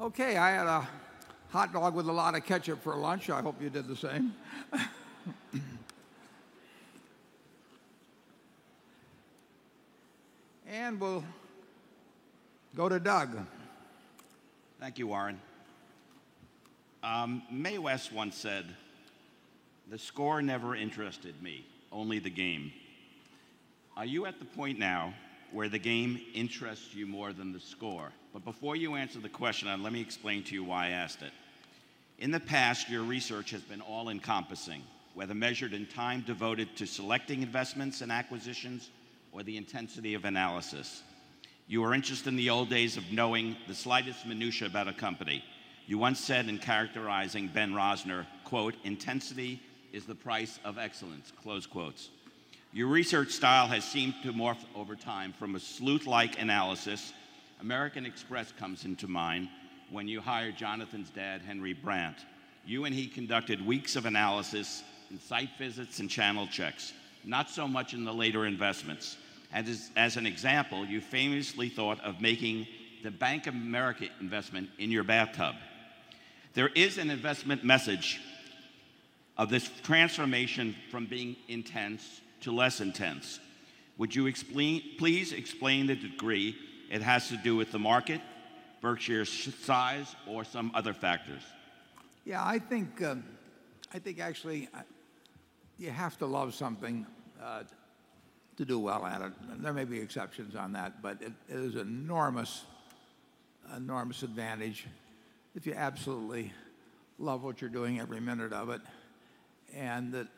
Okay, I had a hot dog with a lot of ketchup for lunch. I hope you did the same. We'll go to Doug. Thank you, Warren. Mae West once said, "The score never interested me, only the game." Are you at the point now where the game interests you more than the score? Before you answer the question, let me explain to you why I asked it. In the past, your research has been all-encompassing, whether measured in time devoted to selecting investments and acquisitions or the intensity of analysis. You were interested in the old days of knowing the slightest minutia about a company. You once said in characterizing Ben Rosner, quote, "Intensity is the price of excellence," close quotes. Your research style has seemed to morph over time from a sleuth-like analysis. American Express comes into mind when you hired Jonathan's dad, Henry Brandt. You and he conducted weeks of analysis and site visits and channel checks, not so much in the later investments. As an example, you famously thought of making the Bank of America investment in your bathtub. There is an investment message of this transformation from being intense to less intense. Would you please explain the degree it has to do with the market, Berkshire's size, or some other factors? Yeah, I think actually you have to love something to do well at it. There may be exceptions on that, but it is an enormous advantage if you absolutely love what you're doing every minute of it, and that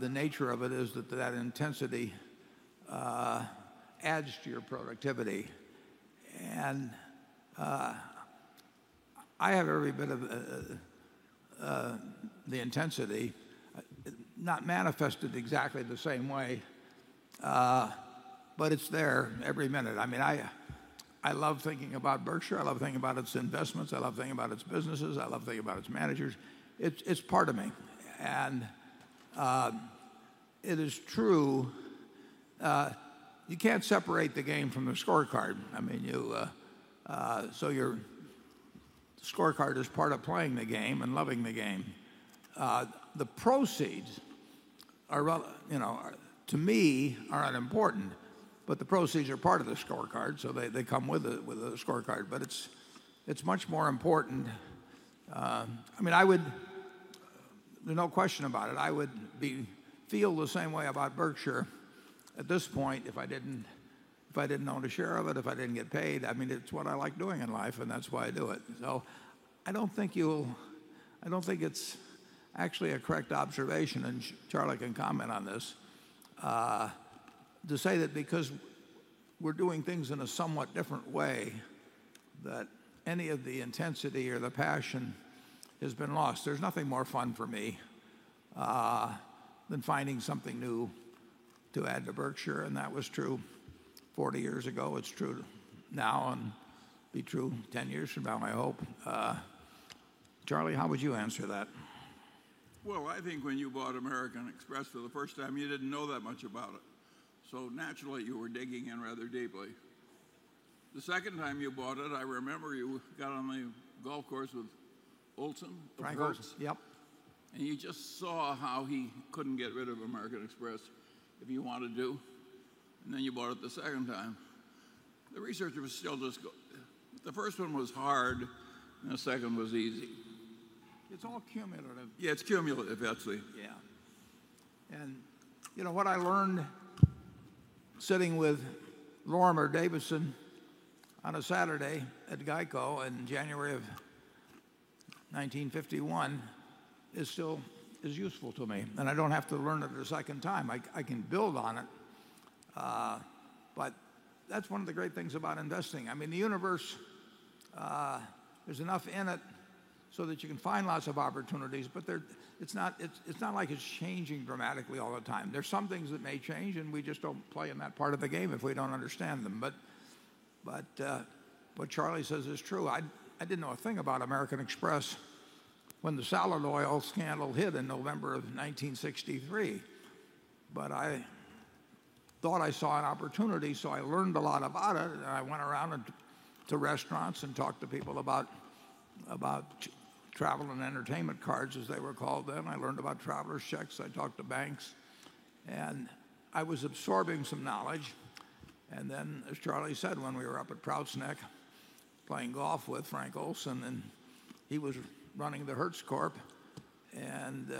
the nature of it is that that intensity adds to your productivity. I have every bit of the intensity, not manifested exactly the same way, but it's there every minute. I love thinking about Berkshire, I love thinking about its investments, I love thinking about its businesses, I love thinking about its managers. It's part of me. It is true, you can't separate the game from the scorecard, so your scorecard is part of playing the game and loving the game. The proceeds, to me, are unimportant, but the proceeds are part of the scorecard, so they come with the scorecard. It's much more important. There's no question about it, I would feel the same way about Berkshire at this point if I didn't own a share of it, if I didn't get paid. It's what I like doing in life, and that's why I do it. I don't think it's actually a correct observation, and Charlie can comment on this, to say that because we're doing things in a somewhat different way, that any of the intensity or the passion has been lost. There's nothing more fun for me than finding something new to add to Berkshire, and that was true 40 years ago, it's true now, and be true 10 years from now, I hope. Charlie, how would you answer that? I think when you bought American Express for the first time, you didn't know that much about it, naturally you were digging in rather deeply. The second time you bought it, I remember you got on the golf course with Olson? Frank Olson, yep. You just saw how he couldn't get rid of American Express if he wanted to, then you bought it the second time. The research was still just the first one was hard and the second was easy. It's all cumulative. Yeah, it's cumulative, actually. Yeah. What I learned sitting with Lorimer Davidson on a Saturday at GEICO in January of 1951 is useful to me, and I don't have to learn it a second time. I can build on it. That's one of the great things about investing. The universe, there's enough in it so that you can find lots of opportunities, but it's not like it's changing dramatically all the time. There's some things that may change, and we just don't play in that part of the game if we don't understand them. What Charlie says is true. I didn't know a thing about American Express when the Salad Oil Scandal hit in November of 1963, but I thought I saw an opportunity, so I learned a lot about it, and I went around to restaurants and talked to people about travel and entertainment cards, as they were called then. I learned about traveler's checks. I talked to banks, and I was absorbing some knowledge. Then, as Charlie said, when we were up at Prouts Neck playing golf with Frank Olson, and he was running the Hertz Corp, and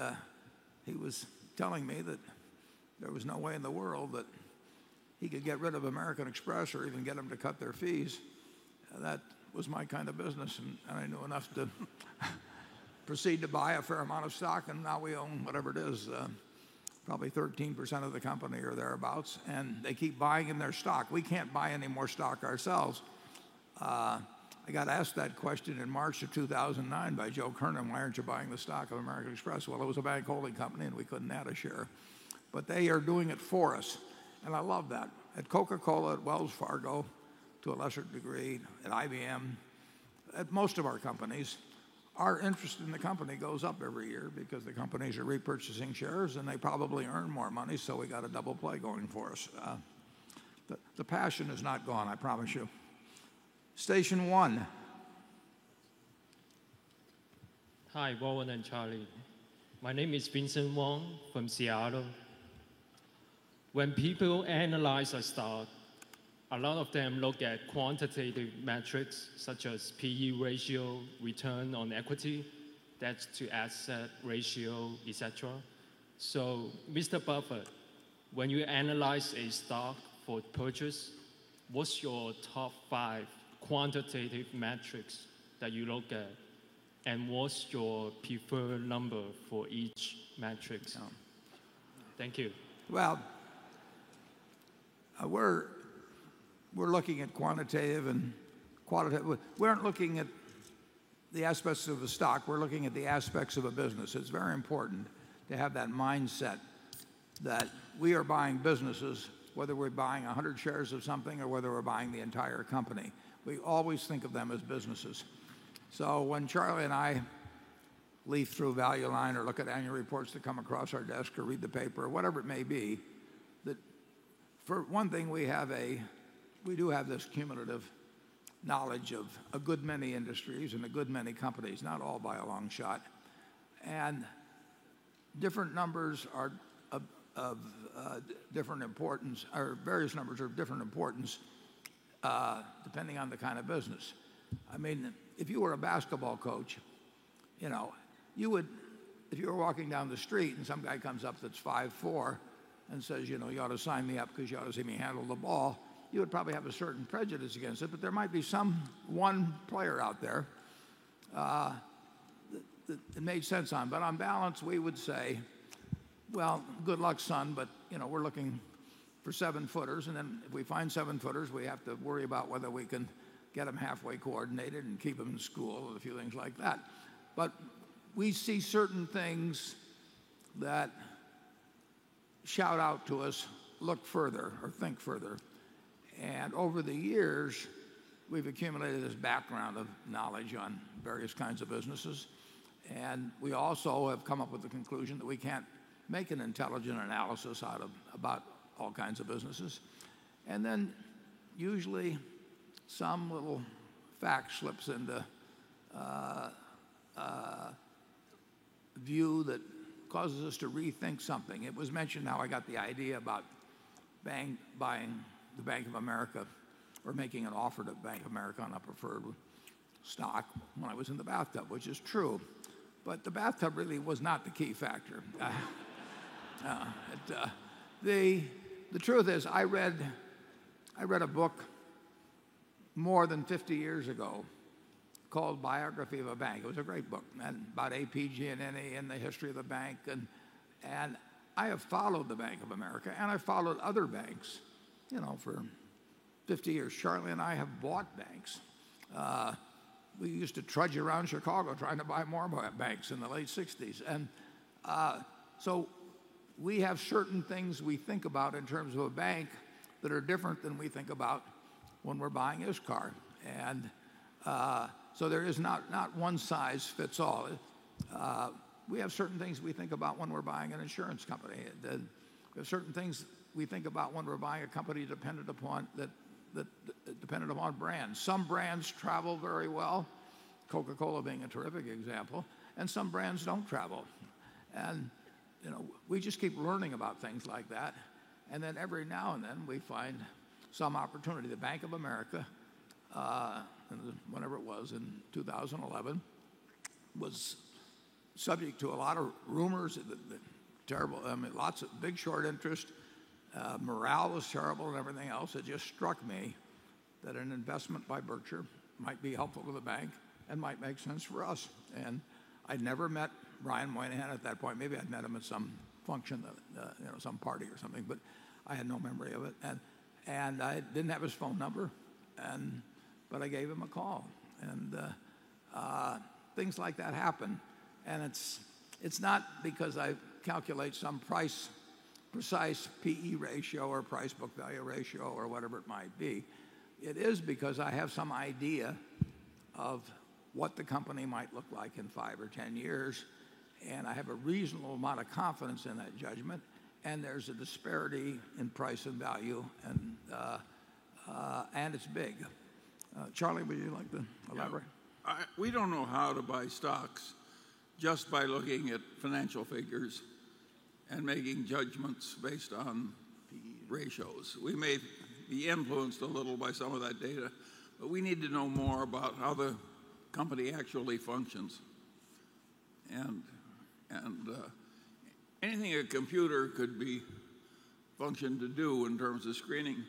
he was telling me that there was no way in the world that he could get rid of American Express or even get them to cut their fees. That was my kind of business, and I knew enough to proceed to buy a fair amount of stock, and now we own whatever it is, probably 13% of the company or thereabouts, and they keep buying in their stock. We can't buy any more stock ourselves. I got asked that question in March of 2009 by Joe Kernen, "Why aren't you buying the stock of American Express?" Well, it was a bank holding company and we couldn't add a share. They are doing it for us, and I love that. At The Coca-Cola Company, at Wells Fargo, to a lesser degree at IBM. At most of our companies, our interest in the company goes up every year because the companies are repurchasing shares, and they probably earn more money, we got a double play going for us. The passion is not gone, I promise you. Station one. Hi, Warren and Charlie. My name is Vincent Wong from Seattle. When people analyze a stock, a lot of them look at quantitative metrics such as P/E ratio, return on equity, debt-to-asset ratio, et cetera. Mr. Buffett, when you analyze a stock for purchase, what's your top five quantitative metrics that you look at, and what's your preferred number for each metric? Yeah. Thank you. We're looking at quantitative and qualitative. We aren't looking at the aspects of a stock. We're looking at the aspects of a business. It's very important to have that mindset that we are buying businesses, whether we're buying 100 shares of something or whether we're buying the entire company. We always think of them as businesses. When Charlie and I leaf through Value Line or look at annual reports that come across our desk or read the paper or whatever it may be, for one thing, we do have this cumulative knowledge of a good many industries and a good many companies. Not all by a long shot. Various numbers are of different importance depending on the kind of business. If you were a basketball coach, if you were walking down the street and some guy comes up that's 5'4" and says, "You ought to sign me up because you ought to see me handle the ball," you would probably have a certain prejudice against it. There might be some one player out there that it made sense on. On balance, we would say, "Well, good luck, son, but we're looking for seven-footers." If we find seven-footers, we have to worry about whether we can get them halfway coordinated and keep them in school and a few things like that. We see certain things that shout out to us, "Look further" or "Think further." Over the years, we've accumulated this background of knowledge on various kinds of businesses. We also have come up with the conclusion that we can't make an intelligent analysis about all kinds of businesses. Usually, some little fact slips into view that causes us to rethink something. It was mentioned how I got the idea about buying the Bank of America or making an offer to Bank of America on a preferred stock when I was in the bathtub, which is true. The bathtub really was not the key factor. The truth is, I read a book more than 50 years ago called "Biography of a Bank." It was a great book about A.P. Giannini and the history of the bank. I have followed the Bank of America, and I followed other banks for 50 years. Charlie and I have bought banks. We used to trudge around Chicago trying to buy more banks in the late '60s. We have certain things we think about in terms of a bank that are different than we think about when we're buying ISCAR. There is not one size fits all. We have certain things we think about when we're buying an insurance company. There are certain things we think about when we're buying a company dependent upon brand. Some brands travel very well, Coca-Cola being a terrific example, and some brands don't travel. We just keep learning about things like that. Every now and then, we find some opportunity. The Bank of America, whenever it was in 2011, was subject to a lot of rumors, big short interest, morale was terrible and everything else. It just struck me that an investment by Berkshire might be helpful to the bank and might make sense for us. I'd never met Brian Moynihan at that point. Maybe I'd met him at some function, some party or something, but I had no memory of it. I didn't have his phone number, but I gave him a call. Things like that happen. It's not because I calculate some precise P/E ratio or price-to-book ratio or whatever it might be. It is because I have some idea of what the company might look like in 5 or 10 years, and I have a reasonable amount of confidence in that judgment, and there's a disparity in price and value, and it's big. Charlie, would you like to elaborate? Yeah. We don't know how to buy stocks just by looking at financial figures and making judgments based on the ratios. We may be influenced a little by some of that data, but we need to know more about how the company actually functions. Anything a computer could be functioned to do in terms of screening,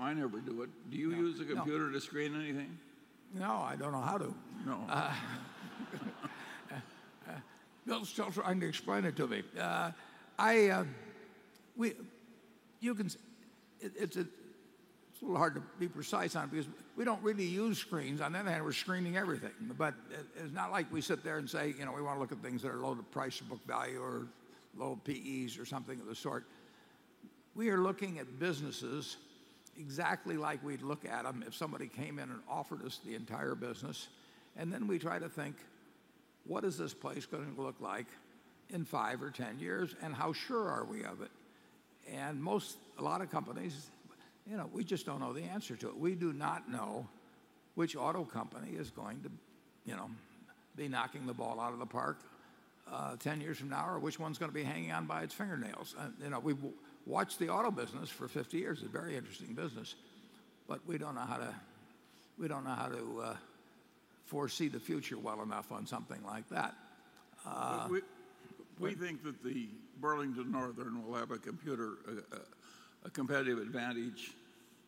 I never do it. Do you use a computer to screen anything? No, I don't know how to. No. Bill's still trying to explain it to me. It's a little hard to be precise on because we don't really use screens. On the other hand, we're screening everything. It's not like we sit there and say we want to look at things that are low price to book value or low PEs or something of the sort. We are looking at businesses exactly like we'd look at them if somebody came in and offered us the entire business, then we try to think, what is this place going to look like in 5 or 10 years, and how sure are we of it? A lot of companies, we just don't know the answer to it. We do not know which auto company is going to be knocking the ball out of the park 10 years from now, or which one's going to be hanging on by its fingernails. We've watched the auto business for 50 years, a very interesting business, but we don't know how to foresee the future well enough on something like that. We think that the Burlington Northern will have a competitive advantage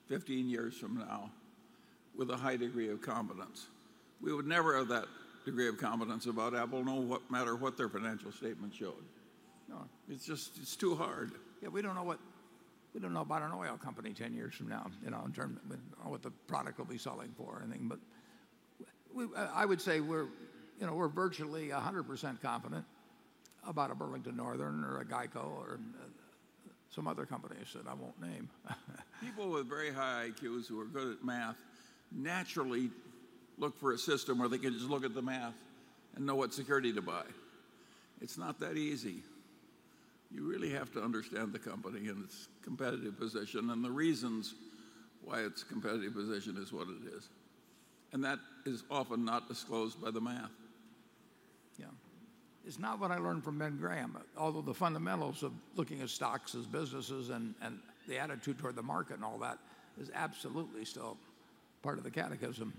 15 years from now with a high degree of confidence. We would never have that degree of confidence about Apple no matter what their financial statement showed. No. It's just too hard. Yeah, we don't know about an oil company 10 years from now, in terms of what the product will be selling for or anything. I would say we're virtually 100% confident about a Burlington Northern or a GEICO or some other companies that I won't name. People with very high IQs who are good at math naturally look for a system where they can just look at the math and know what security to buy. It's not that easy. You really have to understand the company and its competitive position and the reasons why its competitive position is what it is, and that is often not disclosed by the math. Yeah. It's not what I learned from Benjamin Graham, although the fundamentals of looking at stocks as businesses and the attitude toward the market and all that is absolutely still part of the catechism.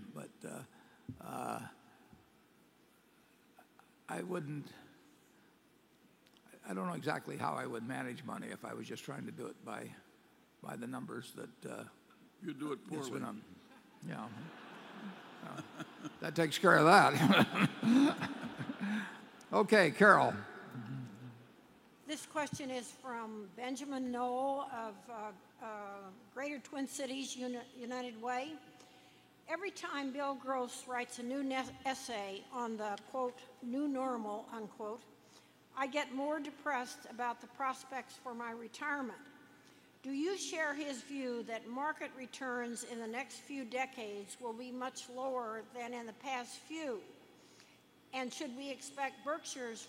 I don't know exactly how I would manage money if I was just trying to do it by the numbers that- You'd do it poorly Yes. Yeah. That takes care of that. Okay, Carol. This question is from Benjamin Knoll of Greater Twin Cities United Way. "Every time Bill Gross writes a new essay on the, quote, "New Normal," unquote, I get more depressed about the prospects for my retirement. Do you share his view that market returns in the next few decades will be much lower than in the past few? Should we expect Berkshire's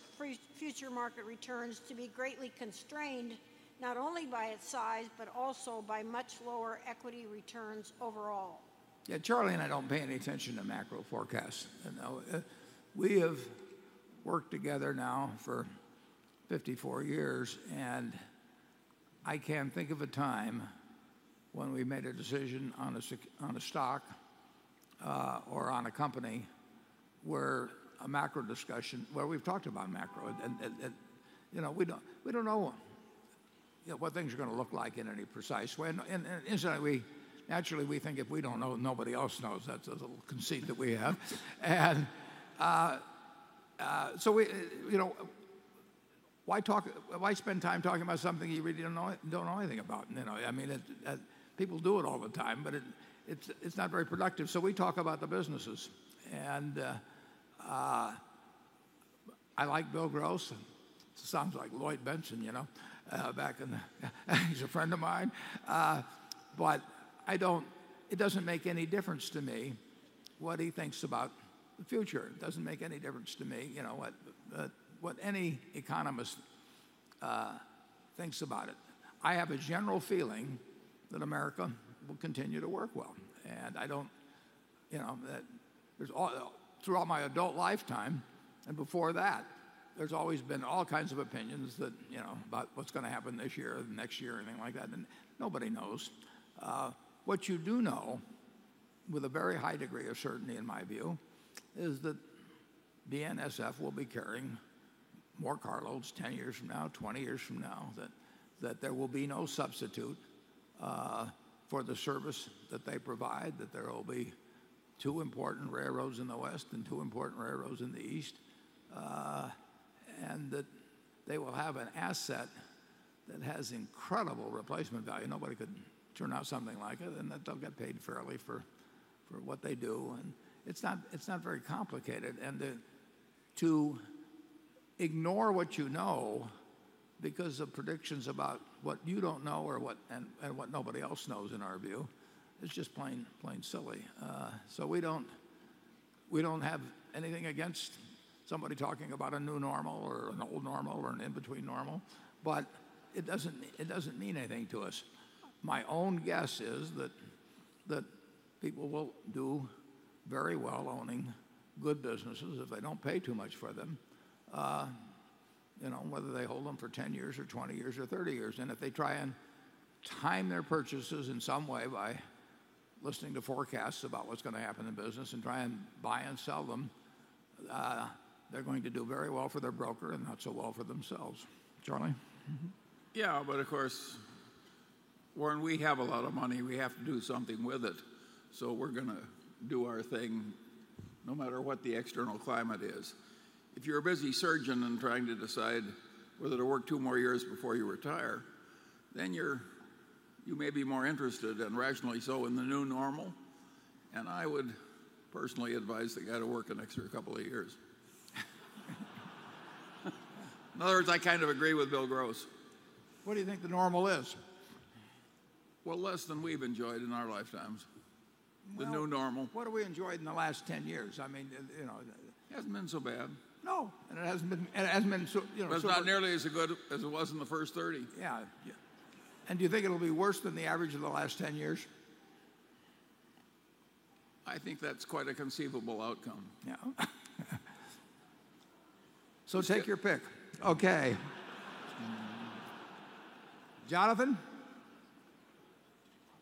future market returns to be greatly constrained, not only by its size, but also by much lower equity returns overall? Charlie and I don't pay any attention to macro forecasts. We have worked together now for 54 years, I can't think of a time when we made a decision on a stock or on a company where we've talked about macro. We don't know what things are going to look like in any precise way. Incidentally, naturally, we think if we don't know, nobody else knows. That's a little conceit that we have. So why spend time talking about something you really don't know anything about? People do it all the time, it's not very productive. We talk about the businesses. I like Bill Gross, he sounds like Lloyd Bentsen. He's a friend of mine. It doesn't make any difference to me what he thinks about the future. It doesn't make any difference to me what any economist thinks about it. I have a general feeling that America will continue to work well. Throughout my adult lifetime and before that, there's always been all kinds of opinions about what's going to happen this year or the next year or anything like that, nobody knows. What you do know with a very high degree of certainty, in my view, is that BNSF will be carrying more carloads 10 years from now, 20 years from now, that there will be no substitute for the service that they provide, that there will be two important railroads in the West and two important railroads in the East, and that they will have an asset that has incredible replacement value. Nobody could turn out something like it, they'll get paid fairly for what they do, it's not very complicated. To ignore what you know because of predictions about what you don't know or what nobody else knows, in our view, is just plain silly. We don't have anything against somebody talking about a New Normal or an old normal or an in-between normal, but it doesn't mean anything to us. My own guess is that people will do very well owning good businesses if they don't pay too much for them, whether they hold them for 10 years or 20 years or 30 years. If they try and time their purchases in some way by listening to forecasts about what's going to happen in business and try and buy and sell them, they're going to do very well for their broker and not so well for themselves. Charlie? Of course, Warren, we have a lot of money. We have to do something with it, we're going to do our thing no matter what the external climate is. If you're a busy surgeon and trying to decide whether to work two more years before you retire, you may be more interested, and rationally so, in the New Normal, and I would personally advise the guy to work an extra couple of years. In other words, I kind of agree with Bill Gross. What do you think the normal is? Well, less than we've enjoyed in our lifetimes. The New Normal. Well, what have we enjoyed in the last 10 years? I mean, you know. It hasn't been so bad. No, it hasn't been so- It's not nearly as good as it was in the first 30. Yeah. Yeah. Do you think it'll be worse than the average of the last 10 years? I think that's quite a conceivable outcome. Yeah. Take your pick. Okay. Jonathan?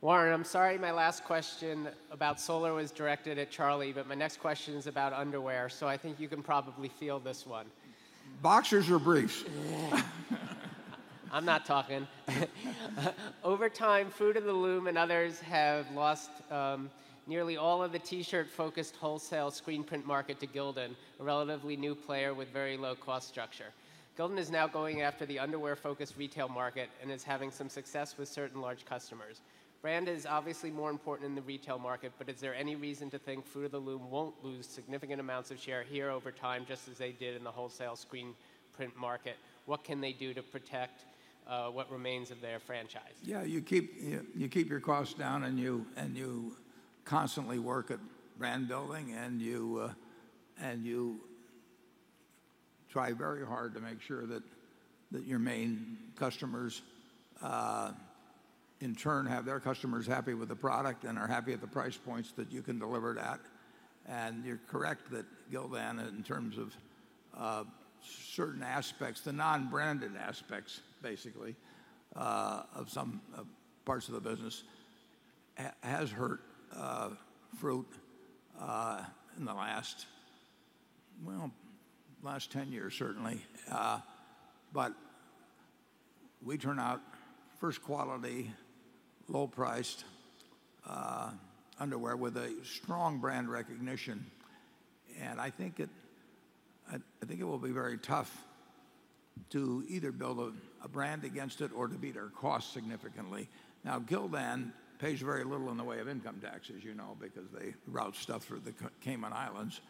Warren, I'm sorry my last question about Solar was directed at Charlie, but my next question is about underwear, so I think you can probably field this one. Boxers or briefs? I'm not talking. Over time, Fruit of the Loom and others have lost nearly all of the T-shirt focused wholesale screen print market to Gildan, a relatively new player with very low cost structure. Gildan is now going after the underwear focused retail market and is having some success with certain large customers. Brand is obviously more important in the retail market, but is there any reason to think Fruit of the Loom won't lose significant amounts of share here over time, just as they did in the wholesale screen print market? What can they do to protect what remains of their franchise? You keep your costs down, you constantly work at brand building, you try very hard to make sure that your main customers, in turn, have their customers happy with the product and are happy at the price points that you can deliver it at. You're correct that Gildan, in terms of certain aspects, the non-branded aspects, basically, of some parts of the business has hurt Fruit in the last 10 years certainly. We turn out first quality, low priced underwear with a strong brand recognition. I think it will be very tough to either build a brand against it or to beat our cost significantly. Gildan pays very little in the way of income taxes, you know, because they route stuff through the Cayman Islands.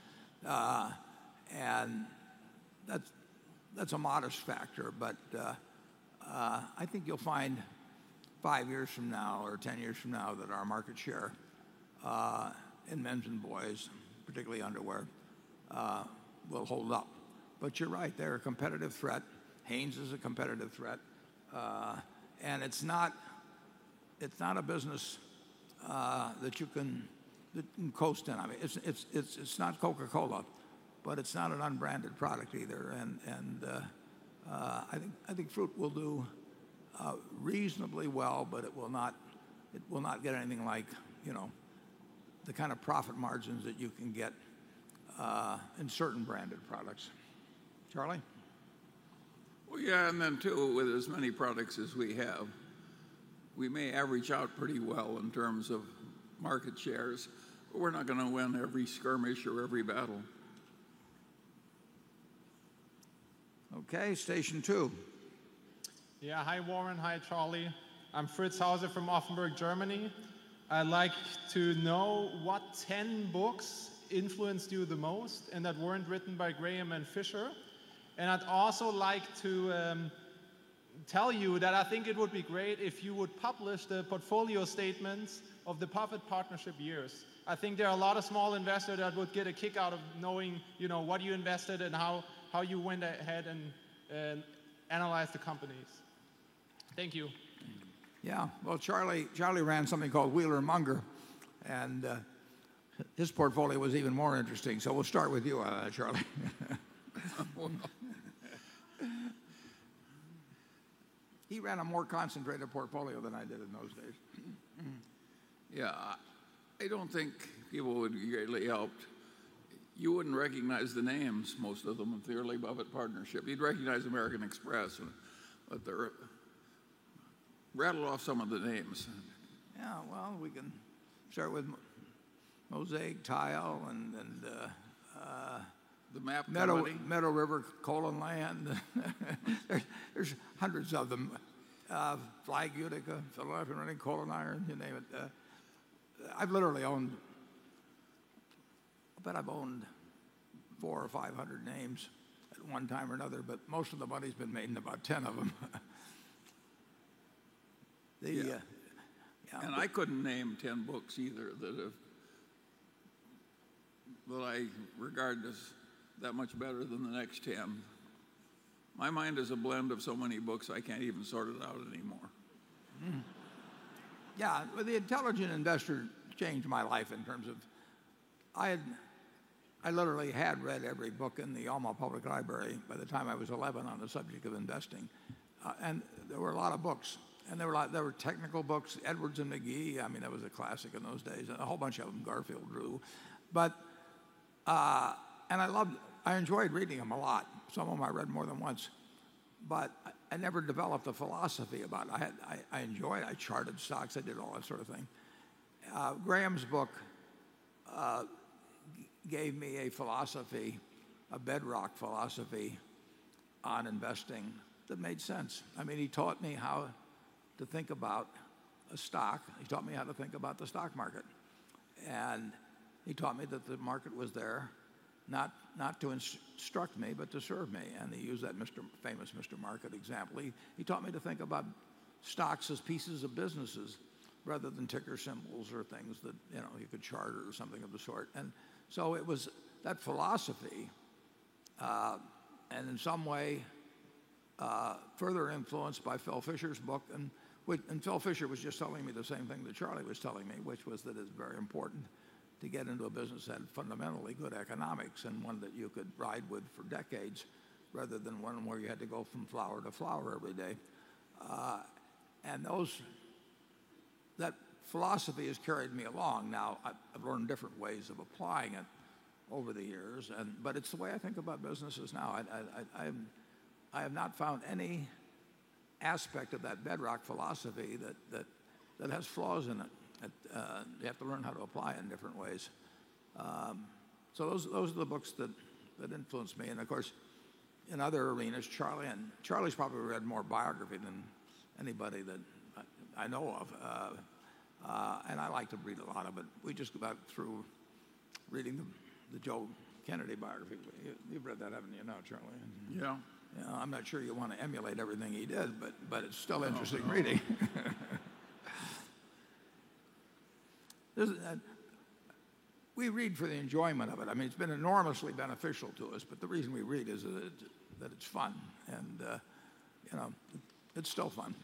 That's a modest factor, I think you'll find five years from now or 10 years from now that our market share in men's and boys, particularly underwear, will hold up. You're right, they're a competitive threat. Hanes is a competitive threat. It's not a business that you can coast in. I mean, it's not Coca-Cola, but it's not an unbranded product either. I think Fruit will do reasonably well, but it will not get anything like the kind of profit margins that you can get in certain branded products. Charlie? Well, yeah, too, with as many products as we have, we may average out pretty well in terms of market shares. We're not going to win every skirmish or every battle. Okay, station 2. Hi Warren, hi Charlie. I'm Fritz Hauser from Offenburg, Germany. I'd like to know what 10 books influenced you the most and that weren't written by Graham and Fisher. I'd also like to tell you that I think it would be great if you would publish the portfolio statements of the Buffett Partnership years. I think there are a lot of small investors that would get a kick out of knowing what you invested and how you went ahead and analyzed the companies. Thank you. Well, Charlie ran something called Wheeler and Munger, his portfolio was even more interesting, we'll start with you, Charlie. Oh, no. He ran a more concentrated portfolio than I did in those days. Yeah. I don't think people would be greatly helped. You wouldn't recognize the names, most of them, of the early Buffett Partnership. You'd recognize American Express and others. Rattle off some of the names. Yeah, well, we can start with Mosaic Tile and. The Map. Meadow River Coal and Land. There's hundreds of them. Flagg-Utica, Philadelphia Coal and Iron, you name it. I've literally owned I bet I've owned four or 500 names at one time or another, but most of the money's been made in about 10 of them. Yeah. Yeah. I couldn't name 10 books either that I regard as that much better than the next 10. My mind is a blend of so many books, I can't even sort it out anymore. Yeah. Well, "The Intelligent Investor" changed my life in terms of I literally had read every book in the Omaha Public Library by the time I was 11 on the subject of investing. There were a lot of books. There were technical books, Edwards and Magee, I mean, that was a classic in those days, and a whole bunch of them, Garfield Drew. I enjoyed reading them a lot. Some of them I read more than once. I never developed a philosophy about it. I enjoyed it. I charted stocks. I did all that sort of thing. Graham's book gave me a philosophy, a bedrock philosophy on investing that made sense. I mean, he taught me how to think about a stock. He taught me how to think about the stock market. He taught me that the market was there not to instruct me, but to serve me, and he used that famous Mr. Market example. He taught me to think about stocks as pieces of businesses rather than ticker symbols or things that you could chart or something of the sort. It was that philosophy, and in some way, further influenced by Phil Fisher's book, Phil Fisher was just telling me the same thing that Charlie was telling me, which was that it's very important to get into a business that had fundamentally good economics and one that you could ride with for decades, rather than one where you had to go from flower to flower every day. That philosophy has carried me along. Now, I've learned different ways of applying it over the years, it's the way I think about businesses now. I have not found any aspect of that bedrock philosophy that has flaws in it. You have to learn how to apply it in different ways. Those are the books that influenced me, and of course, in other arenas, Charlie's probably read more biography than anybody that I know of. I like to read a lot of it. We just got through reading the Joe Kennedy biography. You've read that, haven't you, now, Charlie? Yeah. I'm not sure you want to emulate everything he did, but it's still interesting reading. We read for the enjoyment of it. It's been enormously beneficial to us, but the reason we read is that it's fun. It's still fun.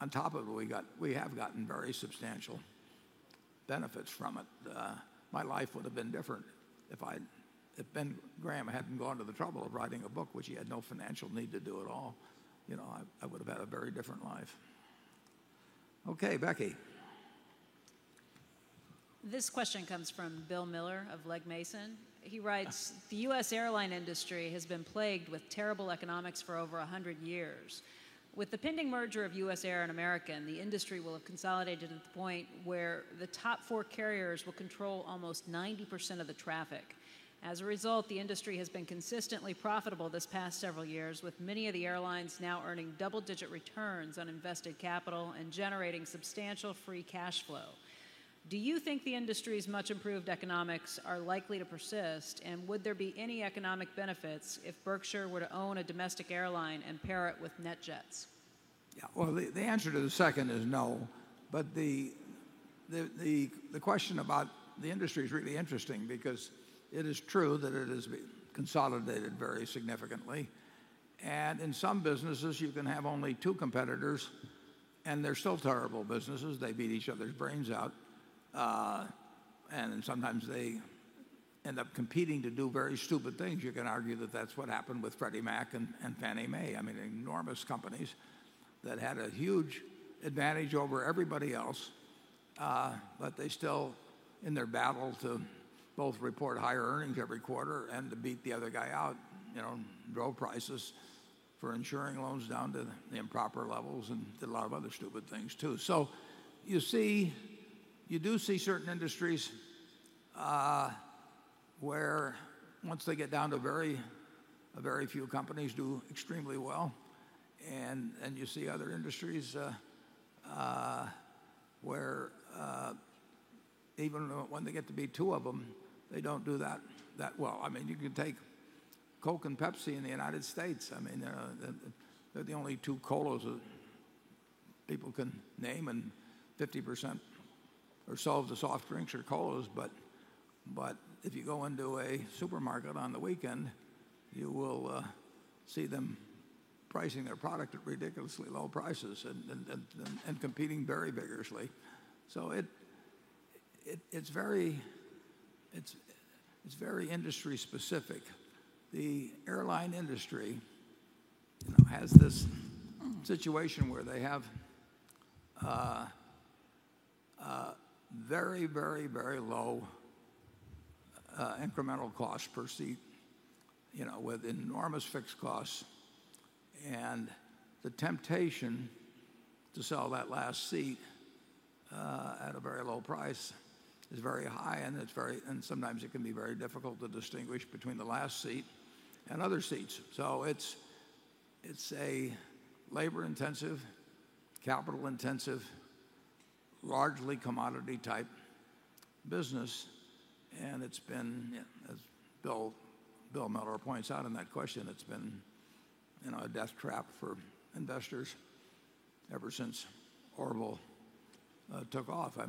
On top of it, we have gotten very substantial benefits from it. My life would have been different if Ben Graham hadn't gone to the trouble of writing a book which he had no financial need to do at all. I would have had a very different life. Okay, Becky. This question comes from Bill Miller of Legg Mason. He writes, "The U.S. airline industry has been plagued with terrible economics for over 100 years. With the pending merger of USAir and American, the industry will have consolidated at the point where the top four carriers will control almost 90% of the traffic. As a result, the industry has been consistently profitable this past several years, with many of the airlines now earning double-digit returns on invested capital and generating substantial free cash flow. Do you think the industry's much improved economics are likely to persist, and would there be any economic benefits if Berkshire were to own a domestic airline and pair it with NetJets? Well, the answer to the second is no, but the question about the industry is really interesting because it is true that it has consolidated very significantly, and in some businesses, you can have only two competitors, and they're still terrible businesses. They beat each other's brains out, and sometimes they end up competing to do very stupid things. You can argue that that's what happened with Freddie Mac and Fannie Mae. Enormous companies that had a huge advantage over everybody else, but they still, in their battle to both report higher earnings every quarter and to beat the other guy out, drove prices for insuring loans down to the improper levels and did a lot of other stupid things, too. You do see certain industries where once they get down to very few companies do extremely well, and you see other industries where even when they get to be two of them, they don't do that well. You can take Coke and Pepsi in the U.S. They're the only two colas that people can name, and 50% or so of the soft drinks are colas. If you go into a supermarket on the weekend, you will see them pricing their product at ridiculously low prices and competing very vigorously. It's very industry specific. The airline industry has this situation where they have a very low incremental cost per seat with enormous fixed costs, and the temptation to sell that last seat at a very low price is very high, and sometimes it can be very difficult to distinguish between the last seat and other seats. It's a labor-intensive, capital-intensive, largely commodity type business, and it's been, as Bill Miller points out in that question, it's been a death trap for investors ever since Orville took off. As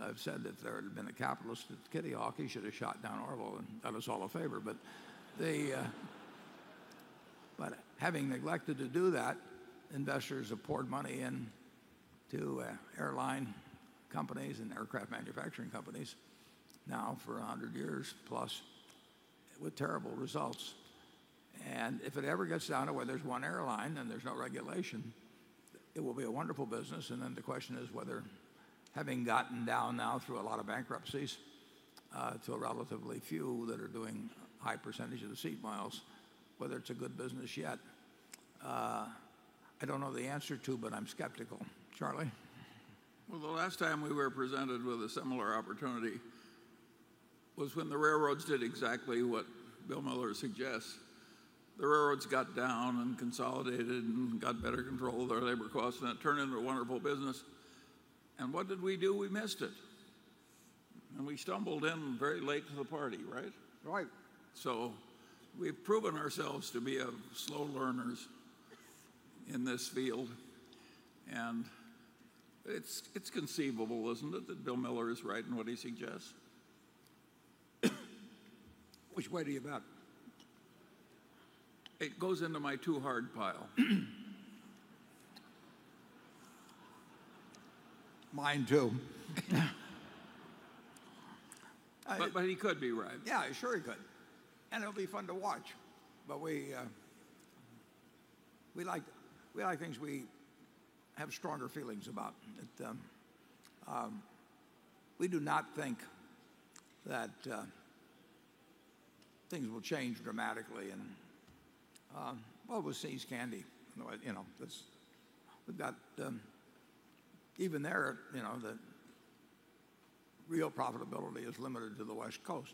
I've said, if there had been a capitalist at Kitty Hawk, he should have shot down Orville and done us all a favor. Having neglected to do that, investors have poured money into airline companies and aircraft manufacturing companies now for 100 years plus with terrible results. If it ever gets down to where there's one airline, then there's no regulation. It will be a wonderful business, and then the question is whether having gotten down now through a lot of bankruptcies to a relatively few that are doing a high percentage of the seat miles, whether it's a good business yet. I don't know the answer to, but I'm skeptical. Charlie? The last time we were presented with a similar opportunity was when the railroads did exactly what Bill Miller suggests. The railroads got down and consolidated and got better control of their labor costs, and it turned into a wonderful business. What did we do? We missed it, and we stumbled in very late to the party, right? Right. We've proven ourselves to be slow learners in this field, and it's conceivable, isn't it, that Bill Miller is right in what he suggests? Which way do you bet? It goes into my too hard pile. Mine too. He could be right. Yeah, sure he could. It'll be fun to watch. We like things we have stronger feelings about. We do not think that things will change dramatically in, well, with See's Candies. Even there, the real profitability is limited to the West Coast,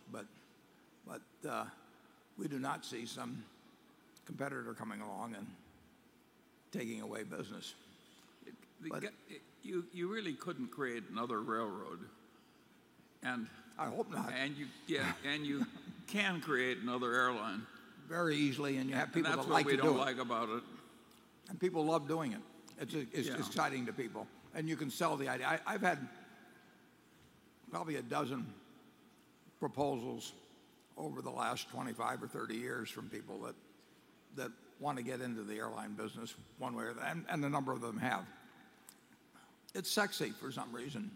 we do not see some competitor coming along and taking away business. You really couldn't create another railroad. I hope not. You can create another airline. Very easily, you have people that like to do it. That's what we don't like about it. People love doing it. Yeah. It's exciting to people, and you can sell the idea. I've had probably 12 proposals over the last 25 or 30 years from people that want to get into the airline business one way or the and a number of them have. It's sexy for some reason.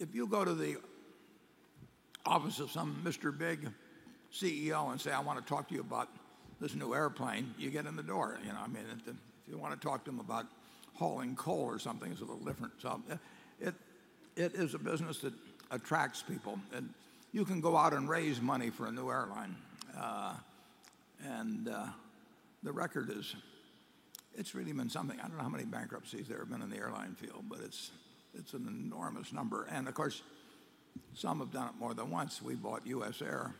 If you go to the office of some Mr. Big CEO and say, "I want to talk to you about this new airplane," you get in the door. If you want to talk to him about hauling coal or something, it's a little different. It is a business that attracts people, and you can go out and raise money for a new airline. The record is, it's really been something. I don't know how many bankruptcies there have been in the airline field, but it's an enormous number. Of course, some have done it more than once. We bought USAir.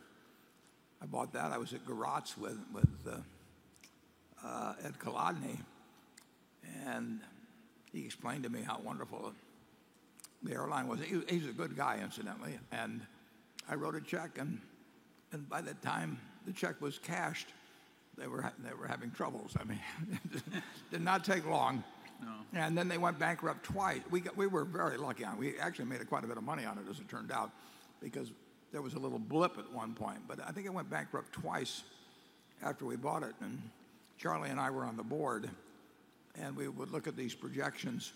I bought that. I was at Graz with Ed Colodny. He explained to me how wonderful the airline was. He's a good guy, incidentally. I wrote a check. By the time the check was cashed, they were having troubles. It did not take long. No. They went bankrupt twice. We were very lucky. We actually made quite a bit of money on it, as it turned out, because there was a little blip at one point. I think it went bankrupt twice after we bought it. Charlie and I were on the board. We would look at these projections.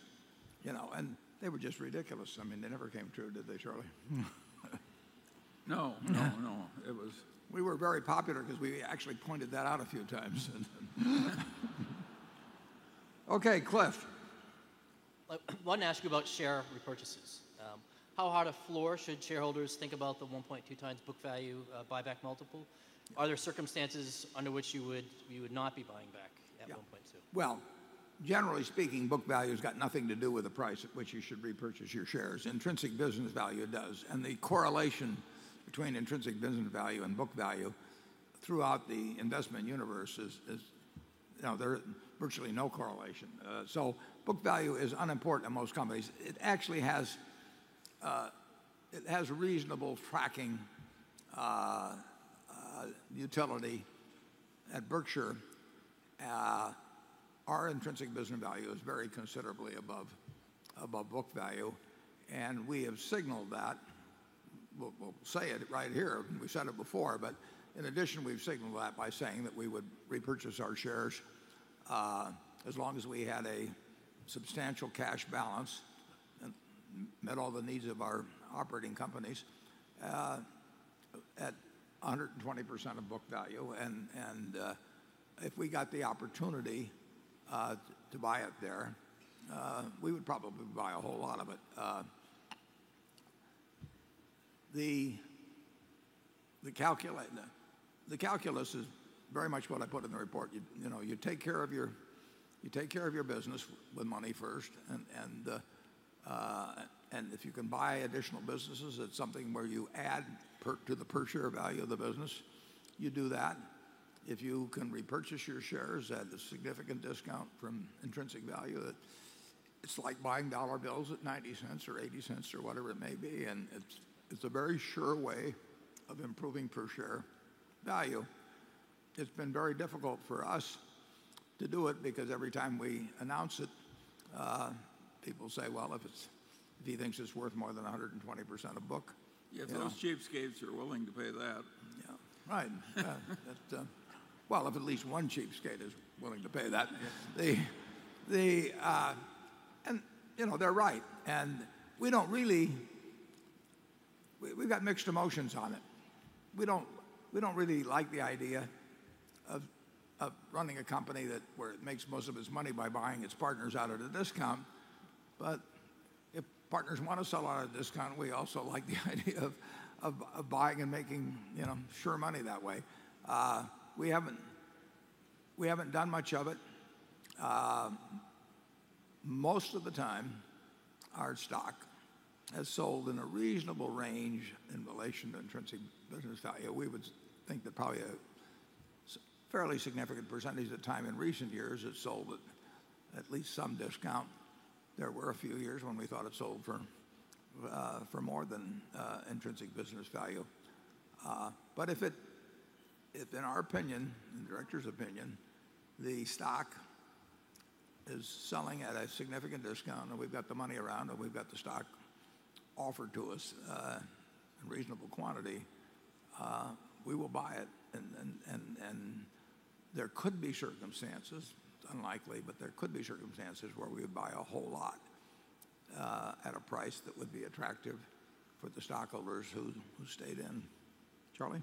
They were just ridiculous. They never came true, did they, Charlie? No. No. No. We were very popular because we actually pointed that out a few times. Okay, Cliff. I wanted to ask you about share repurchases. How high a floor should shareholders think about the 1.2 times book value buyback multiple? Are there circumstances under which you would not be buying back at 1.2? Well, generally speaking, book value's got nothing to do with the price at which you should repurchase your shares. Intrinsic business value does, and the correlation between intrinsic business value and book value throughout the investment universe is, there is virtually no correlation. Book value is unimportant in most companies. It actually has reasonable tracking utility at Berkshire. Our intrinsic business value is very considerably above book value, and we have signaled that. We'll say it right here, we've said it before, but in addition, we've signaled that by saying that we would repurchase our shares, as long as we had a substantial cash balance and met all the needs of our operating companies, at 120% of book value. If we got the opportunity to buy it there, we would probably buy a whole lot of it. The calculus is very much what I put in the report. You take care of your business with money first, if you can buy additional businesses, it's something where you add to the per share value of the business. You do that. If you can repurchase your shares at a significant discount from intrinsic value, it's like buying dollar bills at $0.90 or $0.80 or whatever it may be, it's a very sure way of improving per share value. It's been very difficult for us to do it because every time we announce it, people say, "Well, if he thinks it's worth more than 120% of book. If those cheapskates are willing to pay that. Yeah. Right. Well, if at least one cheapskate is willing to pay that. They're right. We've got mixed emotions on it. We don't really like the idea of running a company where it makes most of its money by buying its partners out at a discount. If partners want to sell out at a discount, we also like the idea of buying and making sure money that way. We haven't done much of it. Most of the time, our stock has sold in a reasonable range in relation to intrinsic business value. We would think that probably a fairly significant percentage of the time in recent years it sold at least some discount. There were a few years when we thought it sold for more than intrinsic business value. If in our opinion, in the directors' opinion, the stock is selling at a significant discount, and we've got the money around, and we've got the stock offered to us in reasonable quantity, we will buy it. There could be circumstances, unlikely, but there could be circumstances where we would buy a whole lot at a price that would be attractive for the stockholders who stayed in. Charlie?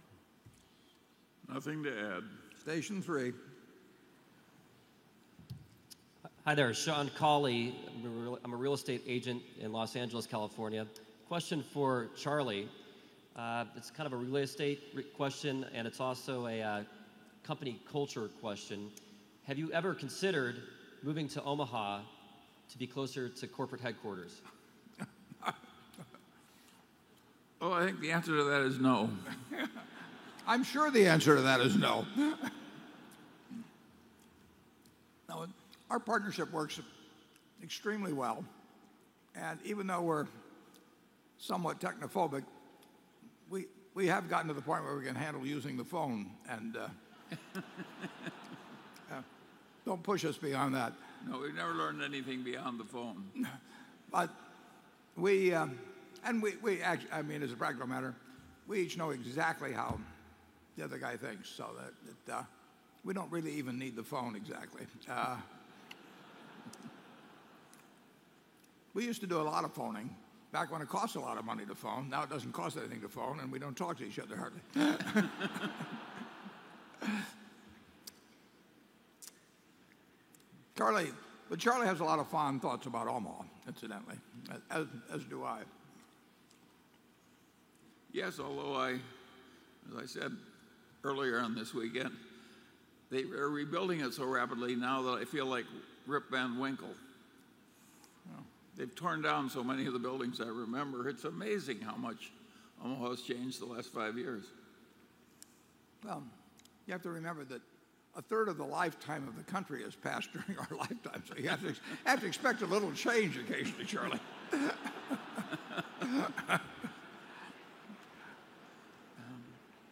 Nothing to add. Station 3. Hi there. Sean Cawley, I'm a real estate agent in Los Angeles, California. Question for Charlie. It's kind of a real estate question, and it's also a company culture question. Have you ever considered moving to Omaha to be closer to corporate headquarters? Oh, I think the answer to that is no. I'm sure the answer to that is no. Our partnership works extremely well, and even though we're somewhat technophobic, we have gotten to the point where we can handle using the phone and don't push us beyond that. No, we've never learned anything beyond the phone. As a practical matter, we each know exactly how the other guy thinks, so we don't really even need the phone exactly. We used to do a lot of phoning back when it cost a lot of money to phone. It doesn't cost anything to phone, and we don't talk to each other hardly. Charlie, but Charlie has a lot of fond thoughts about Omaha, incidentally. As do I. Yes, although as I said earlier on this weekend, they are rebuilding it so rapidly now that I feel like Rip Van Winkle. Yeah. They've torn down so many of the buildings I remember. It's amazing how much Omaha has changed the last five years. Well, you have to remember that a third of the lifetime of the country has passed during our lifetimes, so you have to expect a little change occasionally, Charlie.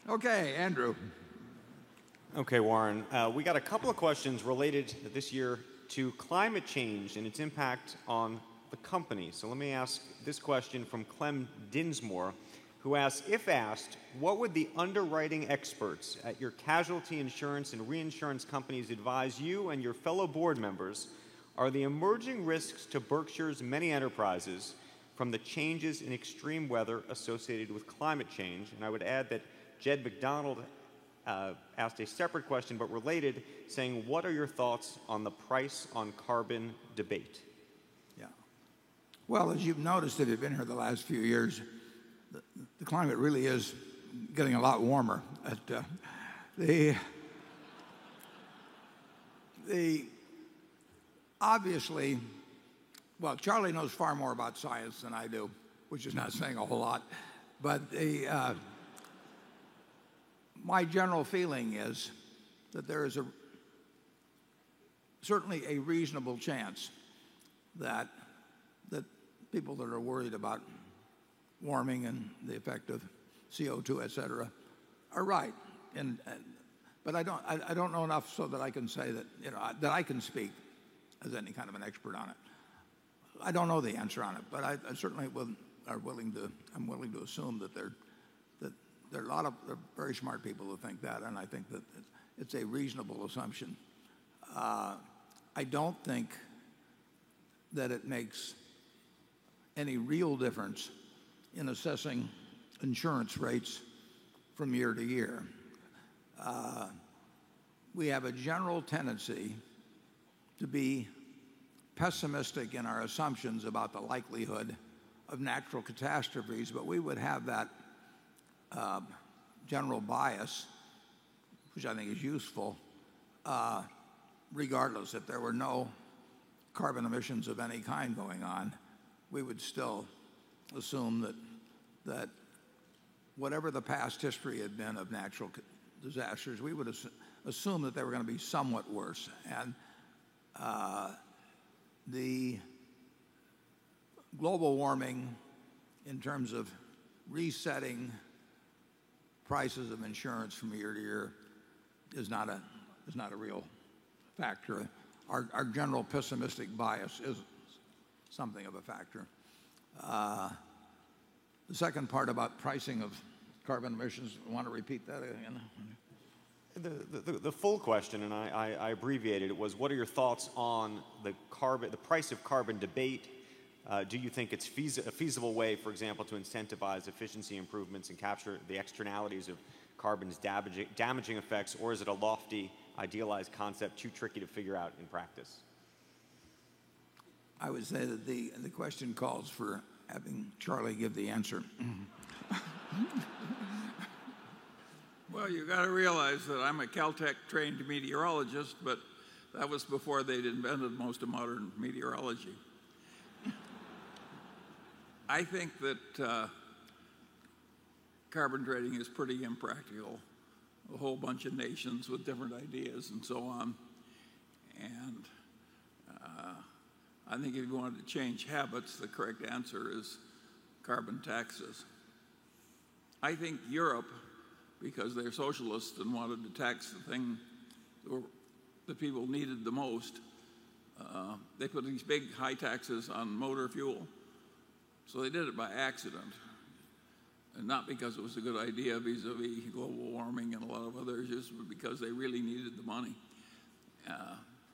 Okay, Andrew. Okay, Warren. We got a couple of questions related this year to climate change and its impact on the company. Let me ask this question from Clem Dinsmore, who asks, "If asked, what would the underwriting experts at your casualty insurance and reinsurance companies advise you and your fellow board members are the emerging risks to Berkshire's many enterprises from the changes in extreme weather associated with climate change?" I would add that Jed McDonald asked a separate question, but related, saying, "What are your thoughts on the price on carbon debate? Well, as you've noticed if you've been here the last few years, the climate really is getting a lot warmer. Charlie knows far more about science than I do, which is not saying a whole lot. My general feeling is that there is certainly a reasonable chance that people that are worried about warming and the effect of CO2, et cetera, are right. I don't know enough so that I can speak as any kind of an expert on it. I don't know the answer on it. I certainly am willing to assume that there are a lot of very smart people who think that, and I think that it's a reasonable assumption. I don't think that it makes any real difference in assessing insurance rates from year to year. We have a general tendency to be pessimistic in our assumptions about the likelihood of natural catastrophes, we would have that general bias, which I think is useful, regardless if there were no carbon emissions of any kind going on, we would still assume that whatever the past history had been of natural disasters, we would assume that they were going to be somewhat worse. The global warming in terms of resetting prices of insurance from year to year is not a real factor. Our general pessimistic bias is something of a factor. The second part about pricing of carbon emissions, want to repeat that again? The full question, I abbreviated it, was what are your thoughts on the price of carbon debate? Do you think it's a feasible way, for example, to incentivize efficiency improvements and capture the externalities of carbon's damaging effects, is it a lofty, idealized concept too tricky to figure out in practice? I would say that the question calls for having Charlie give the answer. Well, you got to realize that I'm a Caltech-trained meteorologist, but that was before they'd invented most of modern meteorology. I think that carbon trading is pretty impractical. A whole bunch of nations with different ideas and so on. I think if you wanted to change habits, the correct answer is carbon taxes. I think Europe, because they're socialists and wanted to tax the thing that people needed the most, they put these big high taxes on motor fuel. They did it by accident, and not because it was a good idea vis-à-vis global warming and a lot of other issues, but because they really needed the money.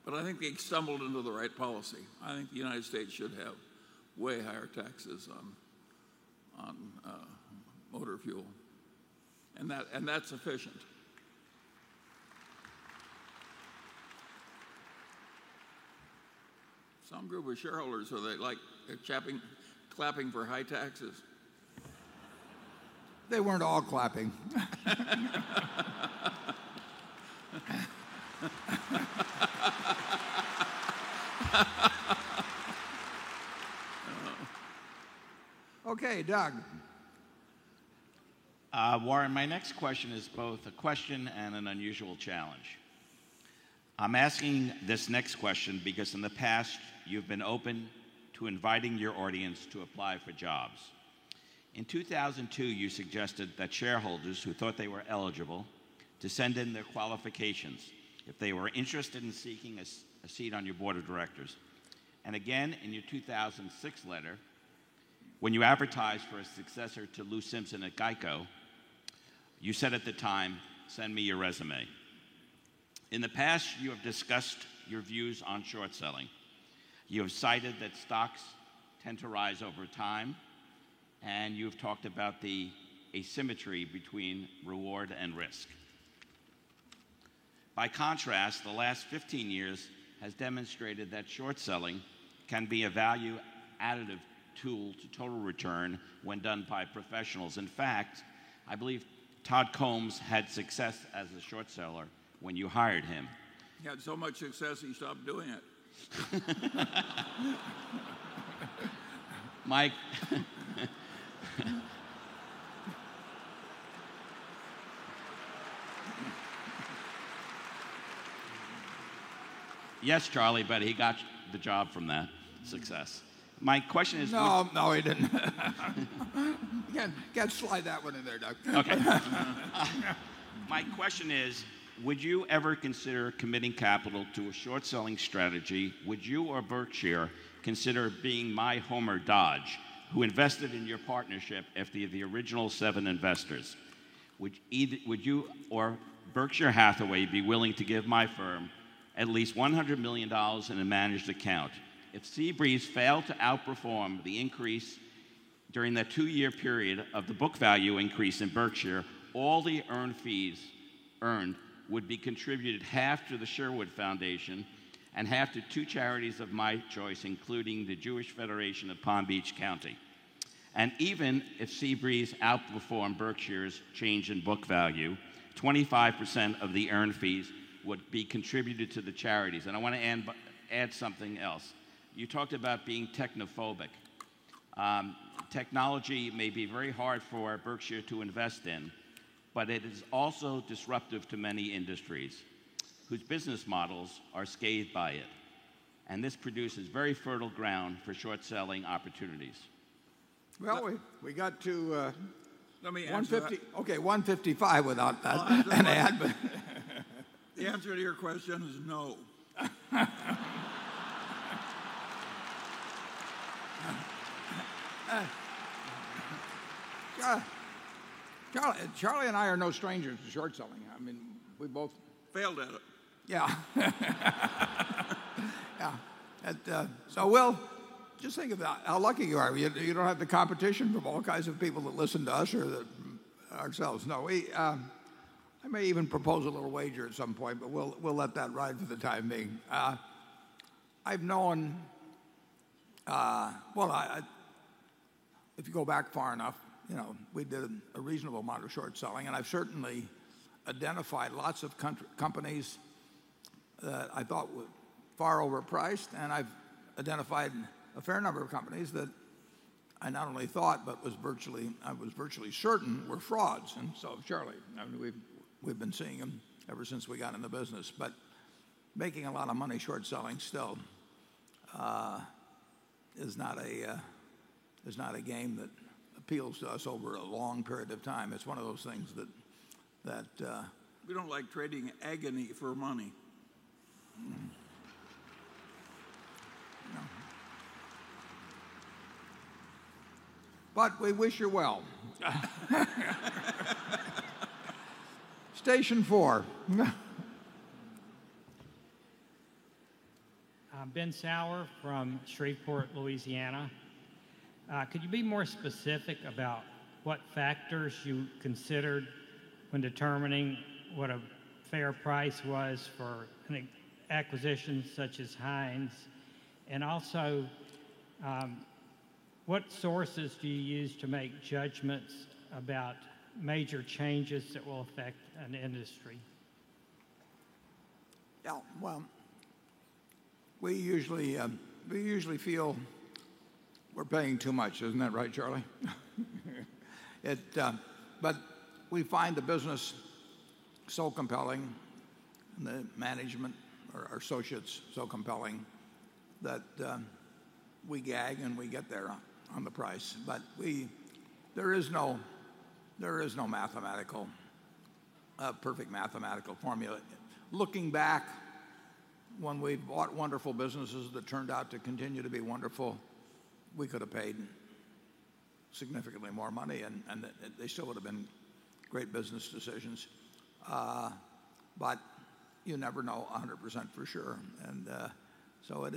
I think they stumbled into the right policy. I think the United States should have way higher taxes on motor fuel, and that's efficient. Some group of shareholders who they like, they're clapping for high taxes. They weren't all clapping. Okay, Doug. Warren, my next question is both a question and an unusual challenge. I'm asking this next question because in the past, you've been open to inviting your audience to apply for jobs. In 2002, you suggested that shareholders who thought they were eligible to send in their qualifications if they were interested in seeking a seat on your board of directors. Again, in your 2006 letter, when you advertised for a successor to Lou Simpson at GEICO, you said at the time, "Send me your resume." In the past, you have discussed your views on short selling. You have cited that stocks tend to rise over time, and you have talked about the asymmetry between reward and risk. By contrast, the last 15 years has demonstrated that short selling can be a value additive tool to total return when done by professionals. In fact, I believe Todd Combs had success as a short seller when you hired him. He had so much success, he stopped doing it. Mike. Yes, Charlie, he got the job from that success. No, he didn't. You can't slide that one in there, Doug. Okay. My question is, would you ever consider committing capital to a short selling strategy? Would you or Berkshire consider being my Homer Dodge, who invested in your partnership as the original seven investors? Would you or Berkshire Hathaway be willing to give my firm at least $100 million in a managed account? If Sea Breeze failed to outperform the increase during that two-year period of the book value increase in Berkshire, all the earned fees earned would be contributed half to the Sherwood Foundation and half to two charities of my choice, including the Jewish Federation of Palm Beach County. Even if Sea Breeze outperformed Berkshire's change in book value, 25% of the earned fees would be contributed to the charities. I want to add something else. You talked about being technophobic. Technology may be very hard for Berkshire to invest in, but it is also disruptive to many industries whose business models are scathed by it, and this produces very fertile ground for short selling opportunities. Well. Let me answer that. 150. Okay, 155 without that an add The answer to your question is no. Charlie and I are no strangers to short selling. I mean, we both- Failed at it. Well, just think about how lucky you are. You don't have the competition from all kinds of people that listen to us or ourselves. No, we may even propose a little wager at some point, but we'll let that ride for the time being. If you go back far enough, we did a reasonable amount of short selling, and I've certainly identified lots of companies that I thought were far overpriced, and I've identified a fair number of companies that I not only thought, but I was virtually certain were frauds. Charlie, we've been seeing them ever since we got in the business. Making a lot of money short selling still is not a game that appeals to us over a long period of time. It's one of those things that- We don't like trading agony for money. We wish you well. Station 4. Ben Sauer from Shreveport, Louisiana. Could you be more specific about what factors you considered when determining what a fair price was for an acquisition such as Heinz? Also, what sources do you use to make judgments about major changes that will affect an industry? Yeah, well, we usually feel we're paying too much. Isn't that right, Charlie? We find the business so compelling, the management or associates so compelling, that we gag and we get there on the price. There is no perfect mathematical formula. Looking back, when we bought wonderful businesses that turned out to continue to be wonderful, we could have paid significantly more money, and they still would have been great business decisions. You never know 100% for sure, it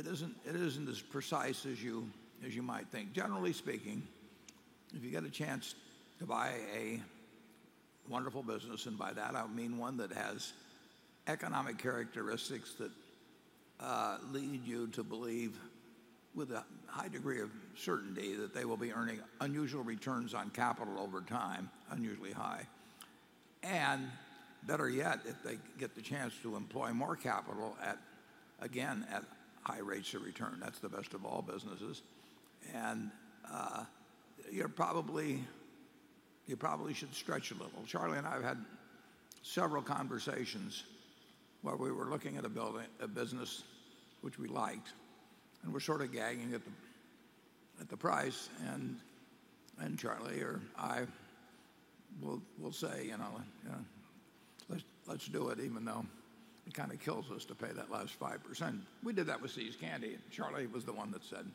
isn't as precise as you might think. Generally speaking, if you get a chance to buy a wonderful business, and by that I mean one that has economic characteristics that lead you to believe with a high degree of certainty that they will be earning unusual returns on capital over time, unusually high, and better yet, if they get the chance to employ more capital at, again, at high rates of return. That's the best of all businesses. You probably should stretch a little. Charlie and I have had several conversations where we were looking at a business which we liked, and we're sort of gagging at the price, Charlie or I will say, "Let's do it," even though it kind of kills us to pay that last 5%. We did that with See's Candies, Charlie was the one that said,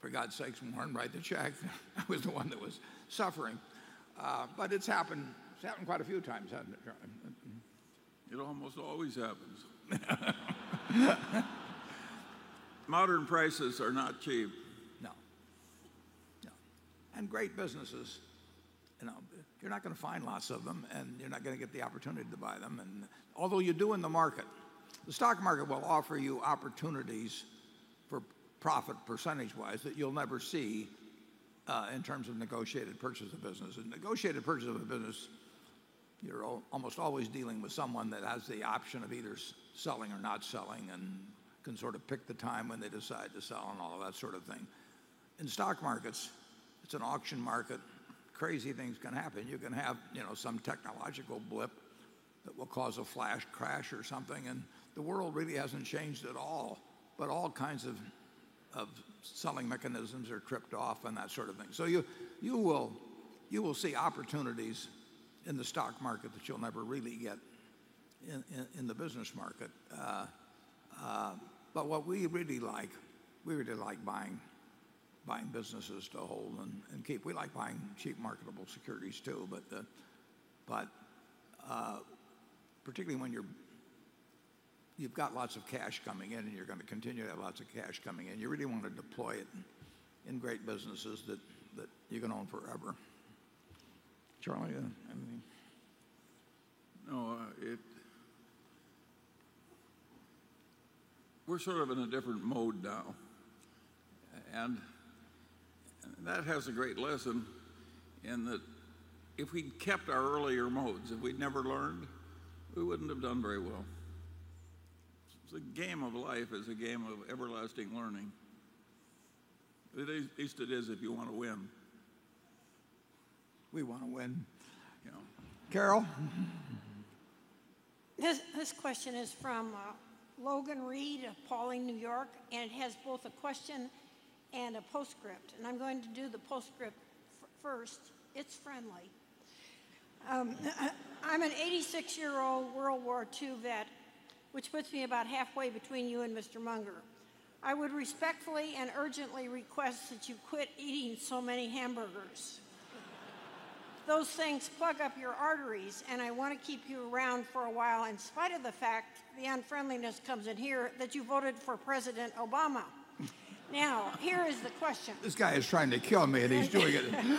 "For God's sakes, Warren, write the check." I was the one that was suffering. It's happened. It's happened quite a few times, hasn't it, Charlie? It almost always happens. Modern prices are not cheap. No. No. Great businesses, you're not going to find lots of them, and you're not going to get the opportunity to buy them, although you do in the market. The stock market will offer you opportunities for profit percentage wise that you'll never see, in terms of negotiated purchase of business. In negotiated purchase of a business, you're almost always dealing with someone that has the option of either selling or not selling, can sort of pick the time when they decide to sell and all that sort of thing. In stock markets, it's an auction market, crazy things can happen. You can have some technological blip that will cause a flash crash or something, the world really hasn't changed at all, but all kinds of selling mechanisms are tripped off and that sort of thing. You will see opportunities in the stock market that you'll never really get in the business market. What we really like, we really like buying businesses to hold and keep. We like buying cheap marketable securities, too. Particularly when you've got lots of cash coming in, and you're going to continue to have lots of cash coming in, you really want to deploy it in great businesses that you can own forever. Charlie, anything? No, we're sort of in a different mode now, and that has a great lesson in that if we'd kept our earlier modes, if we'd never learned, we wouldn't have done very well. The game of life is a game of everlasting learning. At least it is if you want to win. We want to win. Yeah. Carol? This question is from Logan Reed of Pawling, New York, and it has both a question and a postscript, and I'm going to do the postscript first. It's friendly. "I'm an 86-year-old World War II vet, which puts me about halfway between you and Mr. Munger. I would respectfully and urgently request that you quit eating so many hamburgers." "Those things plug up your arteries, and I want to keep you around for a while, in spite of the fact," the unfriendliness comes in here, "that you voted for President Obama." Now, here is the question. This guy is trying to kill me. He's doing it. Thank you.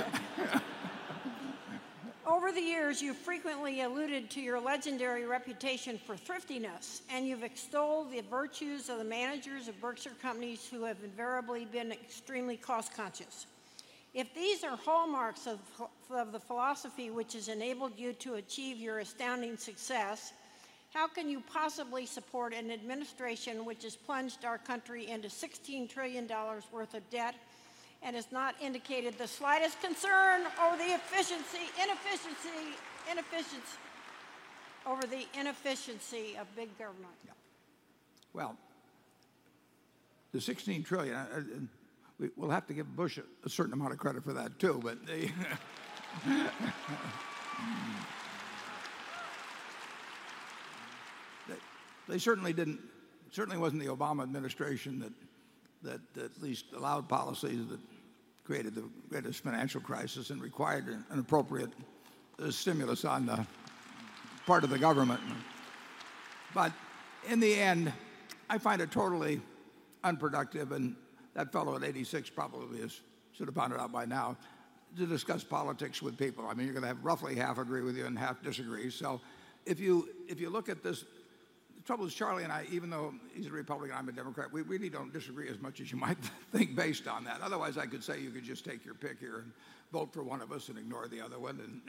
"Over the years, you've frequently alluded to your legendary reputation for thriftiness, you've extolled the virtues of the managers of Berkshire companies who have invariably been extremely cost-conscious. If these are hallmarks of the philosophy which has enabled you to achieve your astounding success, how can you possibly support an administration which has plunged our country into $16 trillion worth of debt, has not indicated the slightest concern over the inefficiency of big government? Yeah. Well, the $16 trillion, we'll have to give Bush a certain amount of credit for that, too. Certainly wasn't the Obama administration that at least allowed policies that created the greatest financial crisis and required an appropriate stimulus on the part of the government. In the end, I find it totally unproductive and That fellow at 86 probably should have found it out by now, to discuss politics with people. You're going to have roughly half agree with you and half disagree. If you look at this, the trouble is, Charlie and I, even though he's a Republican, I'm a Democrat, we really don't disagree as much as you might think based on that. I could say you could just take your pick here and vote for one of us and ignore the other one.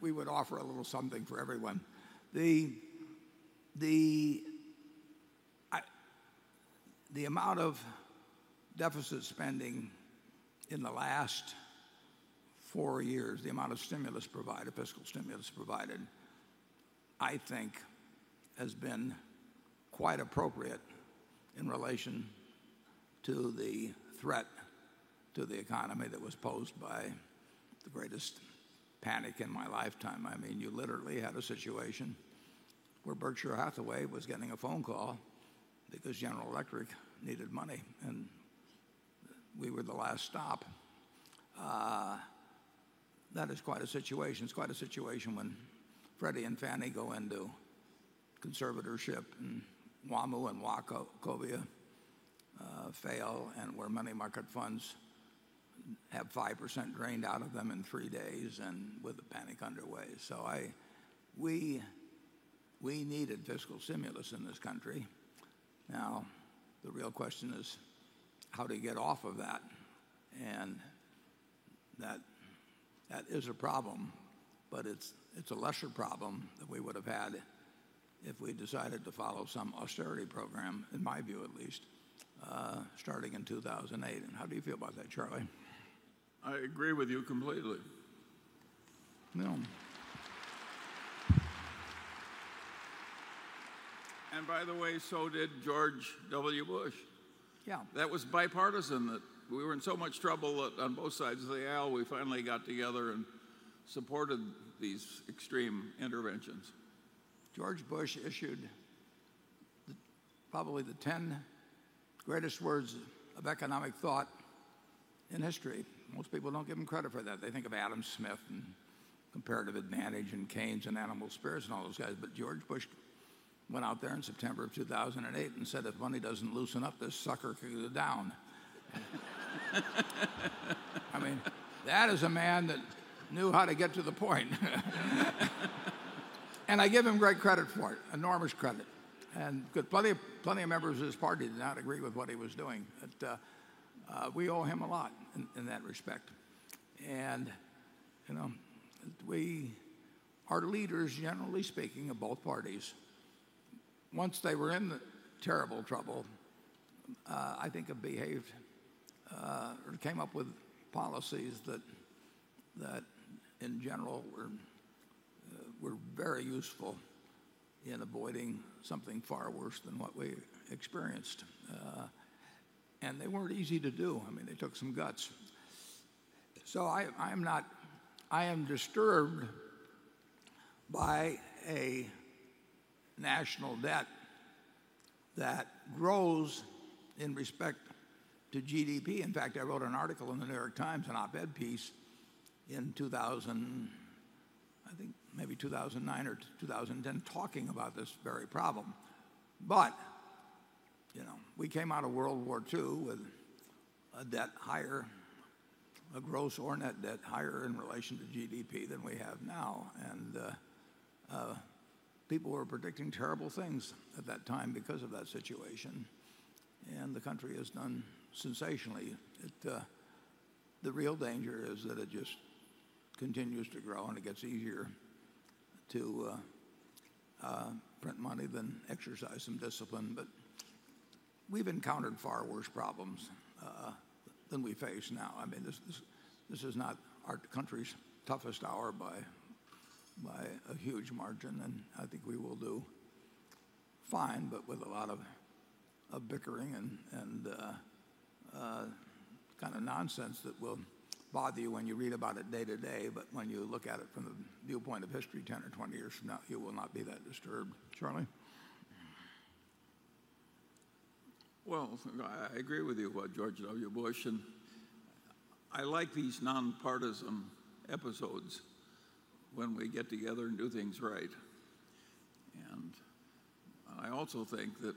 We would offer a little something for everyone. The amount of deficit spending in the last four years, the amount of fiscal stimulus provided, I think has been quite appropriate in relation to the threat to the economy that was posed by the greatest panic in my lifetime. You literally had a situation where Berkshire Hathaway was getting a phone call because General Electric needed money, and we were the last stop. That is quite a situation. It's quite a situation when Freddie and Fannie go into conservatorship, and WaMu and Wachovia fail, and where money market funds have 5% drained out of them in three days and with a panic underway. We needed fiscal stimulus in this country. The real question is how to get off of that. That is a problem, but it's a lesser problem than we would have had if we decided to follow some austerity program, in my view at least, starting in 2008. How do you feel about that, Charlie? I agree with you completely. Yeah. By the way, so did George W. Bush. Yeah. That was bipartisan that we were in so much trouble that on both sides of the aisle, we finally got together and supported these extreme interventions. George Bush issued probably the 10 greatest words of economic thought in history. Most people don't give him credit for that. They think of Adam Smith and comparative advantage and Keynes and animal spirits and all those guys. George Bush went out there in September of 2008 and said, "If money doesn't loosen up, this sucker could go down." I mean, that is a man that knew how to get to the point. And I give him great credit for it, enormous credit, and plenty of members of his party did not agree with what he was doing. We owe him a lot in that respect. And our leaders, generally speaking, of both parties, once they were in terrible trouble, I think behaved or came up with policies that, in general, were very useful in avoiding something far worse than what we experienced. They weren't easy to do. I mean, they took some guts. I am disturbed by a national debt that grows in respect to GDP. In fact, I wrote an article in "The New York Times," an op-ed piece in, I think maybe 2009 or 2010, talking about this very problem. We came out of World War II with a gross or net debt higher in relation to GDP than we have now. And people were predicting terrible things at that time because of that situation, and the country has done sensationally. The real danger is that it just continues to grow, and it gets easier to print money than exercise some discipline. We've encountered far worse problems than we face now. This is not our country's toughest hour by a huge margin, and I think we will do fine, but with a lot of bickering and kind of nonsense that will bother you when you read about it day to day. But when you look at it from the viewpoint of history 10 or 20 years from now, you will not be that disturbed. Charlie? I agree with you about George W. Bush, and I like these nonpartisan episodes when we get together and do things right. I also think that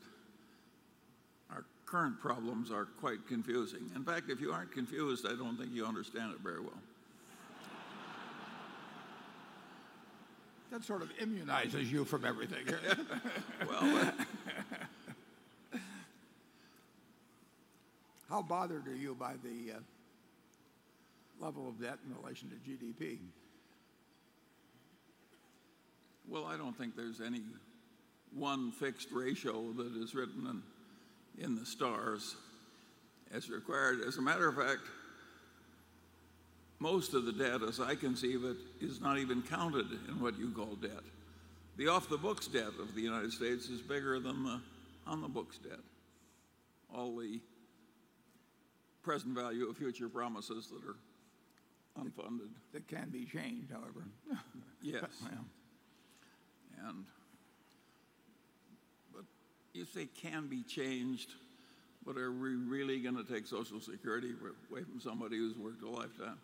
our current problems are quite confusing. In fact, if you aren't confused, I don't think you understand it very well. That sort of immunizes you from everything. Well How bothered are you by the level of debt in relation to GDP? Well, I don't think there's any one fixed ratio that is written in the stars as required. As a matter of fact, most of the debt, as I conceive it, is not even counted in what you call debt. The off-the-books debt of the United States is bigger than the on-the-books debt. All the present value of future promises that are unfunded. That can be changed, however. Yes. Yeah. You say can be changed, but are we really going to take Social Security away from somebody who's worked a lifetime?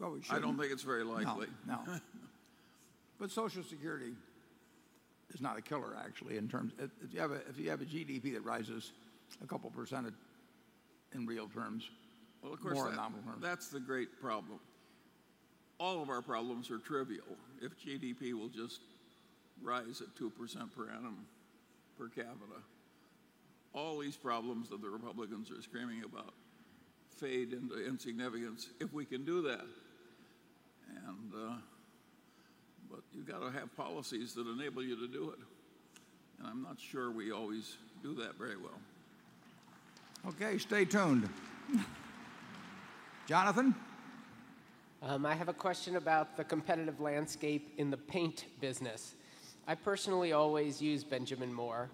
Well, we shouldn't. I don't think it's very likely. No. Social Security is not a killer actually, in terms If you have a GDP that rises a couple percent in real terms. Well, of course. more in nominal terms. That's the great problem. All of our problems are trivial if GDP will just rise at 2% per annum per capita. All these problems that the Republicans are screaming about fade into insignificance if we can do that. You got to have policies that enable you to do it, and I'm not sure we always do that very well. Okay. Stay tuned. Jonathan? I have a question about the competitive landscape in the paint business. I personally always use Benjamin Moore.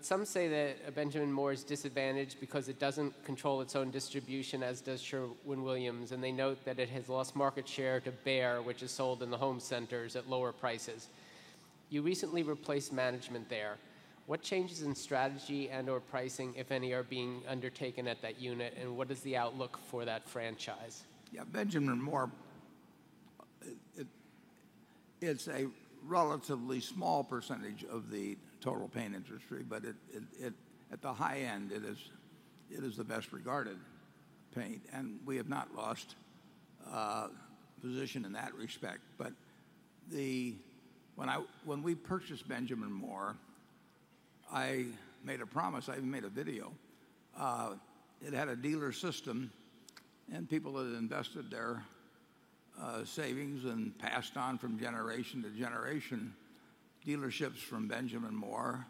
Some say that Benjamin Moore is disadvantaged because it doesn't control its own distribution as does Sherwin-Williams, and they note that it has lost market share to Behr, which is sold in the home centers at lower prices. You recently replaced management there. What changes in strategy and/or pricing, if any, are being undertaken at that unit, and what is the outlook for that franchise? Yeah, Benjamin Moore, it's a relatively small percentage of the total paint industry, but at the high end, it is the best-regarded paint, and we have not lost position in that respect. When we purchased Benjamin Moore, I made a promise. I even made a video. It had a dealer system, and people had invested their savings and passed on from generation to generation dealerships from Benjamin Moore,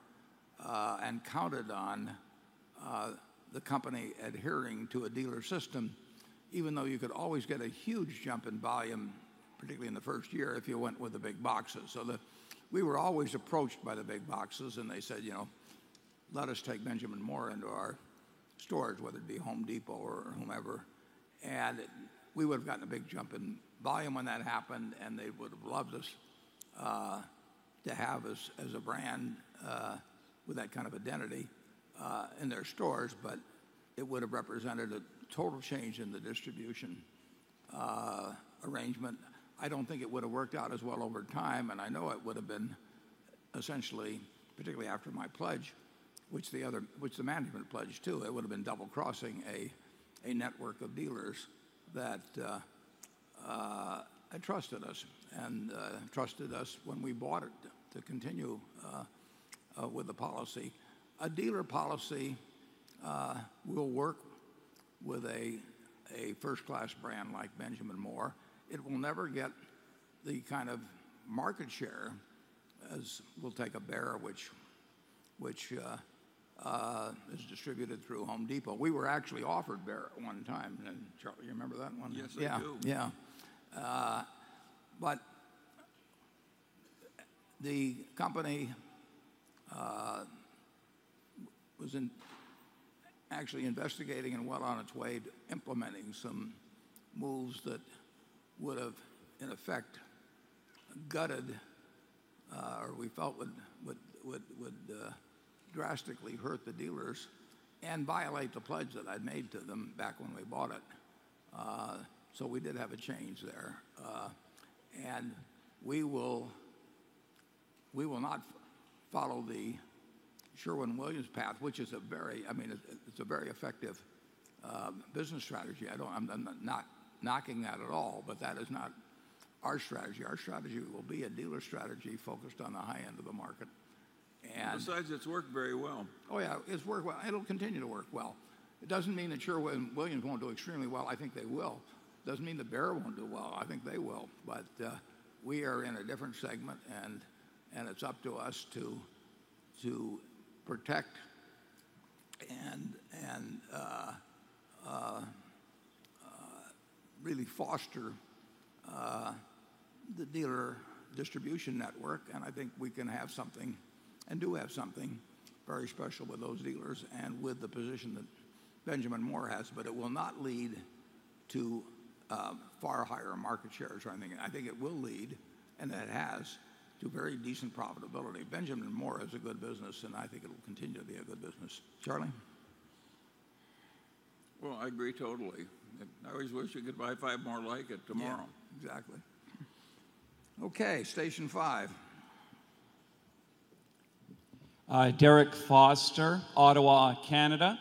and counted on the company adhering to a dealer system even though you could always get a huge jump in volume, particularly in the first year, if you went with the big boxes. We were always approached by the big boxes, and they said, "Let us take Benjamin Moore into our stores," whether it be Home Depot or whomever. We would've gotten a big jump in volume when that happened, and they would've loved to have us as a brand with that kind of identity in their stores. It would've represented a total change in the distribution arrangement. I don't think it would've worked out as well over time, and I know it would've been essentially, particularly after my pledge, which the management pledged, too, it would've been double-crossing a network of dealers that trusted us, and trusted us when we bought it to continue with the policy. A dealer policy will work with a first-class brand like Benjamin Moore. It will never get the kind of market share as We'll take a Behr, which is distributed through Home Depot. We were actually offered Behr at one time. Charlie, you remember that one? Yes, I do. Yeah. The company was actually investigating and well on its way to implementing some moves that would've, in effect, gutted, or we felt would drastically hurt the dealers and violate the pledge that I'd made to them back when we bought it. We did have a change there. We will not follow The Sherwin-Williams Company path, which is a very effective business strategy. I'm not knocking that at all, but that is not our strategy. Our strategy will be a dealer strategy focused on the high end of the market. Besides, it's worked very well. Oh, yeah. It's worked well. It'll continue to work well. It doesn't mean that The Sherwin-Williams Company won't do extremely well. I think they will. Doesn't mean that Behr won't do well. I think they will. We are in a different segment, and it's up to us to protect and really foster the dealer distribution network, and I think we can have something, and do have something very special with those dealers and with the position that Benjamin Moore & Co. has. It will not lead to far higher market share or anything. I think it will lead, and it has, to very decent profitability. Benjamin Moore & Co. is a good business, and I think it will continue to be a good business. Charlie? Well, I agree totally. I always wish we could buy five more like it tomorrow. Yeah. Exactly. Okay. Station 5. Derek Foster, Ottawa, Canada.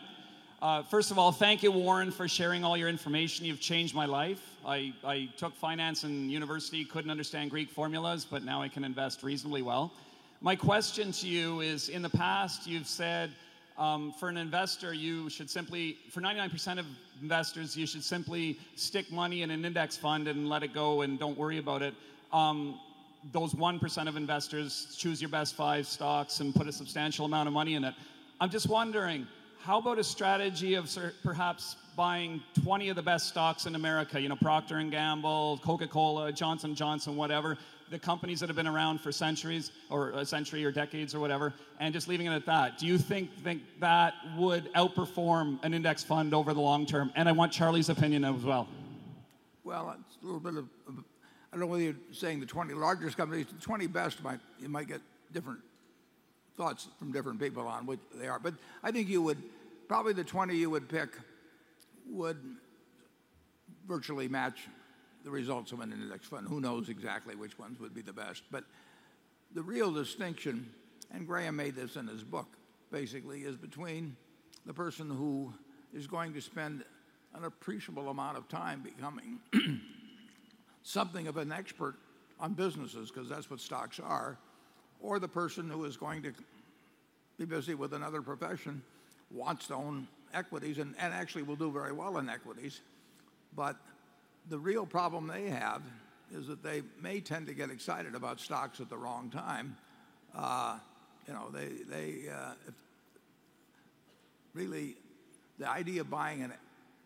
First of all, thank you, Warren, for sharing all your information. You've changed my life. I took finance in university, couldn't understand Greek formulas, but now I can invest reasonably well. My question to you is, in the past you've said for 99% of investors, you should simply stick money in an index fund and let it go and don't worry about it. Those 1% of investors, choose your best five stocks and put a substantial amount of money in it. I'm just wondering, how about a strategy of perhaps buying 20 of the best stocks in America, Procter & Gamble, Coca-Cola, Johnson & Johnson, whatever, the companies that have been around for a century or decades or whatever, and just leaving it at that. Do you think that would outperform an index fund over the long term? I want Charlie's opinion as well. Well, it's a little bit of I don't know whether you're saying the 20 largest companies. The 20 best, you might get different thoughts from different people on which they are. I think probably the 20 you would pick would virtually match the results of an index fund. Who knows exactly which ones would be the best? The real distinction, and Graham made this in his book basically, is between the person who is going to spend an appreciable amount of time becoming something of an expert on businesses, because that's what stocks are, or the person who is going to be busy with another profession, wants to own equities, and actually will do very well in equities, but the real problem they have is that they may tend to get excited about stocks at the wrong time. Really, the idea of buying an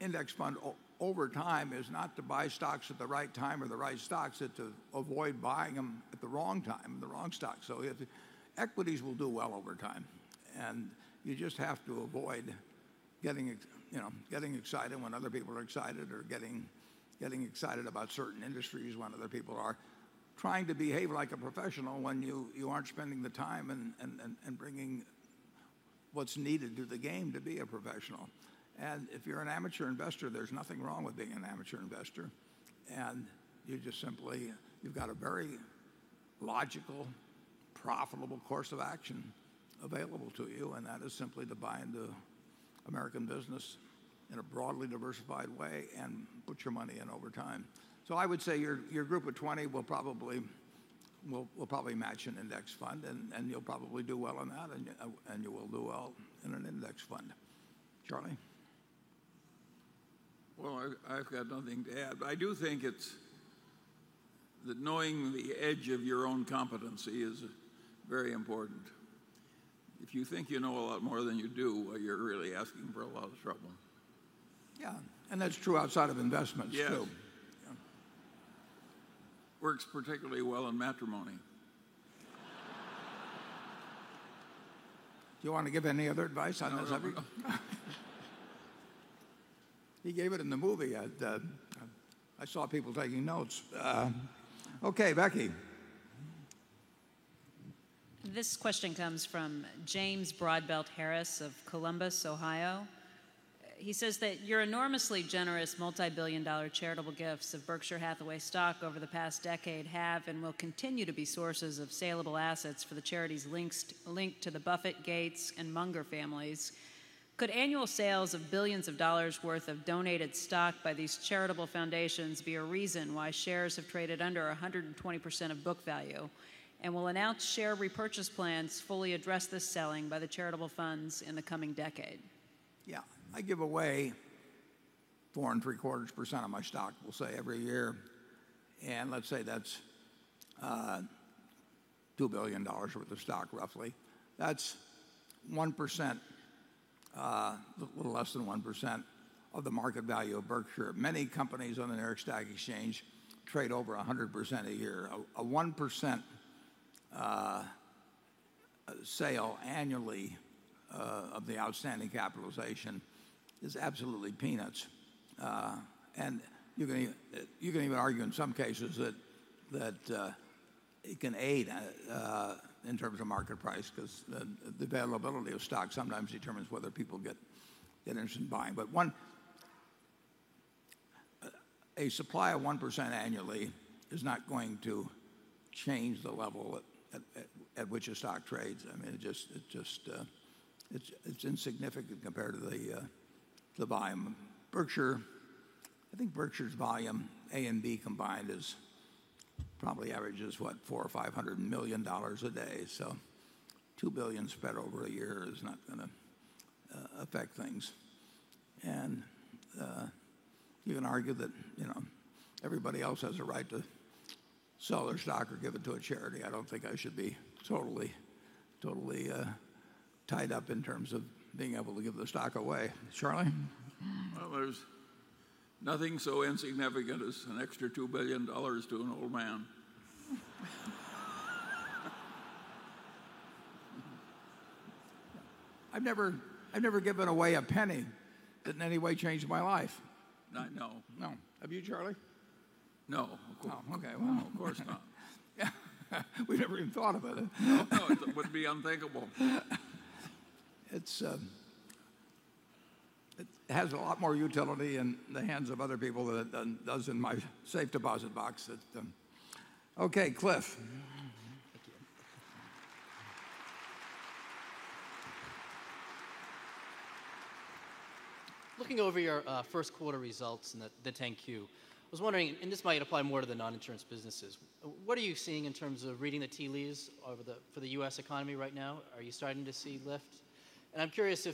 index fund over time is not to buy stocks at the right time or the right stocks. It's to avoid buying them at the wrong time, the wrong stock. Equities will do well over time, and you just have to avoid getting excited when other people are excited, or getting excited about certain industries when other people are. Trying to behave like a professional when you aren't spending the time and bringing what's needed to the game to be a professional. If you're an amateur investor, there's nothing wrong with being an amateur investor, and you just simply you've got a very logical, profitable course of action available to you, and that is simply to buy into American business in a broadly diversified way and put your money in over time. I would say your group of 20 will probably match an index fund, and you'll probably do well on that, and you will do well in an index fund. Charlie? I've got nothing to add. I do think that knowing the edge of your own competency is very important. If you think you know a lot more than you do, well, you're really asking for a lot of trouble. Yeah. That's true outside of investments too. Yes. Yeah. Works particularly well in matrimony. Do you want to give any other advice on this? No. He gave it in the movie. I saw people taking notes. Okay, Becky. This question comes from James Broadbelt Harris of Columbus, Ohio. He says that your enormously generous multibillion-dollar charitable gifts of Berkshire Hathaway stock over the past decade have and will continue to be sources of saleable assets for the charities linked to the Buffett, Gates, and Munger families. Could annual sales of billions of dollars' worth of donated stock by these charitable foundations be a reason why shares have traded under 120% of book value? Will announced share repurchase plans fully address this selling by the charitable funds in the coming decade? Yeah. I give away 4.75% of my stock, we'll say every year, let's say that's $2 billion worth of stock, roughly. That's 1%, a little less than 1%, of the market value of Berkshire. Many companies on the New York Stock Exchange trade over 100% a year. A 1% sale annually of the outstanding capitalization is absolutely peanuts. You can even argue in some cases that it can aid in terms of market price because the availability of stock sometimes determines whether people get interested in buying. A supply of 1% annually is not going to change the level at which a stock trades. It's insignificant compared to the volume. I think Berkshire's volume, A and B combined, probably averages, what, $400 or $500 million a day, so $2 billion spread over a year is not going to affect things. You can argue that everybody else has a right to sell their stock or give it to a charity. I don't think I should be totally tied up in terms of being able to give the stock away. Charlie? There's nothing so insignificant as an extra $2 billion to an old man. I've never given away a penny that in any way changed my life. No. No. Have you, Charlie? No. Oh, okay. Well. No, of course not. Yeah. We never even thought about it. No, it would be unthinkable. It has a lot more utility in the hands of other people than it does in my safe deposit box at the Okay, Cliff. Thank you. Looking over your first quarter results and the 10-Q, I was wondering, this might apply more to the non-insurance businesses, what are you seeing in terms of reading the tea leaves for the U.S. economy right now? Are you starting to see lift? I'm curious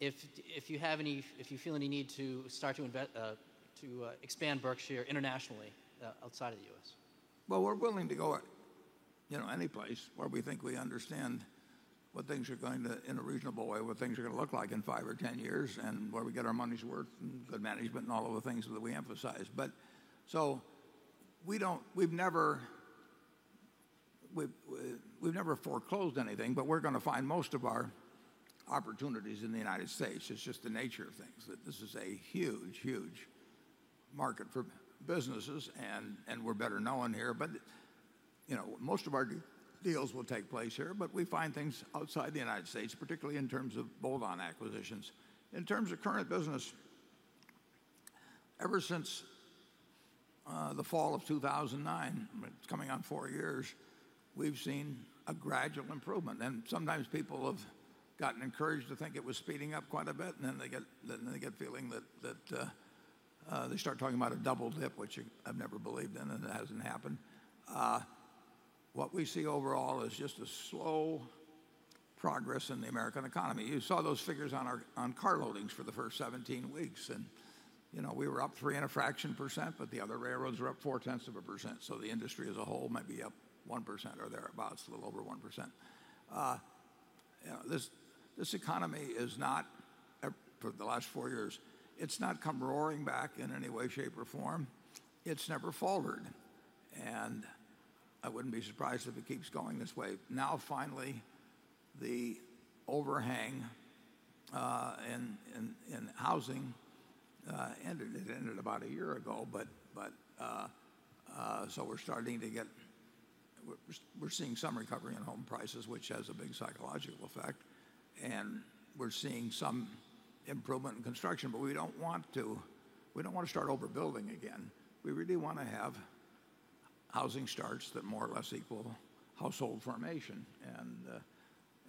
if you feel any need to start to expand Berkshire internationally, outside of the U.S. Well, we're willing to go any place where we think we understand, in a reasonable way, what things are going to look like in five or 10 years and where we get our money's worth and good management and all of the things that we emphasize. We've never foreclosed anything, but we're going to find most of our opportunities in the United States. It's just the nature of things, that this is a huge market for businesses and we're better known here. Most of our deals will take place here, but we find things outside the United States, particularly in terms of bolt-on acquisitions. In terms of current business, ever since the fall of 2009, it's coming on four years, we've seen a gradual improvement. Sometimes people have gotten encouraged to think it was speeding up quite a bit, then they get feeling that they start talking about a double dip, which I've never believed in, it hasn't happened. What we see overall is just a slow progress in the American economy. You saw those figures on car loadings for the first 17 weeks, we were up three and a fraction %, the other railroads were up four-tenths of a %. The industry as a whole might be up 1% or thereabouts, a little over 1%. This economy is not, for the last four years, it's not come roaring back in any way, shape, or form. It's never faltered, and I wouldn't be surprised if it keeps going this way. Now, finally, the overhang in housing ended. It ended about a year ago. We're seeing some recovery in home prices, which has a big psychological effect, and we're seeing some improvement in construction. We don't want to start overbuilding again. We really want to have housing starts that more or less equal household formation.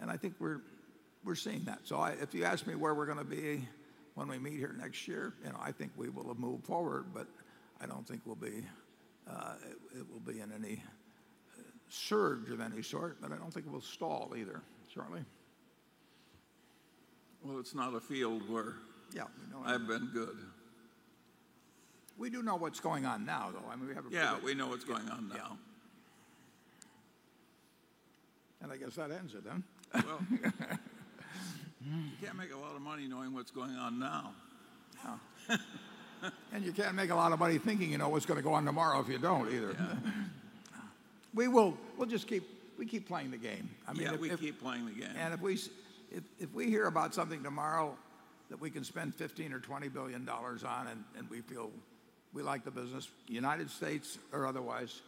I think we're seeing that. If you ask me where we're going to be when we meet here next year, I think we will have moved forward, but I don't think it will be in any surge of any sort, but I don't think it will stall either. Charlie? Well, it's not a field where- Yeah I've been good. We do know what's going on now, though. I mean, we have a pretty- Yeah, we know what's going on now. Yeah. I guess that ends it then. You can't make a lot of money knowing what's going on now. Yeah. You can't make a lot of money thinking you know what's going to go on tomorrow if you don't either. Yeah. We'll just keep playing the game. I mean. Yeah, we keep playing the game. If we hear about something tomorrow that we can spend $15 billion or $20 billion on and we feel we like the business, U.S. or otherwise,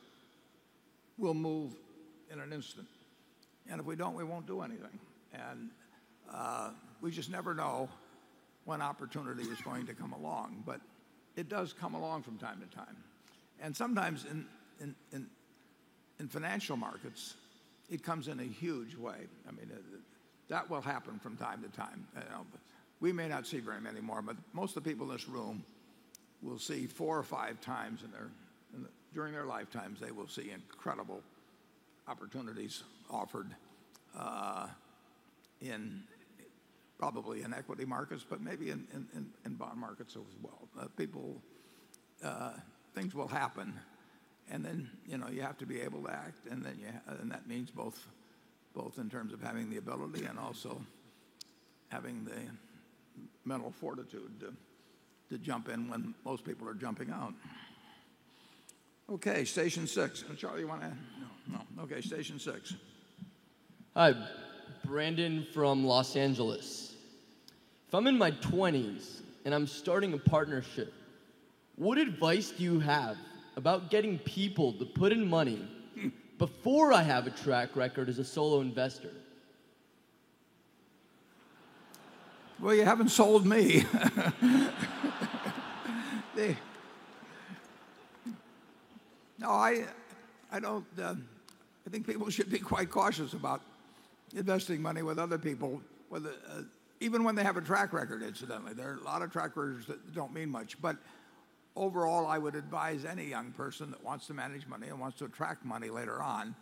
we'll move in an instant. If we don't, we won't do anything. We just never know when opportunity is going to come along. It does come along from time to time. Sometimes in financial markets, it comes in a huge way. I mean, that will happen from time to time. We may not see very many more, but most of the people in this room will see four or five times during their lifetimes, they will see incredible opportunities offered in probably in equity markets, but maybe in bond markets as well. Things will happen, and then you have to be able to act, and that means both in terms of having the ability and also having the mental fortitude to jump in when most people are jumping out. Okay, station six. Charlie, you want to? No. No. Okay, station six. Hi. Brandon from Los Angeles. If I'm in my 20s and I'm starting a partnership, what advice do you have about getting people to put in money before I have a track record as a solo investor? Well, you haven't sold me. No, I think people should be quite cautious about investing money with other people, even when they have a track record, incidentally. There are a lot of track records that don't mean much. Overall, I would advise any young person that wants to manage money and wants to attract money later on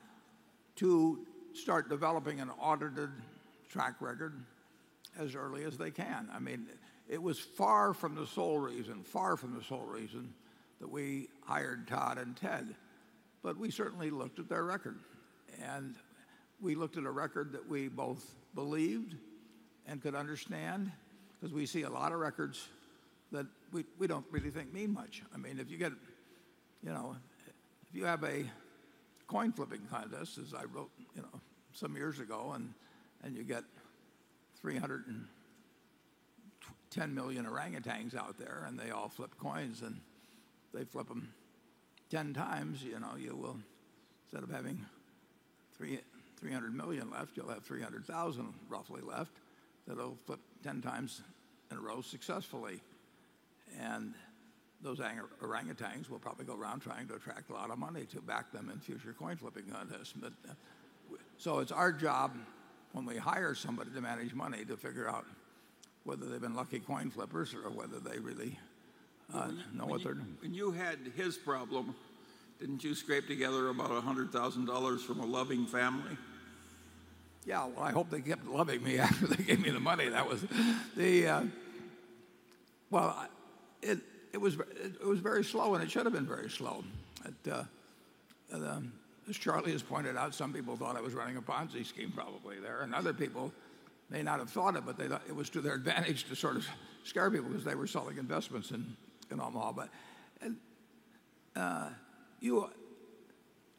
to start developing an audited track record as early as they can. I mean, it was far from the sole reason, far from the sole reason that we hired Todd and Ted, but we certainly looked at their record. We looked at a record that we both believed and could understand because we see a lot of records that we don't really think mean much. I mean, if you have a coin flipping contest, as I wrote some years ago, you get 310 million orangutans out there, they all flip coins, and they flip them 10 times, instead of having 300 million left, you'll have 300,000 roughly left that'll flip 10 times in a row successfully. Those orangutans will probably go around trying to attract a lot of money to back them in future coin flipping contests. It's our job when we hire somebody to manage money to figure out whether they've been lucky coin flippers or whether they really know what they're doing. When you had his problem, didn't you scrape together about $100,000 from a loving family? Well, I hope they kept loving me after they gave me the money. Well, it was very slow, and it should have been very slow. As Charlie has pointed out, some people thought I was running a Ponzi scheme probably there, and other people may not have thought it, but they thought it was to their advantage to sort of scare people because they were selling investments and all that.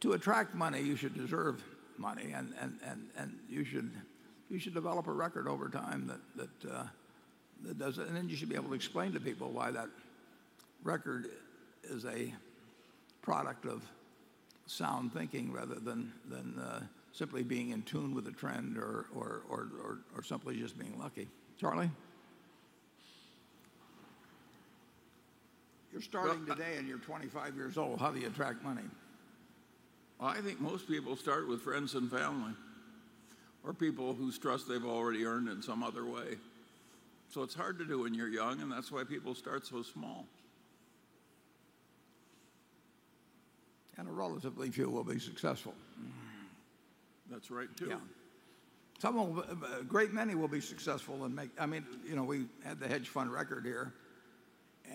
To attract money, you should deserve money, and you should develop a record over time that does it. Then you should be able to explain to people why that record is a product of sound thinking rather than simply being in tune with the trend or simply just being lucky. Charlie? You're starting today and you're 25 years old. How do you attract money? Well, I think most people start with friends and family or people whose trust they've already earned in some other way. It's hard to do when you're young, and that's why people start so small. A relatively few will be successful. That's right, too. Yeah. A great many will be successful and make. We had the hedge fund record here,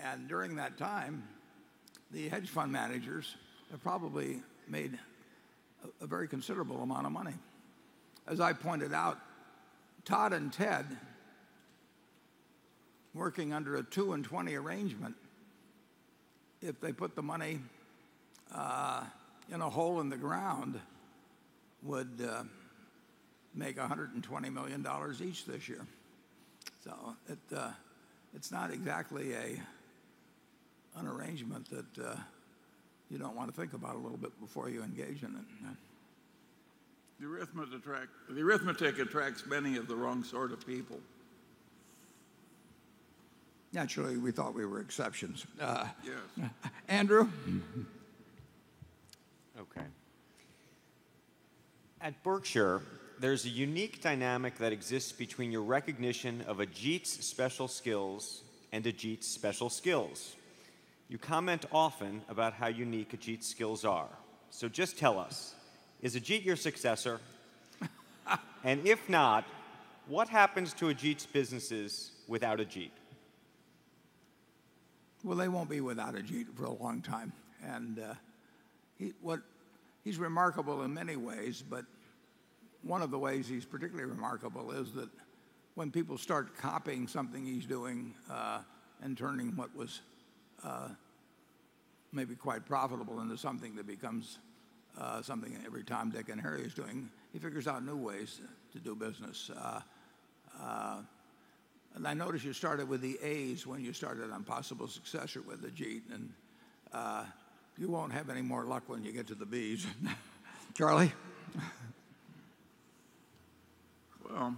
and during that time, the hedge fund managers have probably made a very considerable amount of money. As I pointed out, Todd and Ted, working under a two and 20 arrangement, if they put the money in a hole in the ground, would make $120 million each this year. It's not exactly an arrangement that you don't want to think about a little bit before you engage in it. The arithmetic attracts many of the wrong sort of people. Naturally, we thought we were exceptions. Yes. Andrew? Okay. At Berkshire, there's a unique dynamic that exists between your recognition of Ajit's special skills and Ajit's special skills. You comment often about how unique Ajit's skills are. Just tell us, is Ajit your successor? If not, what happens to Ajit's businesses without Ajit? Well, they won't be without Ajit for a long time. He's remarkable in many ways, but one of the ways he's particularly remarkable is that when people start copying something he's doing, and turning what was maybe quite profitable into something that becomes something that every Tom, Dick, and Harry is doing, he figures out new ways to do business. I notice you started with the A's when you started on possible successor with Ajit, and you won't have any more luck when you get to the B's. Charlie? Well,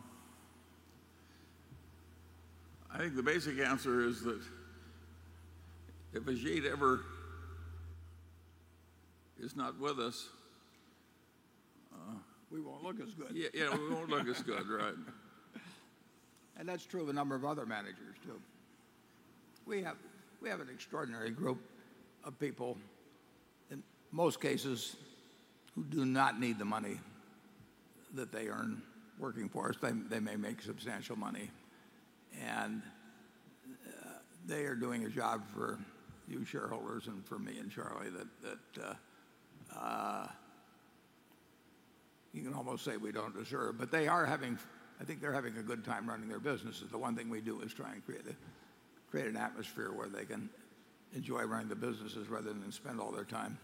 I think the basic answer is that if Ajit ever is not with us- We won't look as good. Yeah, we won't look as good. Right. That's true of a number of other managers, too. We have an extraordinary group of people, in most cases, who do not need the money that they earn working for us. They may make substantial money, and they are doing a job for you shareholders and for me and Charlie that you can almost say we don't deserve. I think they're having a good time running their businesses. The one thing we do is try and create an atmosphere where they can enjoy running the businesses rather than spend all their time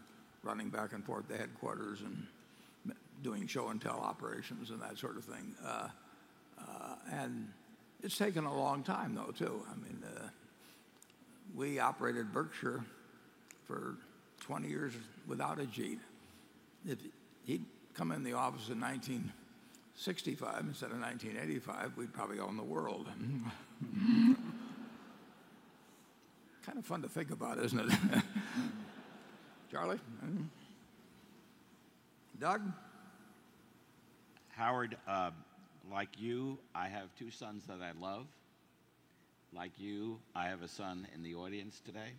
running back and forth to headquarters and doing show and tell operations and that sort of thing. It's taken a long time, though, too. We operated Berkshire for 20 years without Ajit. If he'd come in the office in 1965 instead of 1985, we'd probably own the world. Kind of fun to think about, isn't it? Charlie? Doug? Howard, like you, I have two sons that I love. Like you, I have a son in the audience today.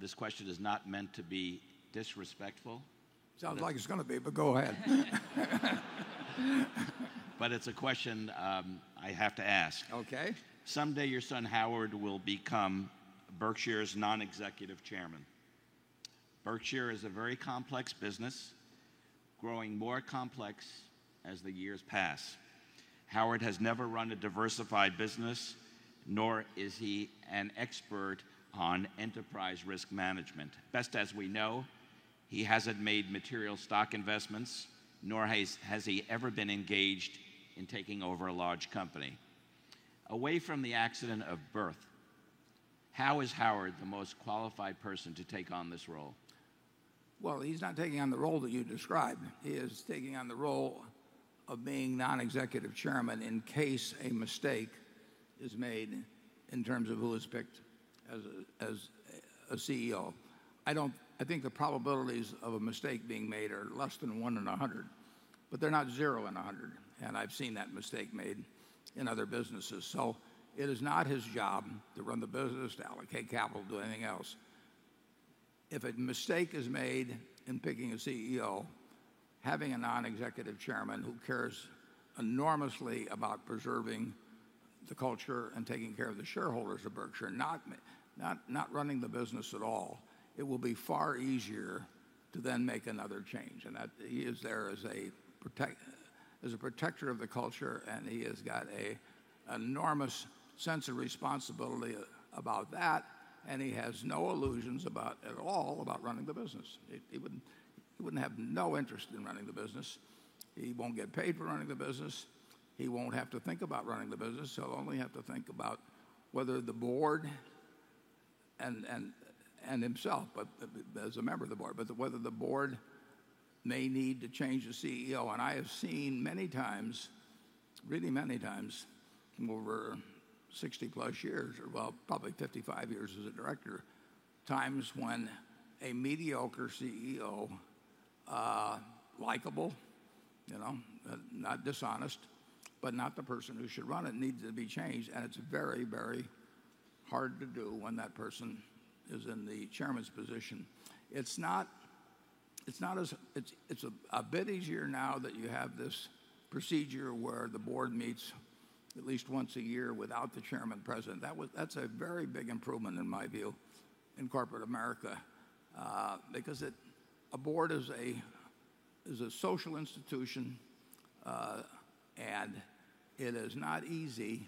This question is not meant to be disrespectful. Sounds like it's going to be, go ahead. It's a question I have to ask. Okay. Someday your son Howard will become Berkshire's non-executive chairman. Berkshire is a very complex business, growing more complex as the years pass. Howard has never run a diversified business, nor is he an expert on enterprise risk management. Best as we know, he hasn't made material stock investments, nor has he ever been engaged in taking over a large company. Away from the accident of birth, how is Howard the most qualified person to take on this role? Well, he's not taking on the role that you describe. He is taking on the role of being non-executive chairman in case a mistake is made in terms of who is picked as a CEO. I think the probabilities of a mistake being made are less than one in 100, but they're not zero in 100, and I've seen that mistake made in other businesses. It is not his job to run the business, to allocate capital, do anything else. If a mistake is made in picking a CEO, having a non-executive chairman who cares enormously about preserving the culture and taking care of the shareholders of Berkshire, not running the business at all, it will be far easier to then make another change. He is there as a protector of the culture, and he has got an enormous sense of responsibility about that. He has no illusions at all about running the business. He would have no interest in running the business. He won't get paid for running the business. He won't have to think about running the business. He'll only have to think about whether the board and himself, as a member of the board, whether the board may need to change the CEO. I have seen many times, really many times, from over 60+ years, or, well, probably 55 years as a director, times when a mediocre CEO, likable, not dishonest, but not the person who should run it, needs to be changed. It's very, very hard to do when that person is in the chairman's position. It's a bit easier now that you have this procedure where the board meets at least once a year without the chairman present. That's a very big improvement, in my view, in corporate America. A board is a social institution, and it is not easy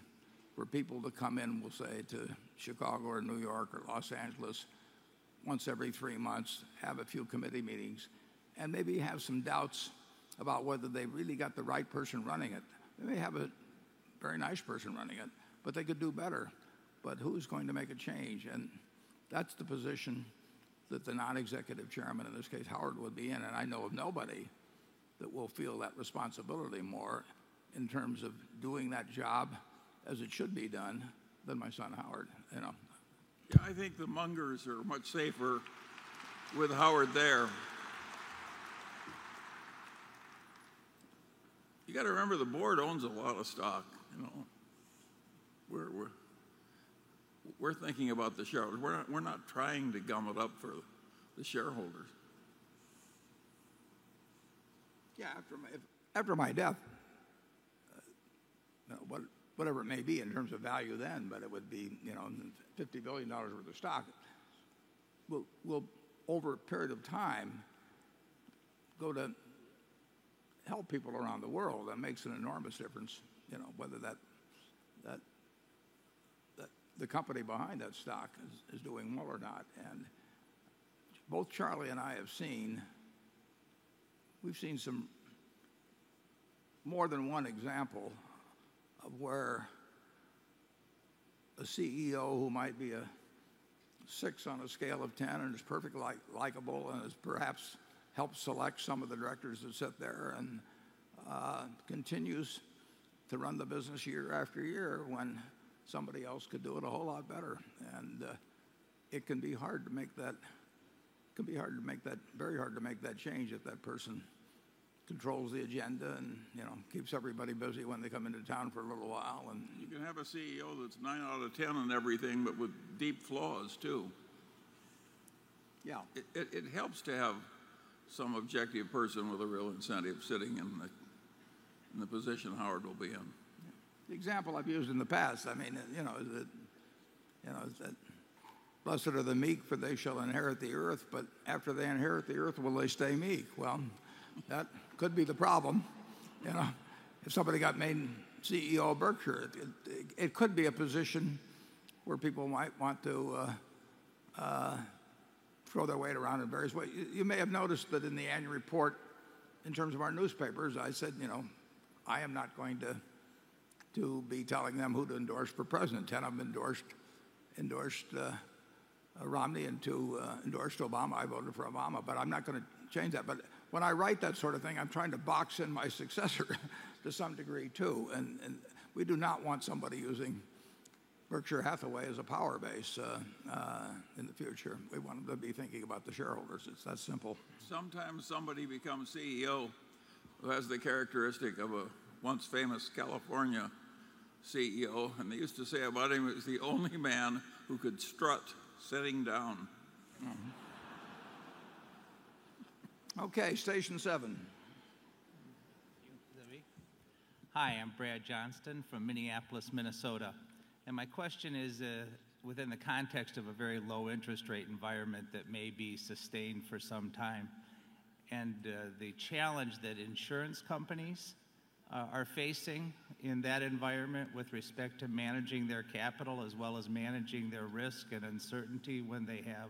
for people to come in, we'll say, to Chicago or New York or Los Angeles once every 3 months, have a few committee meetings, and maybe have some doubts about whether they've really got the right person running it. They may have a very nice person running it, but they could do better. Who's going to make a change? That's the position that the non-executive chairman, in this case, Howard, would be in. I know of nobody that will feel that responsibility more in terms of doing that job as it should be done than my son, Howard. I think the Mungers are much safer with Howard there. You got to remember, the board owns a lot of stock. We're thinking about the shareholders. We're not trying to gum it up for the shareholders. After my death, whatever it may be in terms of value then, but it would be $50 billion worth of stock, will over a period of time go to help people around the world. That makes an enormous difference, whether the company behind that stock is doing well or not. Both Charlie and I have seen, we've seen more than one example of where a CEO who might be a 6 on a scale of 10 and is perfectly likable and has perhaps helped select some of the directors that sit there and continues to run the business year after year when somebody else could do it a whole lot better. It can be very hard to make that change if that person controls the agenda and keeps everybody busy when they come into town for a little while and- You can have a CEO that's nine out of 10 on everything, but with deep flaws, too. Yeah. It helps to have some objective person with a real incentive sitting in the position Howard will be in. The example I've used in the past, "Blessed are the meek for they shall inherit the earth." After they inherit the earth, will they stay meek? Well, that could be the problem if somebody got made CEO of Berkshire. It could be a position where people might want to throw their weight around in various ways. You may have noticed that in the annual report, in terms of our newspapers, I said, "I am not going to be telling them who to endorse for president." 10 of them endorsed Romney and two endorsed Obama. I voted for Obama, but I'm not going to change that. When I write that sort of thing, I'm trying to box in my successor to some degree, too. We do not want somebody using Berkshire Hathaway as a power base in the future. We want them to be thinking about the shareholders. It's that simple. Sometimes somebody becomes CEO who has the characteristic of a once famous California CEO. They used to say about him, he was the only man who could strut sitting down. Okay, station 7. Is that me? Hi, I'm Bradley Johnston from Minneapolis, Minnesota. My question is within the context of a very low interest rate environment that may be sustained for some time, the challenge that insurance companies are facing in that environment with respect to managing their capital as well as managing their risk and uncertainty when they have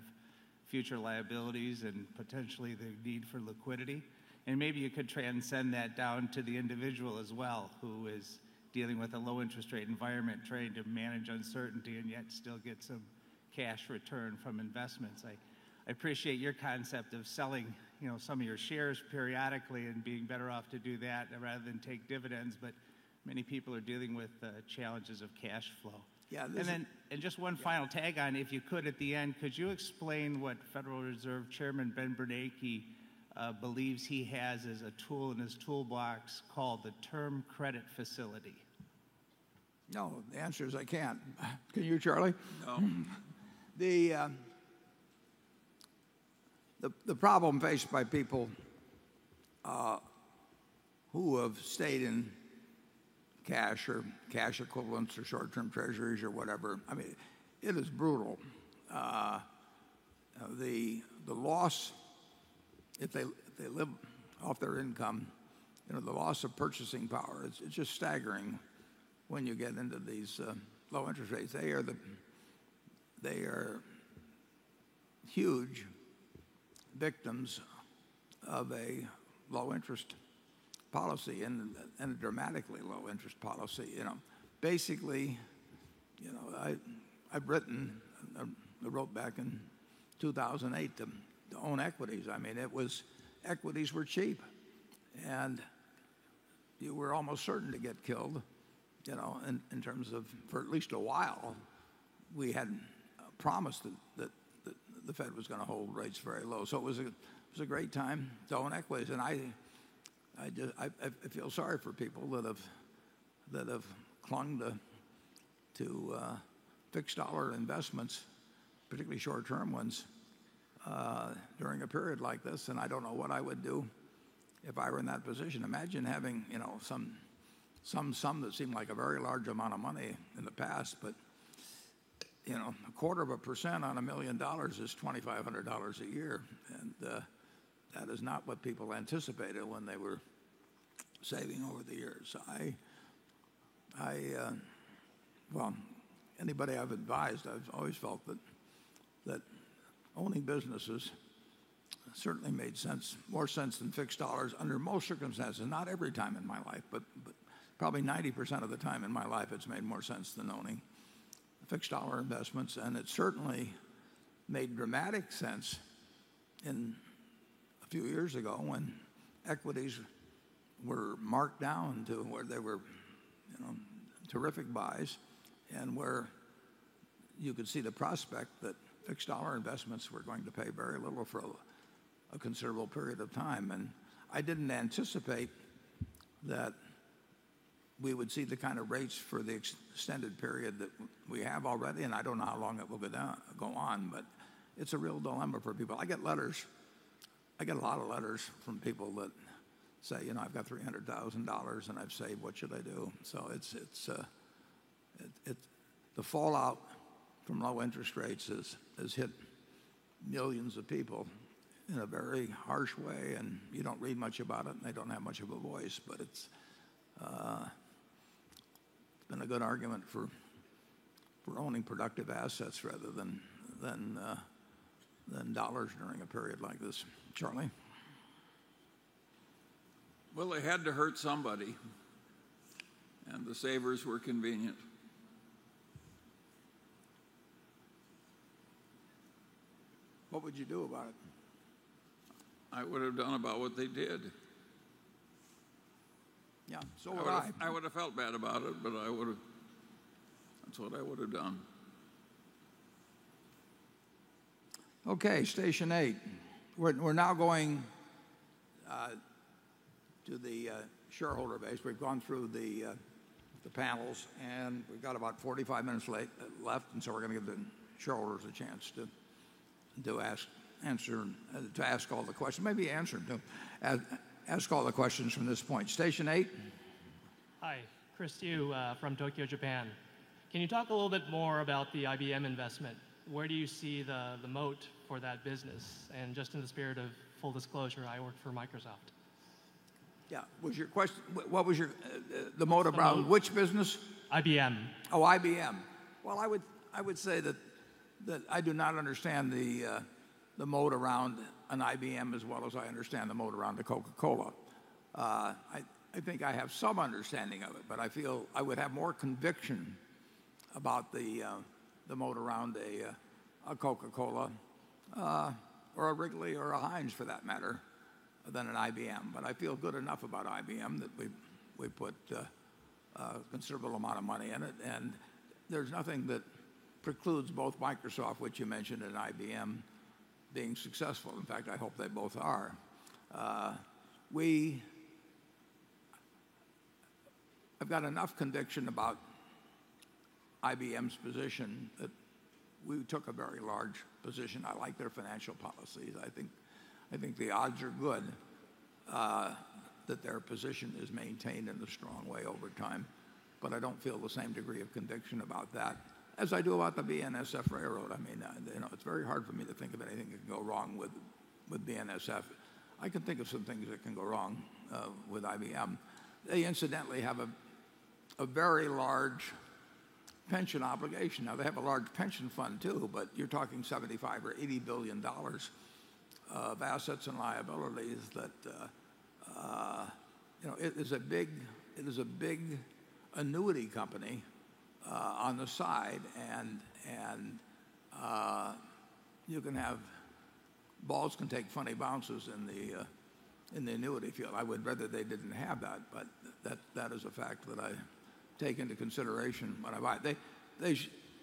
future liabilities and potentially the need for liquidity. Maybe you could transcend that down to the individual as well, who is dealing with a low interest rate environment trying to manage uncertainty and yet still get some cash return from investments. I appreciate your concept of selling some of your shares periodically and being better off to do that rather than take dividends, many people are dealing with the challenges of cash flow. Yeah, this- just one final tag on, if you could at the end, could you explain what Federal Reserve Chairman Ben Bernanke believes he has as a tool in his toolbox called the Term Deposit Facility? No, the answer is I can't. Can you, Charlie? No. The problem faced by people who have stayed in cash or cash equivalents or short-term treasuries or whatever. It is brutal. The loss, if they live off their income, the loss of purchasing power, it's just staggering when you get into these low interest rates. They are huge victims of a low interest policy, and a dramatically low interest policy. Basically, I wrote back in 2008 to own equities. Equities were cheap, and you were almost certain to get killed, for at least a while. We had promised that the Fed was going to hold rates very low. It was a great time to own equities. I feel sorry for people that have clung to fixed dollar investments, particularly short-term ones, during a period like this, and I don't know what I would do if I were in that position. Imagine having some sum that seemed like a very large amount of money in the past. A quarter of a percent on $1 million is $2,500 a year, and that is not what people anticipated when they were saving over the years. Well, anybody I've advised, I've always felt that owning businesses certainly made more sense than fixed dollars under most circumstances. Not every time in my life, but probably 90% of the time in my life it's made more sense than owning fixed dollar investments. It certainly made dramatic sense a few years ago when equities were marked down to where they were terrific buys, and where you could see the prospect that fixed dollar investments were going to pay very little for a considerable period of time. I didn't anticipate that we would see the kind of rates for the extended period that we have already, and I don't know how long it will go on. It's a real dilemma for people. I get a lot of letters from people that say, "I've got $300,000 and I've saved. What should I do?" The fallout from low interest rates has hit millions of people in a very harsh way, and you don't read much about it, and they don't have much of a voice. It's been a good argument for owning productive assets rather than dollars during a period like this. Charlie? It had to hurt somebody, and the savers were convenient. What would you do about it? I would've done about what they did. Yeah. Would I. I would've felt bad about it, but that's what I would've done. Okay. Station eight. We're now going to the shareholder base. We've gone through the panels, and we've got about 45 minutes left, and so we're going to give the shareholders a chance to ask all the questions. Maybe answer them too. Ask all the questions from this point. Station eight. Hi. Chris Yu from Tokyo, Japan. Can you talk a little bit more about the IBM investment? Where do you see the moat for that business? Just in the spirit of full disclosure, I work for Microsoft. Yeah. The moat around which business? IBM. Oh, IBM. Well, I would say that I do not understand the moat around an IBM as well as I understand the moat around a Coca-Cola. I think I have some understanding of it, but I feel I would have more conviction about the moat around a Coca-Cola or a Wrigley or a Heinz for that matter, than an IBM. I feel good enough about IBM that we put a considerable amount of money in it, and there's nothing that precludes both Microsoft, which you mentioned, and IBM being successful. In fact, I hope they both are. I've got enough conviction about IBM's position that we took a very large position. I like their financial policies. I think the odds are good that their position is maintained in a strong way over time, but I don't feel the same degree of conviction about that as I do about the BNSF Railway. It's very hard for me to think of anything that could go wrong with BNSF. I can think of some things that can go wrong with IBM. They incidentally have a very large pension obligation. Now they have a large pension fund too, but you're talking 75 or $80 billion of assets and liabilities that it is a big annuity company on the side, and balls can take funny bounces in the annuity field. I would rather they didn't have that, but that is a fact that I take into consideration when I buy.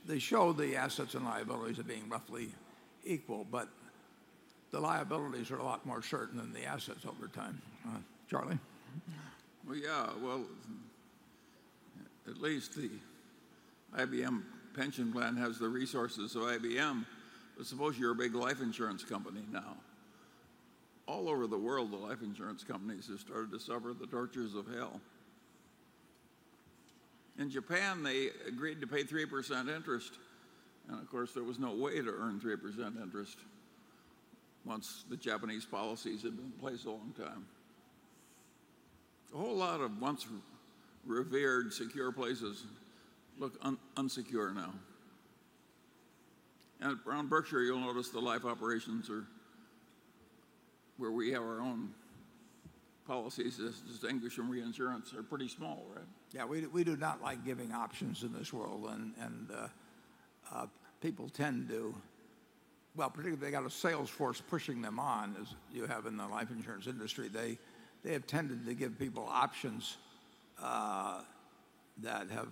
They show the assets and liabilities of being roughly equal, the liabilities are a lot more certain than the assets over time. Charlie? Well, yeah. At least the IBM pension plan has the resources of IBM. Suppose you're a big life insurance company now. All over the world, the life insurance companies have started to suffer the tortures of hell. In Japan, they agreed to pay 3% interest, and of course, there was no way to earn 3% interest once the Japanese policies had been in place a long time. A whole lot of once revered, secure places look unsecure now. Around Berkshire, you'll notice the life operations are where we have our own policies as distinguished from reinsurance are pretty small, right? Yeah, we do not like giving options in this world. People tend to, well, particularly if they got a sales force pushing them on, as you have in the life insurance industry, they have tended to give people options that have,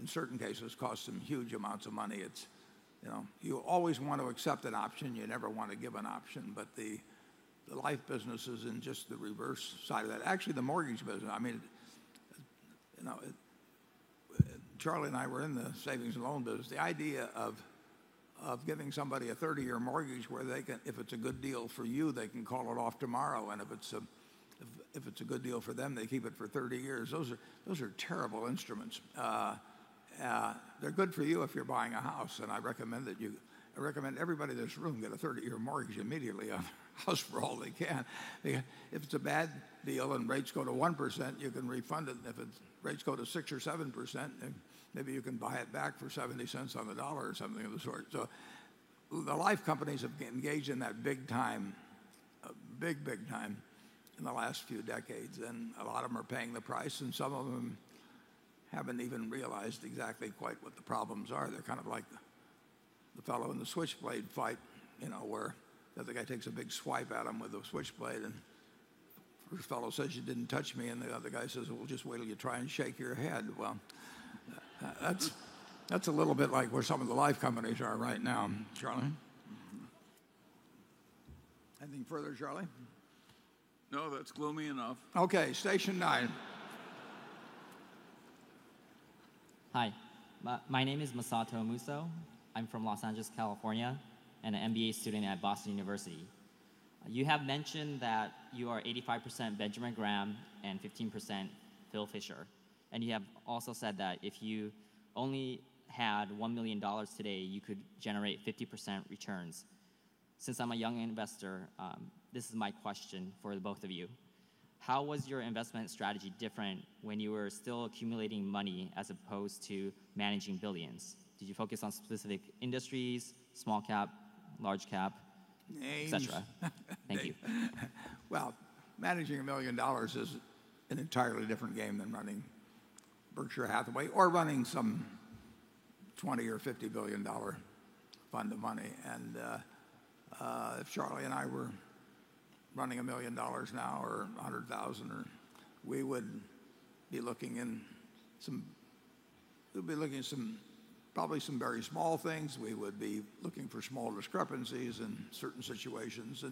in certain cases, cost them huge amounts of money. You always want to accept an option, you never want to give an option. The life business is in just the reverse side of that. Actually, the mortgage business. Charlie and I were in the savings and loan business. The idea of giving somebody a 30-year mortgage where if it's a good deal for you, they can call it off tomorrow, and if it's a good deal for them, they keep it for 30 years. Those are terrible instruments. They're good for you if you're buying a house. I recommend everybody in this room get a 30-year mortgage immediately on a house for all they can. If it's a bad deal and rates go to 1%, you can refund it, and if rates go to 6% or 7%, then maybe you can buy it back for $0.70 on the dollar or something of the sort. The life companies have engaged in that big time, big time in the last few decades, and a lot of them are paying the price, and some of them haven't even realized exactly quite what the problems are. They're kind of like the fellow in the switchblade fight, where the other guy takes a big swipe at him with a switchblade. The fellow says, "You didn't touch me." The other guy says, "Well, just wait till you try and shake your head." Well, that's a little bit like where some of the life companies are right now, Charlie. Anything further, Charlie? No, that's gloomy enough. Okay, station nine. Hi, my name is Masato Muso. I'm from Los Angeles, California, and an MBA student at Boston University. You have mentioned that you are 85% Benjamin Graham and 15% Philip Fisher, and you have also said that if you only had $1 million today, you could generate 50% returns. Since I'm a young investor, this is my question for the both of you. How was your investment strategy different when you were still accumulating money as opposed to managing billions? Did you focus on specific industries, small cap, large cap, et cetera? Age. Thank you. Well, managing $1 million is an entirely different game than running Berkshire Hathaway or running some 20 or $50 billion fund of money. If Charlie and I were running $1 million now or $100,000, we'd be looking at probably some very small things. We would be looking for small discrepancies in certain situations,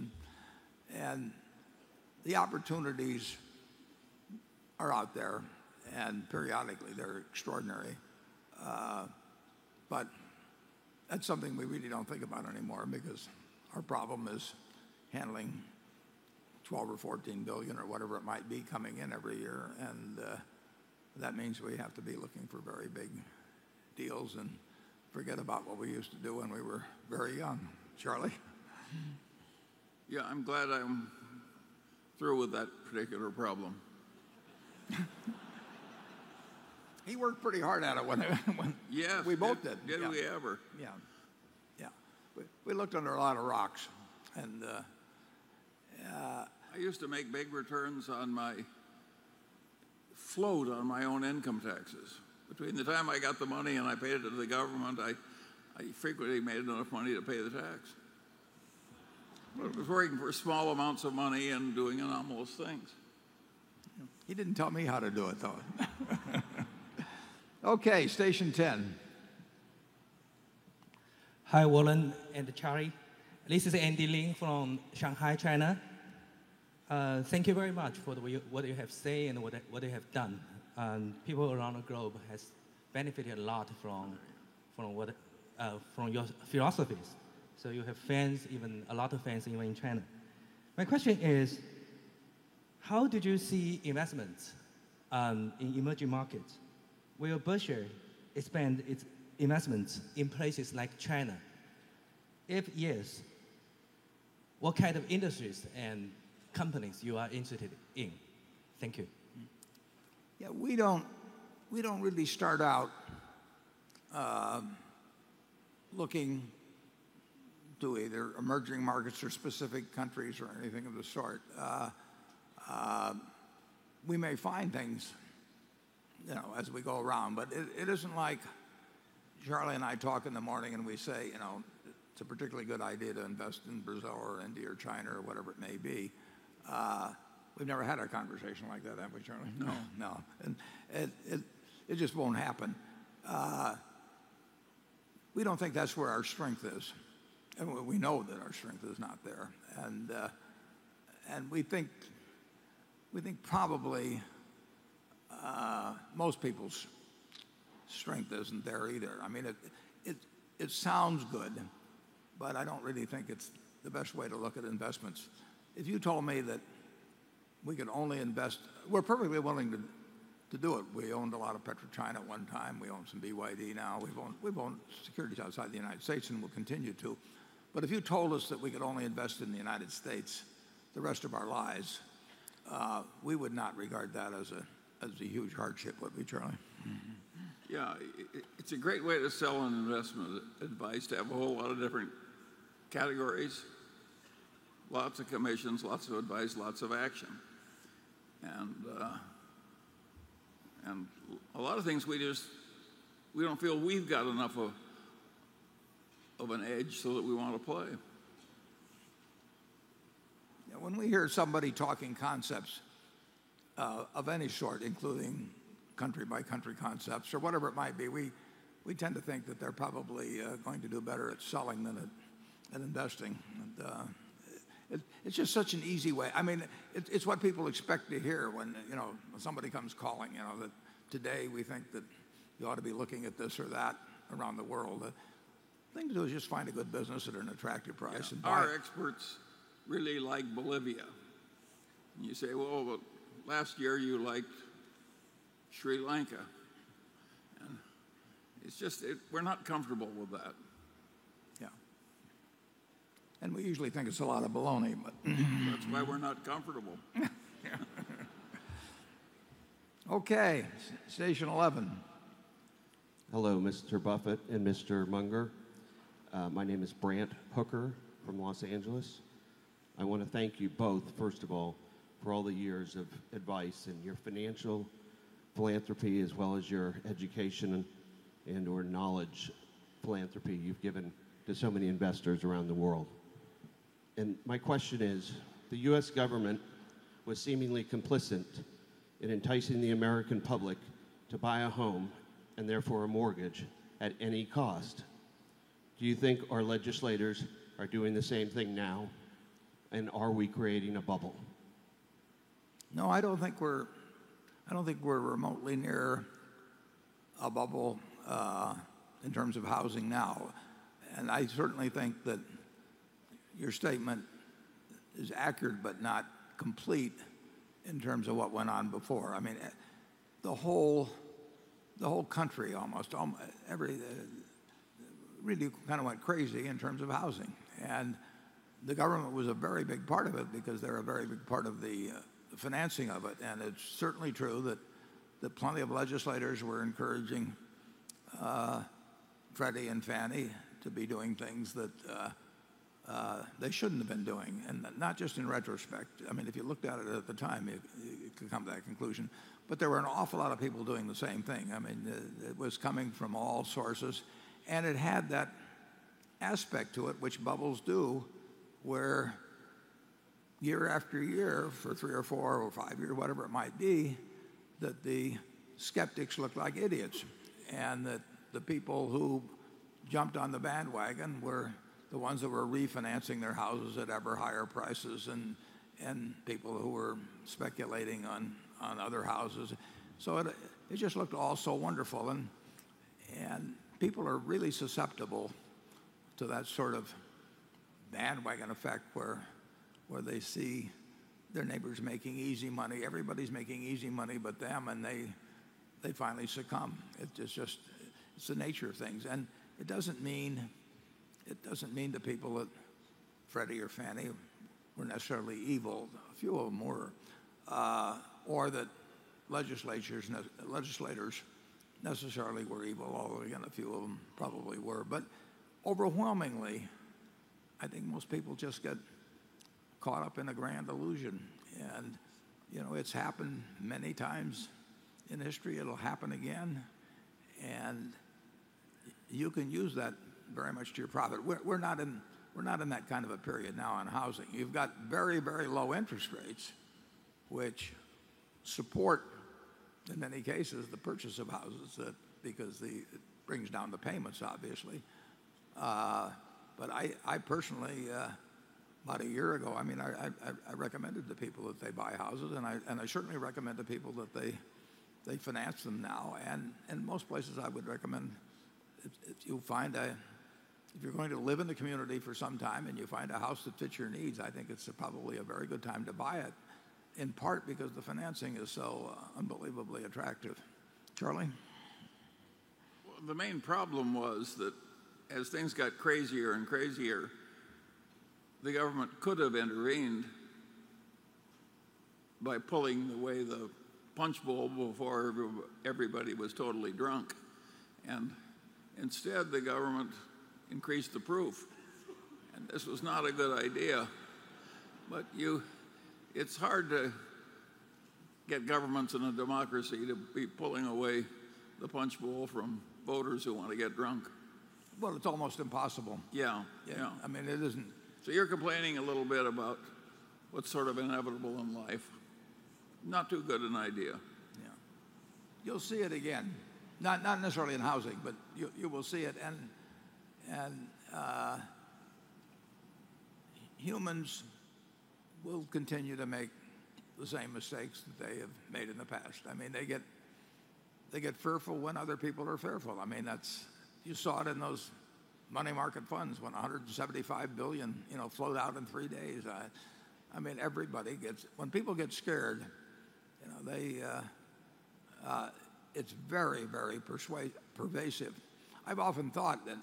the opportunities are out there, periodically they're extraordinary. That's something we really don't think about anymore because our problem is handling $12 billion or $14 billion or whatever it might be coming in every year, and that means we have to be looking for very big deals and forget about what we used to do when we were very young. Charlie? Yeah, I'm glad I'm through with that particular problem. He worked pretty hard at it when. Yes We both did. Did we ever. Yeah. We looked under a lot of rocks and yeah. I used to make big returns on my float on my own income taxes. Between the time I got the money and I paid it to the government, I frequently made enough money to pay the tax. It was working for small amounts of money and doing anomalous things. He didn't tell me how to do it, though. Okay, station 10. Hi, Warren and Charlie. This is Andy Ling from Shanghai, China. Thank you very much for what you have said and what you have done. People around the globe have benefited a lot from your philosophies. You have a lot of fans, even in China. My question is, how did you see investments in emerging markets? Will Berkshire expand its investments in places like China? If yes, what kind of industries and companies are you interested in? Thank you. We don't really start out looking to either emerging markets or specific countries or anything of the sort. We may find things as we go around, but it isn't like Charlie and I talk in the morning and we say, "It's a particularly good idea to invest in Brazil or India or China," or whatever it may be. We've never had a conversation like that, have we, Charlie? No. No. It just won't happen. We don't think that's where our strength is. We know that our strength is not there. We think probably most people's strength isn't there either. It sounds good, but I don't really think it's the best way to look at investments. If you told me that we could only invest, we're perfectly willing to do it. We owned a lot of PetroChina at one time. We own some BYD now. We've owned securities outside the U.S., and we'll continue to. If you told us that we could only invest in the U.S. the rest of our lives, we would not regard that as a huge hardship, would we, Charlie? It's a great way to sell an investment advice, to have a whole lot of different categories, lots of commissions, lots of advice, lots of action. A lot of things we just don't feel we've got enough of an edge so that we want to play. Yeah. When we hear somebody talking concepts of any sort, including country-by-country concepts or whatever it might be, we tend to think that they're probably going to do better at selling than at investing. It's just such an easy way. It's what people expect to hear when somebody comes calling, that today we think that you ought to be looking at this or that around the world. The thing to do is just find a good business at an attractive price and buy it. Yes. Our experts really like Bolivia, and you say, "Well, but last year you liked Sri Lanka." It's just we're not comfortable with that. Yeah. We usually think it's a lot of baloney, but That's why we're not comfortable. Yeah. Okay, station 11. Hello, Mr. Buffett and Mr. Munger. My name is Brant Hooker from Los Angeles. I want to thank you both, first of all, for all the years of advice and your financial philanthropy, as well as your education and or knowledge philanthropy you've given to so many investors around the world. My question is, the U.S. government was seemingly complicit in enticing the American public to buy a home, and therefore a mortgage, at any cost. Do you think our legislators are doing the same thing now, and are we creating a bubble? No, I don't think we're remotely near a bubble in terms of housing now. I certainly think that your statement is accurate but not complete in terms of what went on before. The whole country almost really kind of went crazy in terms of housing, and the government was a very big part of it because they're a very big part of the financing of it. It's certainly true that plenty of legislators were encouraging Freddie and Fannie to be doing things that they shouldn't have been doing, and not just in retrospect. If you looked at it at the time, you could come to that conclusion. There were an awful lot of people doing the same thing. It was coming from all sources, and it had that aspect to it, which bubbles do, where year after year, for three or four or five years, whatever it might be, that the skeptics looked like idiots. That the people who jumped on the bandwagon were the ones that were refinancing their houses at ever higher prices and people who were speculating on other houses. It just looked all so wonderful, and people are really susceptible to that sort of bandwagon effect where they see their neighbors making easy money. Everybody's making easy money but them, and they finally succumb. It's the nature of things. It doesn't mean the people at Freddie or Fannie were necessarily evil, a few of them were, or that legislators necessarily were evil, although again, a few of them probably were. Overwhelmingly, I think most people just got caught up in a grand illusion, it's happened many times in history. It'll happen again, you can use that very much to your profit. We're not in that kind of a period now in housing. You've got very low interest rates which support, in many cases, the purchase of houses because it brings down the payments, obviously. I personally about a year ago I recommended to people that they buy houses, I certainly recommend to people that they finance them now. Most places I would recommend if you're going to live in the community for some time and you find a house that fits your needs, I think it's probably a very good time to buy it, in part because the financing is so unbelievably attractive. Charlie? Well, the main problem was that as things got crazier and crazier, the government could have intervened by pulling away the punchbowl before everybody was totally drunk, instead the government increased the proof. This was not a good idea. It's hard to get governments in a democracy to be pulling away the punchbowl from voters who want to get drunk. Well, it's almost impossible. Yeah. I mean, it isn't. You're complaining a little bit about what's sort of inevitable in life. Not too good an idea. Yeah. You'll see it again, not necessarily in housing, but you will see it. Humans will continue to make the same mistakes that they have made in the past. They get fearful when other people are fearful. You saw it in those money market funds when $175 billion flowed out in three days. When people get scared, it's very pervasive. I've often thought that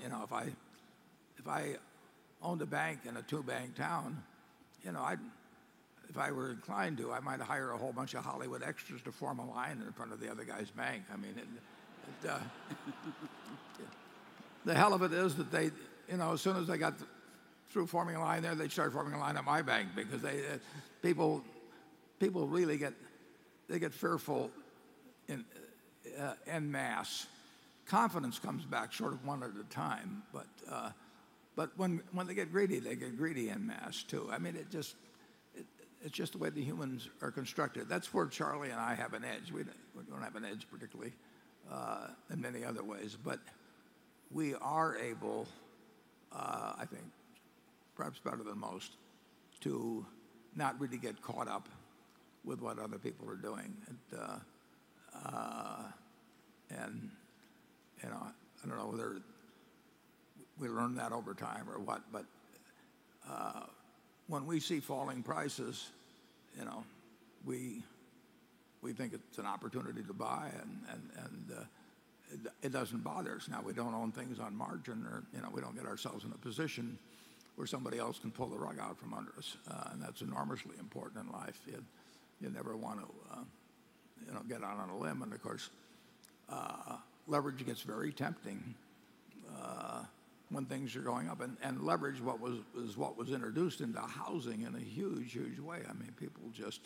if I owned a bank in a two-bank town, if I were inclined to, I might hire a whole bunch of Hollywood extras to form a line in front of the other guy's bank. The hell of it is that as soon as they got through forming a line there, they'd start forming a line at my bank because people really get fearful en masse. Confidence comes back sort of one at a time. When they get greedy, they get greedy en masse, too. It's just the way the humans are constructed. That's where Charlie and I have an edge. We don't have an edge particularly in many other ways, but we are able, I think perhaps better than most, to not really get caught up with what other people are doing. I don't know whether we learned that over time or what, but when we see falling prices, we think it's an opportunity to buy, and it doesn't bother us. Now, we don't own things on margin or we don't get ourselves in a position where somebody else can pull the rug out from under us, and that's enormously important in life. You never want to get out on a limb, and of course, leverage gets very tempting when things are going up. Leverage is what was introduced into housing in a huge way. People just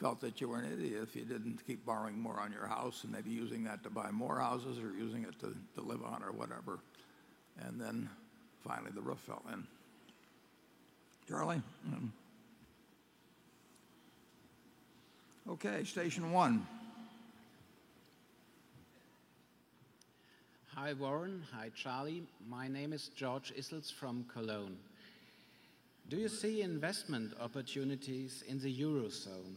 felt that you were an idiot if you didn't keep borrowing more on your house and maybe using that to buy more houses or using it to live on or whatever. Finally, the roof fell in. Charlie? Okay, station one. Hi, Warren. Hi, Charlie. My name is George Issles from Cologne. Do you see investment opportunities in the Eurozone?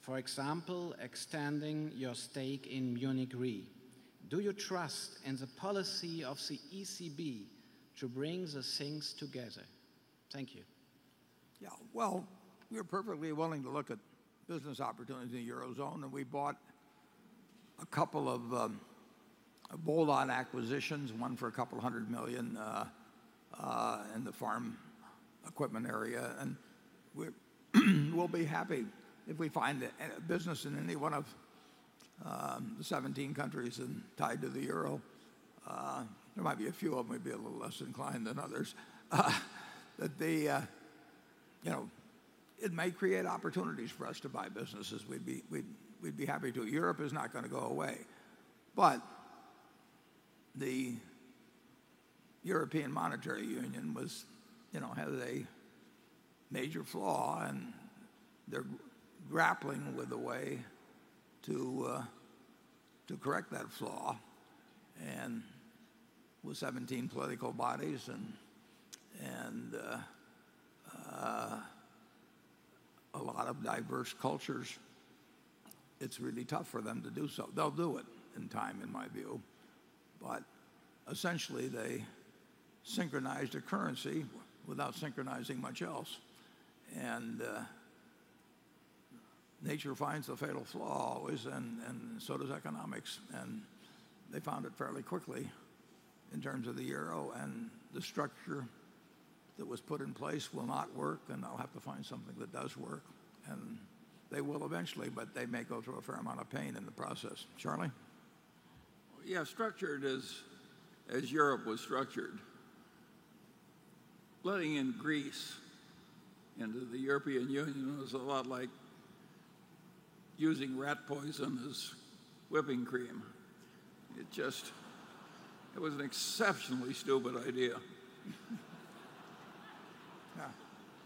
For example, extending your stake in Munich Re. Do you trust in the policy of the ECB to bring the things together? Thank you. Yeah. Well, we are perfectly willing to look at business opportunities in the Eurozone, and we bought a couple of bolt-on acquisitions, one for $200 million in the farm equipment area, and we'll be happy if we find a business in any one of the 17 countries tied to the euro. There might be a few of them we'd be a little less inclined than others. It may create opportunities for us to buy businesses. We'd be happy to. Europe is not going to go away. The European Monetary Union has a major flaw, and they're grappling with a way to correct that flaw, and with 17 political bodies and a lot of diverse cultures, it's really tough for them to do so. They'll do it in time, in my view. Essentially, they synchronized a currency without synchronizing much else. Nature finds the fatal flaw always, and so does economics. They found it fairly quickly in terms of the euro, and the structure that was put in place will not work, and they'll have to find something that does work. They will eventually, but they may go through a fair amount of pain in the process. Charlie? Yeah, structured as Europe was structured, letting in Greece into the European Union was a lot like using rat poison as whipping cream. It was an exceptionally stupid idea.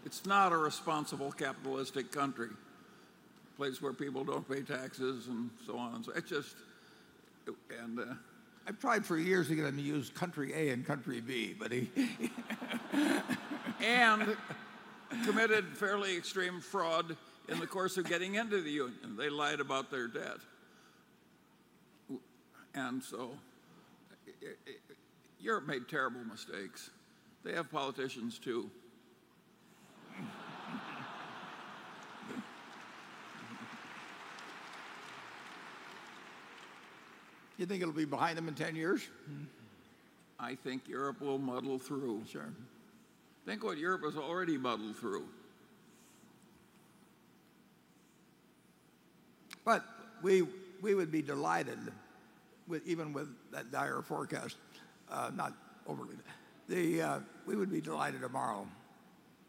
It's not a responsible capitalistic country. A place where people don't pay taxes and so on. I've tried for years to get him to use country A and country B. Committed fairly extreme fraud in the course of getting into the union. They lied about their debt. Europe made terrible mistakes. They have politicians, too. You think it'll be behind them in 10 years? I think Europe will muddle through. Sure. Think what Europe has already muddled through. We would be delighted even with that dire forecast, not overly. We would be delighted tomorrow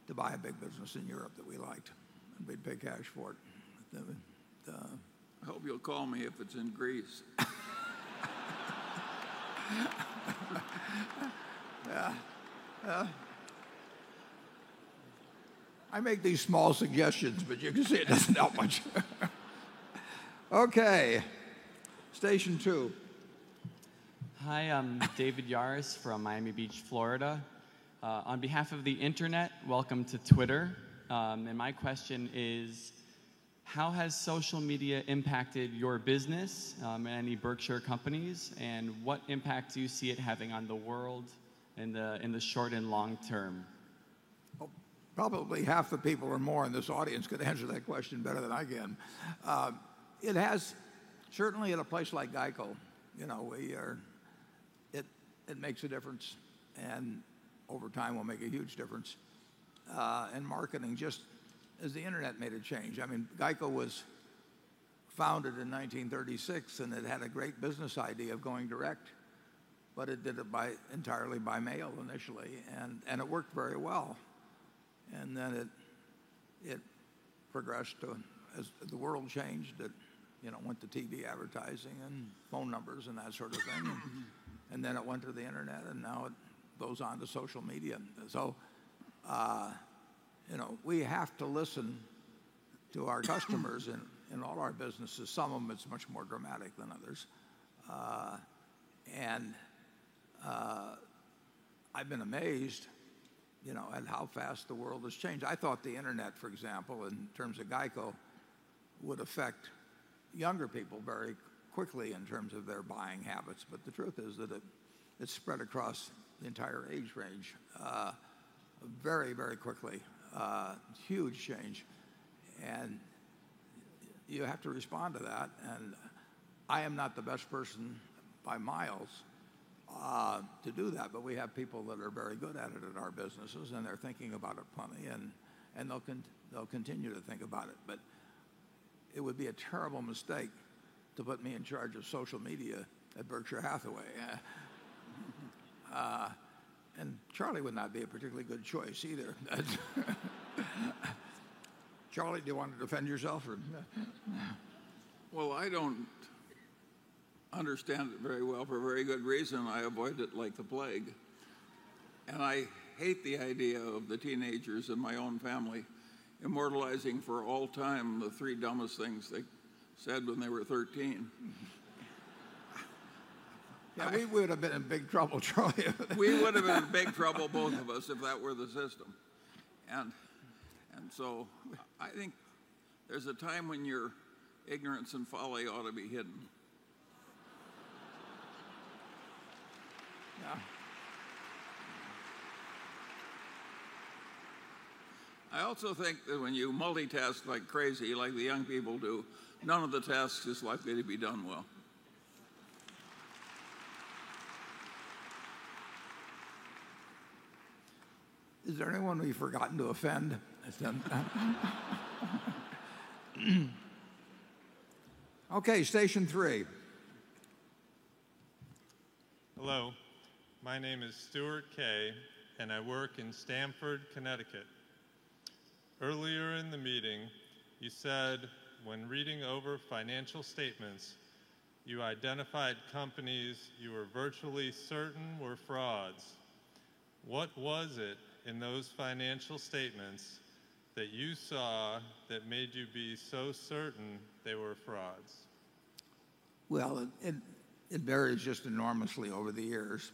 to buy a big business in Europe that we liked, and we'd pay cash for it. Hope you'll call me if it's in Greece. I make these small suggestions, but you can see it doesn't help much. Okay. Station two. Hi, I'm David Yaris from Miami Beach, Florida. On behalf of the internet, welcome to Twitter. My question is, how has social media impacted your business and the Berkshire companies, and what impact do you see it having on the world in the short and long term? Probably half the people or more in this audience could answer that question better than I can. Certainly at a place like GEICO, it makes a difference, over time will make a huge difference in marketing, just as the internet made a change. GEICO was founded in 1936, it had a great business idea of going direct, it did it entirely by mail initially, and it worked very well. Then it progressed to, as the world changed it, went to TV advertising and phone numbers and that sort of thing. Then it went to the internet, and now it goes on to social media. We have to listen to our customers in all our businesses. Some of them it's much more dramatic than others. I've been amazed at how fast the world has changed. I thought the internet, for example, in terms of GEICO, would affect younger people very quickly in terms of their buying habits. The truth is that it spread across the entire age range very, very quickly. Huge change, you have to respond to that. I am not the best person by miles to do that, we have people that are very good at it in our businesses, they're thinking about it plenty, they'll continue to think about it. It would be a terrible mistake to put me in charge of social media at Berkshire Hathaway. Charlie would not be a particularly good choice either. Charlie, do you want to defend yourself or? Well, I don't understand it very well for a very good reason. I avoid it like the plague. I hate the idea of the teenagers in my own family immortalizing for all time the three dumbest things they said when they were 13. Yeah, we would have been in big trouble, Charlie. We would have been in big trouble, both of us, if that were the system. I think there's a time when your ignorance and folly ought to be hidden. Yeah. I also think that when you multitask like crazy, like the young people do, none of the tasks is likely to be done well. Is there anyone we've forgotten to offend? Okay, station 3. Hello, my name is Stuart Kaye and I work in Stamford, Connecticut. Earlier in the meeting, you said when reading over financial statements, you identified companies you were virtually certain were frauds. What was it in those financial statements that you saw that made you be so certain they were frauds? Well, it varies just enormously over the years,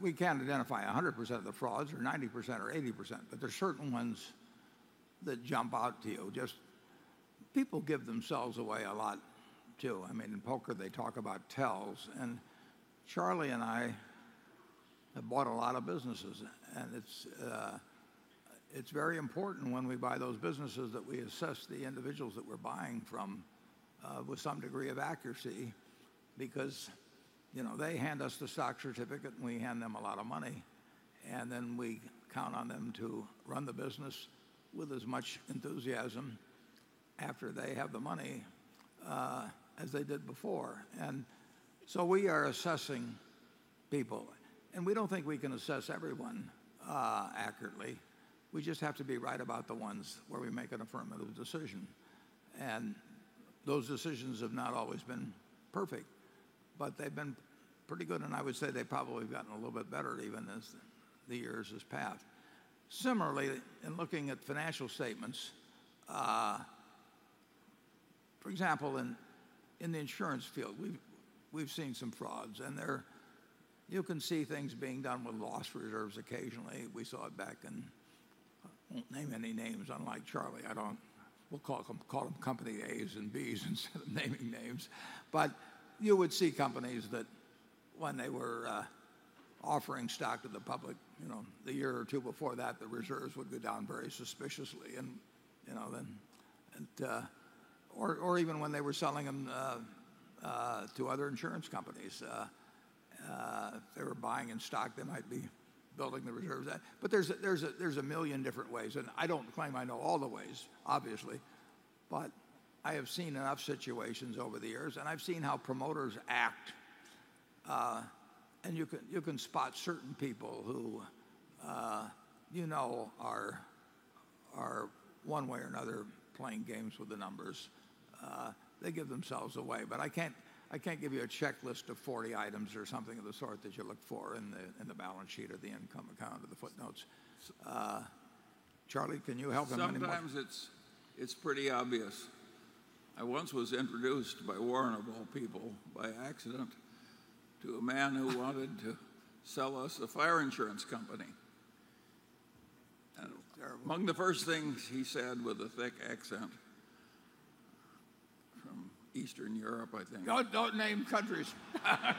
we can't identify 100% of the frauds or 90% or 80%, there's certain ones that jump out to you. Just people give themselves away a lot, too. In poker, they talk about tells, Charlie and I have bought a lot of businesses. It's very important when we buy those businesses that we assess the individuals that we're buying from with some degree of accuracy because they hand us the stock certificate and we hand them a lot of money, we count on them to run the business with as much enthusiasm after they have the money as they did before. So we are assessing people, we don't think we can assess everyone accurately. We just have to be right about the ones where we make an affirmative decision. Those decisions have not always been perfect, they've been pretty good, I would say they probably have gotten a little bit better even as the years has passed. Similarly, in looking at financial statements, for example, in the insurance field, we've seen some frauds, you can see things being done with loss reserves occasionally. We saw it back in I won't name any names, unlike Charlie. We'll call them company A's and B's instead of naming names. You would see companies that when they were offering stock to the public the year or two before that, the reserves would go down very suspiciously, or even when they were selling them to other insurance companies. If they were buying in stock, they might be building the reserves. There's a million different ways, I don't claim I know all the ways, obviously, I have seen enough situations over the years and I've seen how promoters act. You can spot certain people who you know are one way or another playing games with the numbers. They give themselves away. I can't give you a checklist of 40 items or something of the sort that you look for in the balance sheet or the income account or the footnotes. Charlie, can you help him anymore? Sometimes it's pretty obvious. I once was introduced by Warren, of all people, by accident, to a man who wanted to sell us a fire insurance company. That was terrible. Among the first things he said with a thick accent from Eastern Europe, I think. Don't name countries. I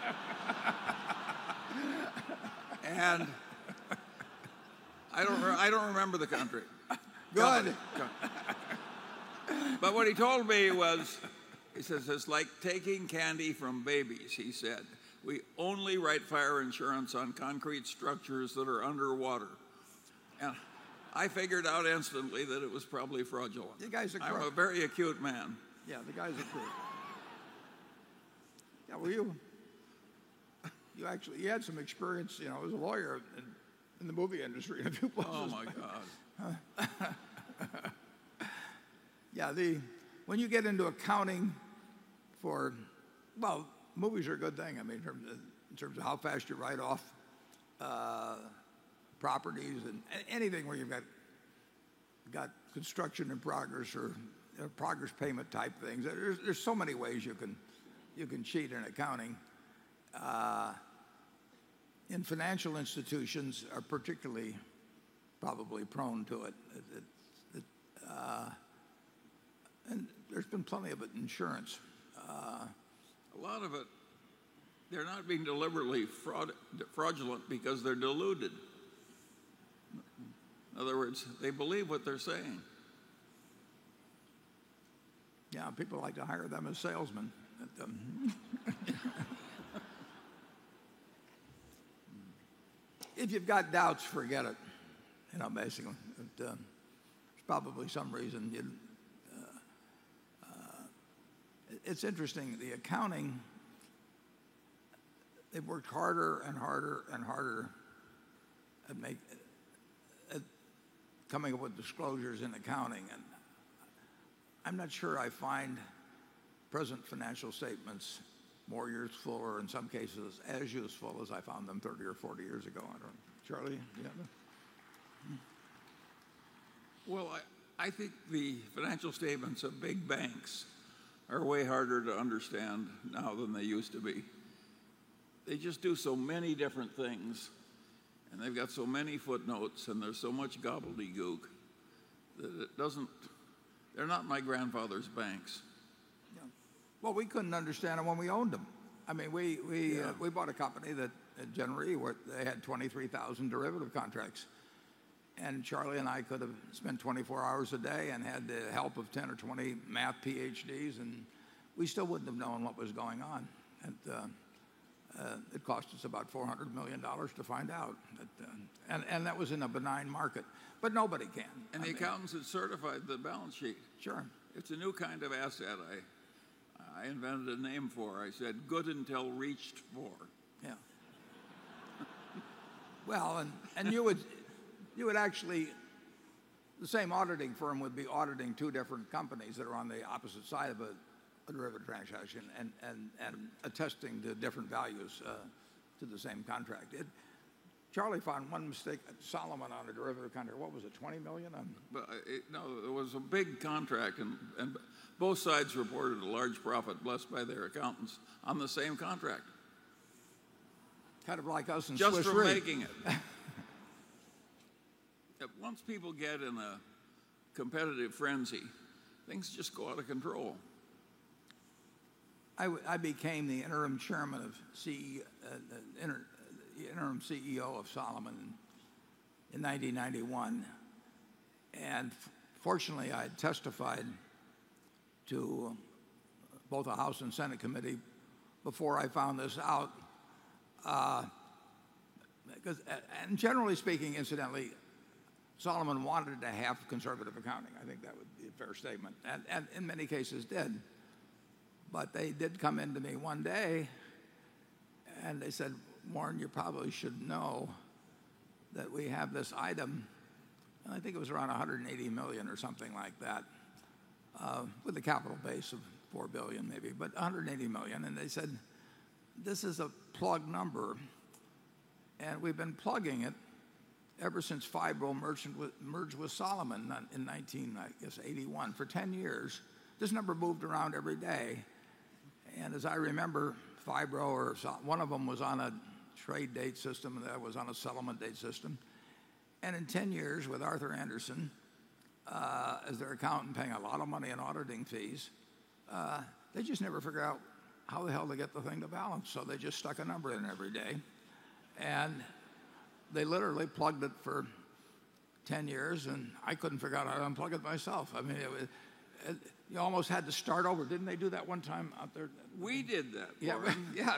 don't remember the country. Good. What he told me was, he says, "It's like taking candy from babies," he said. "We only write fire insurance on concrete structures that are underwater." I figured out instantly that it was probably fraudulent. The guy's acute. I'm a very acute man. Yeah, the guy's acute. Yeah, you had some experience, as a lawyer in the movie industry a few places. Oh, my God. Yeah. When you get into accounting for Well, movies are a good thing, in terms of how fast you write off properties and anything where you've got construction in progress or progress payment type things. There's so many ways you can cheat in accounting. Financial institutions are particularly probably prone to it. There's been plenty of it in insurance. A lot of it, they're not being deliberately fraudulent because they're deluded. In other words, they believe what they're saying. Yeah. People like to hire them as salesmen. If you've got doubts, forget it, basically. There's probably some reason you It's interesting. The accounting, they've worked harder and harder at coming up with disclosures in accounting, I'm not sure I find present financial statements more useful or, in some cases, as useful as I found them 30 or 40 years ago. I don't know. Charlie, you have a? Well, I think the financial statements of big banks are way harder to understand now than they used to be. They just do so many different things, and they've got so many footnotes, and there's so much gobbledygook. They're not my grandfather's banks. Yeah. Well, we couldn't understand them when we owned them. Yeah. We bought a company that at Gen Re where they had 23,000 derivative contracts, Charlie and I could have spent 24 hours a day and had the help of 10 or 20 math PhDs, and we still wouldn't have known what was going on. It cost us about $400 million to find out. That was in a benign market. Nobody can. The accountants had certified the balance sheet. Sure. It's a new kind of asset. I invented a name for it. I said, "Good until reached for. Yeah. Well, you would actually The same auditing firm would be auditing two different companies that are on the opposite side of a derivative transaction and attesting to different values to the same contract. Charlie found one mistake at Salomon on a derivative contract. What was it, $20 million? No, it was a big contract, both sides reported a large profit blessed by their accountants on the same contract. Kind of like us in Swiss Re. Just for making it. Once people get in a competitive frenzy, things just go out of control. I became the interim CEO of Salomon in 1991, fortunately, I testified to both the House and Senate committee before I found this out. Generally speaking, incidentally, Salomon wanted to have conservative accounting. I think that would be a fair statement, and in many cases did. They did come in to me one day and they said, "Warren, you probably should know that we have this item," I think it was around $180 million or something like that with a capital base of $4 billion maybe, but $180 million, and they said, "This is a plug number, and we've been plugging it ever since Phibro merged with Salomon in 1981." For 10 years, this number moved around every day. As I remember, Phibro or Sal, one of them was on a trade date system, the other was on a settlement date system. In 10 years with Arthur Andersen as their accountant paying a lot of money in auditing fees, they just never figured out how the hell to get the thing to balance, they just stuck a number in every day. They literally plugged it for 10 years, I couldn't figure out how to unplug it myself. You almost had to start over. Didn't they do that one time out there? We did that, Warren. Yeah.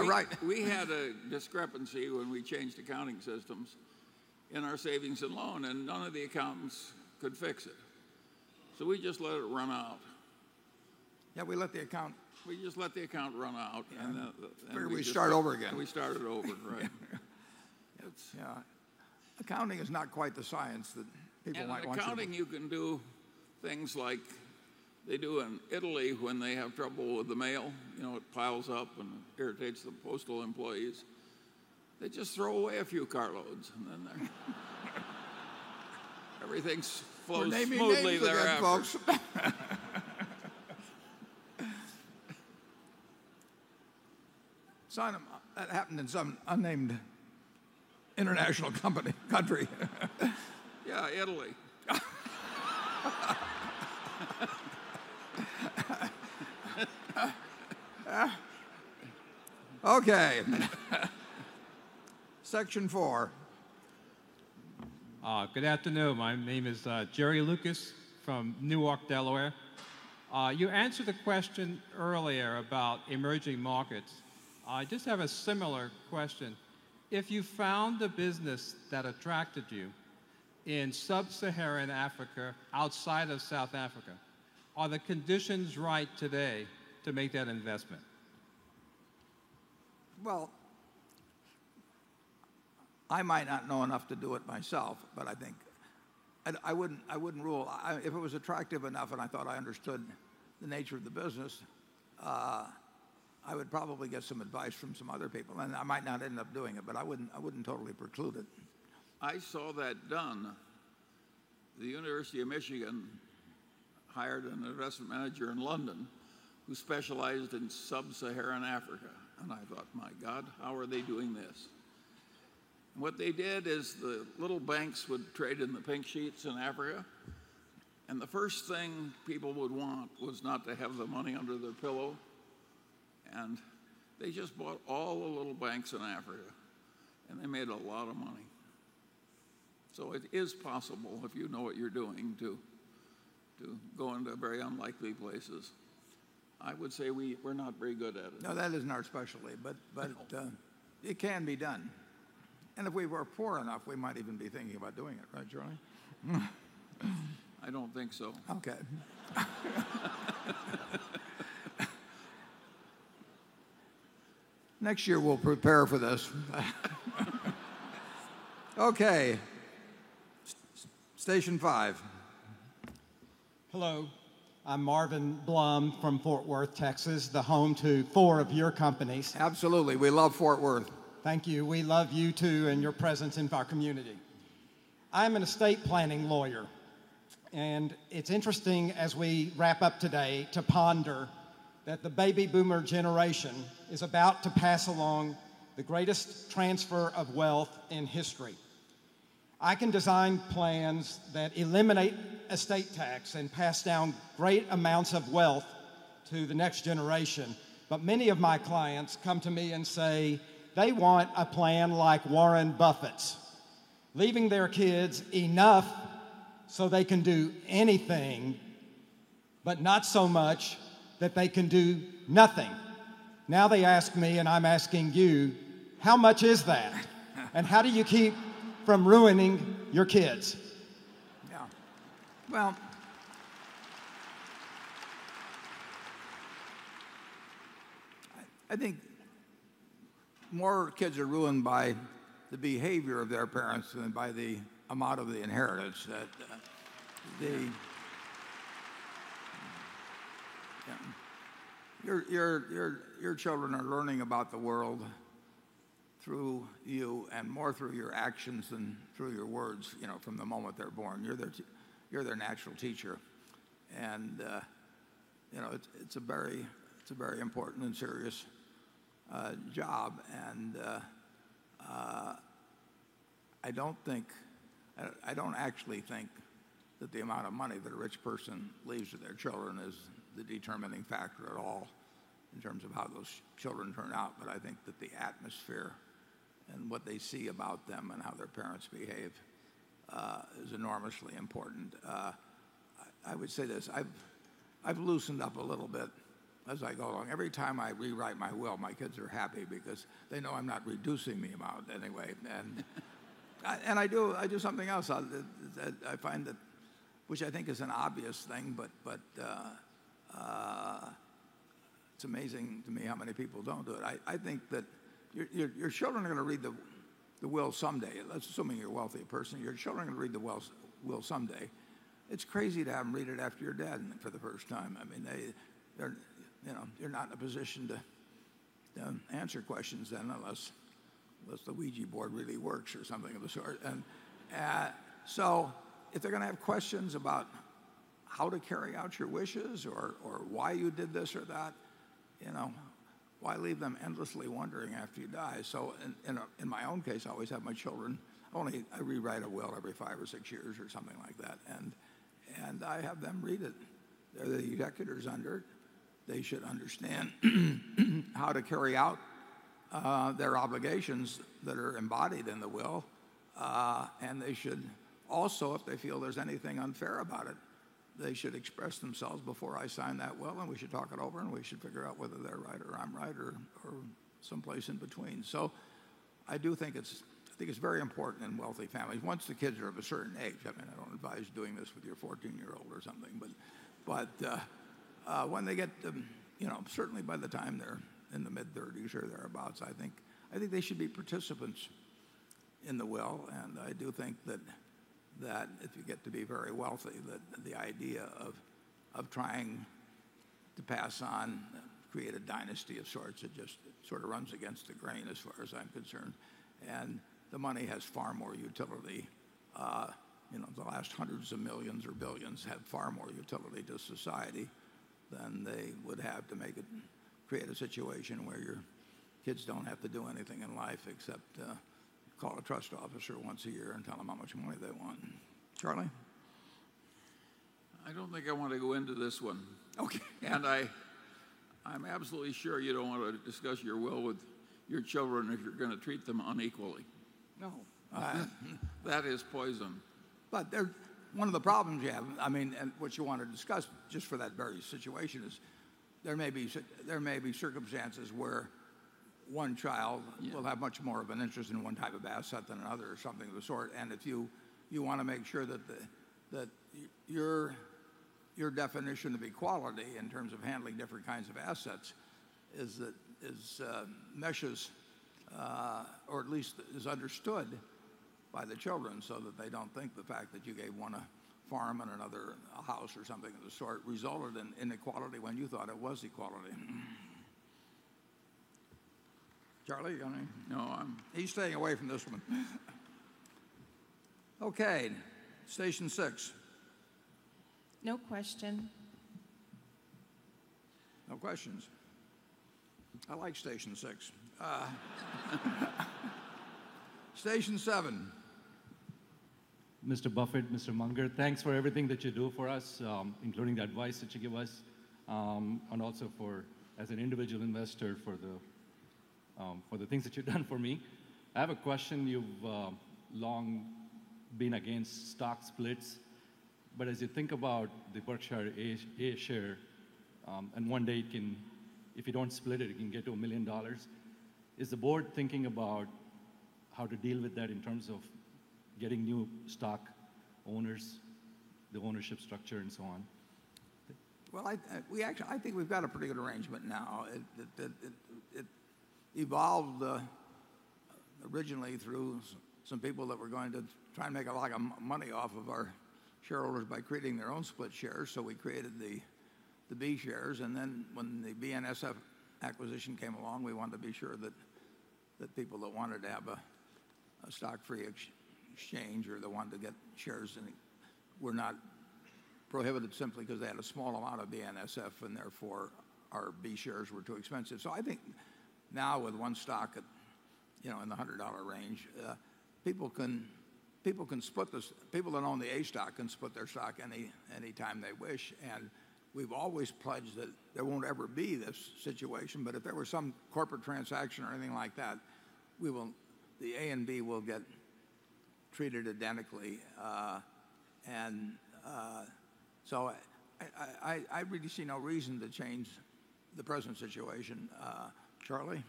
Right. We had a discrepancy when we changed accounting systems in our savings and loan, and none of the accountants could fix it. We just let it run out. Yeah, we let the account- We just let the account run out, and then we- Figured we'd start over again we started over, right. Yeah. Accounting is not quite the science that people might want you to. In accounting, you can do things like they do in Italy when they have trouble with the mail. It piles up and irritates the postal employees. They just throw away a few carloads, and then everything flows smoothly thereafter. They're naming names again, folks. That happened in some unnamed international country. Yeah, Italy. Okay. Section four. Good afternoon. My name is Jerry Lucas from Newark, Delaware. You answered a question earlier about emerging markets. I just have a similar question. If you found a business that attracted you in sub-Saharan Africa, outside of South Africa, are the conditions right today to make that investment? Well, I might not know enough to do it myself. If it was attractive enough and I thought I understood the nature of the business, I would probably get some advice from some other people, and I might not end up doing it, but I wouldn't totally preclude it. I saw that done. The University of Michigan hired an investment manager in London who specialized in sub-Saharan Africa. I thought, "My God, how are they doing this?" What they did is the little banks would trade in the pink sheets in Africa, and the first thing people would want was not to have the money under their pillow, and they just bought all the little banks in Africa, and they made a lot of money. It is possible if you know what you're doing to go into very unlikely places. I would say we're not very good at it. No, that isn't our specialty. No. It can be done. If we were poor enough, we might even be thinking about doing it, right, Charlie? I don't think so. Okay. Next year, we'll prepare for this. Okay. Station five. Hello, I'm Marvin Blum from Fort Worth, Texas, the home to four of your companies. Absolutely. We love Fort Worth. Thank you. We love you, too, and your presence in our community. I am an estate planning lawyer, it's interesting as we wrap up today to ponder that the baby boomer generation is about to pass along the greatest transfer of wealth in history. I can design plans that eliminate estate tax and pass down great amounts of wealth to the next generation, but many of my clients come to me and say they want a plan like Warren Buffett's, leaving their kids enough so they can do anything, but not so much that they can do nothing. Now they ask me, and I'm asking you, how much is that? How do you keep from ruining your kids? Well, I think more kids are ruined by the behavior of their parents than by the amount of the inheritance that they. Your children are learning about the world through you and more through your actions than through your words from the moment they're born. You're their natural teacher, it's a very important and serious job. I don't actually think that the amount of money that a rich person leaves to their children is the determining factor at all in terms of how those children turn out. I think that the atmosphere and what they see about them and how their parents behave is enormously important. I would say this, I've loosened up a little bit as I go along. Every time I rewrite my will, my kids are happy because they know I'm not reducing the amount anyway. I do something else which I think is an obvious thing, but it's amazing to me how many people don't do it. I think that your children are going to read the will someday. That's assuming you're a wealthy person. Your children are going to read the will someday. It's crazy to have them read it after you're dead for the first time. You're not in a position to answer questions then, unless the Ouija board really works or something of the sort. If they're going to have questions about how to carry out your wishes or why you did this or that, why leave them endlessly wondering after you die? In my own case, I always have my children I rewrite a will every five or six years or something like that, and I have them read it. They're the executors under it. They should understand how to carry out their obligations that are embodied in the will. They should also, if they feel there's anything unfair about it, they should express themselves before I sign that will, we should talk it over, we should figure out whether they're right or I'm right or someplace in between. I do think it's very important in wealthy families. Once the kids are of a certain age, I don't advise doing this with your 14-year-old or something, but when they get to, certainly by the time they're in the mid-30s or thereabouts, I think they should be participants in the will. I do think that if you get to be very wealthy, that the idea of trying to pass on, create a dynasty of sorts, it just sort of runs against the grain as far as I'm concerned. The money has far more utility. The last hundreds of millions or billions have far more utility to society than they would have to create a situation where your kids don't have to do anything in life except call a trust officer once a year and tell them how much money they want. Charlie? I don't think I want to go into this one. Okay. I'm absolutely sure you don't want to discuss your will with your children if you're going to treat them unequally. No. That is poison. One of the problems you have, and what you want to discuss just for that very situation is there may be circumstances where one child will have much more of an interest in one type of asset than another, or something of the sort. You want to make sure that your definition of equality in terms of handling different kinds of assets meshes, or at least is understood by the children so that they don't think the fact that you gave one a farm and another a house or something of the sort resulted in inequality when you thought it was equality. Charlie, you want to? No. He's staying away from this one. Okay. Station 6. No question. No questions. I like station 6. Station 7. Mr. Buffett, Mr. Munger, thanks for everything that you do for us, including the advice that you give us, and also as an individual investor, for the things that you've done for me. I have a question. You've long been against stock splits, but as you think about the Berkshire A share, and one day, if you don't split it can get to $1 million, is the board thinking about how to deal with that in terms of getting new stock owners, the ownership structure, and so on? Well, I think we've got a pretty good arrangement now. It evolved originally through some people that were going to try and make a lot of money off of our shareholders by creating their own split shares, so we created the B shares. Then when the BNSF acquisition came along, we wanted to be sure that people that wanted to have a stock-free exchange or that wanted to get shares were not prohibited simply because they had a small amount of BNSF and therefore our B shares were too expensive. I think now with one stock in the $100 range, people that own the A stock can split their stock any time they wish. We've always pledged that there won't ever be this situation, but if there were some corporate transaction or anything like that, the A and B will get treated identically. I really see no reason to change the present situation. Charlie?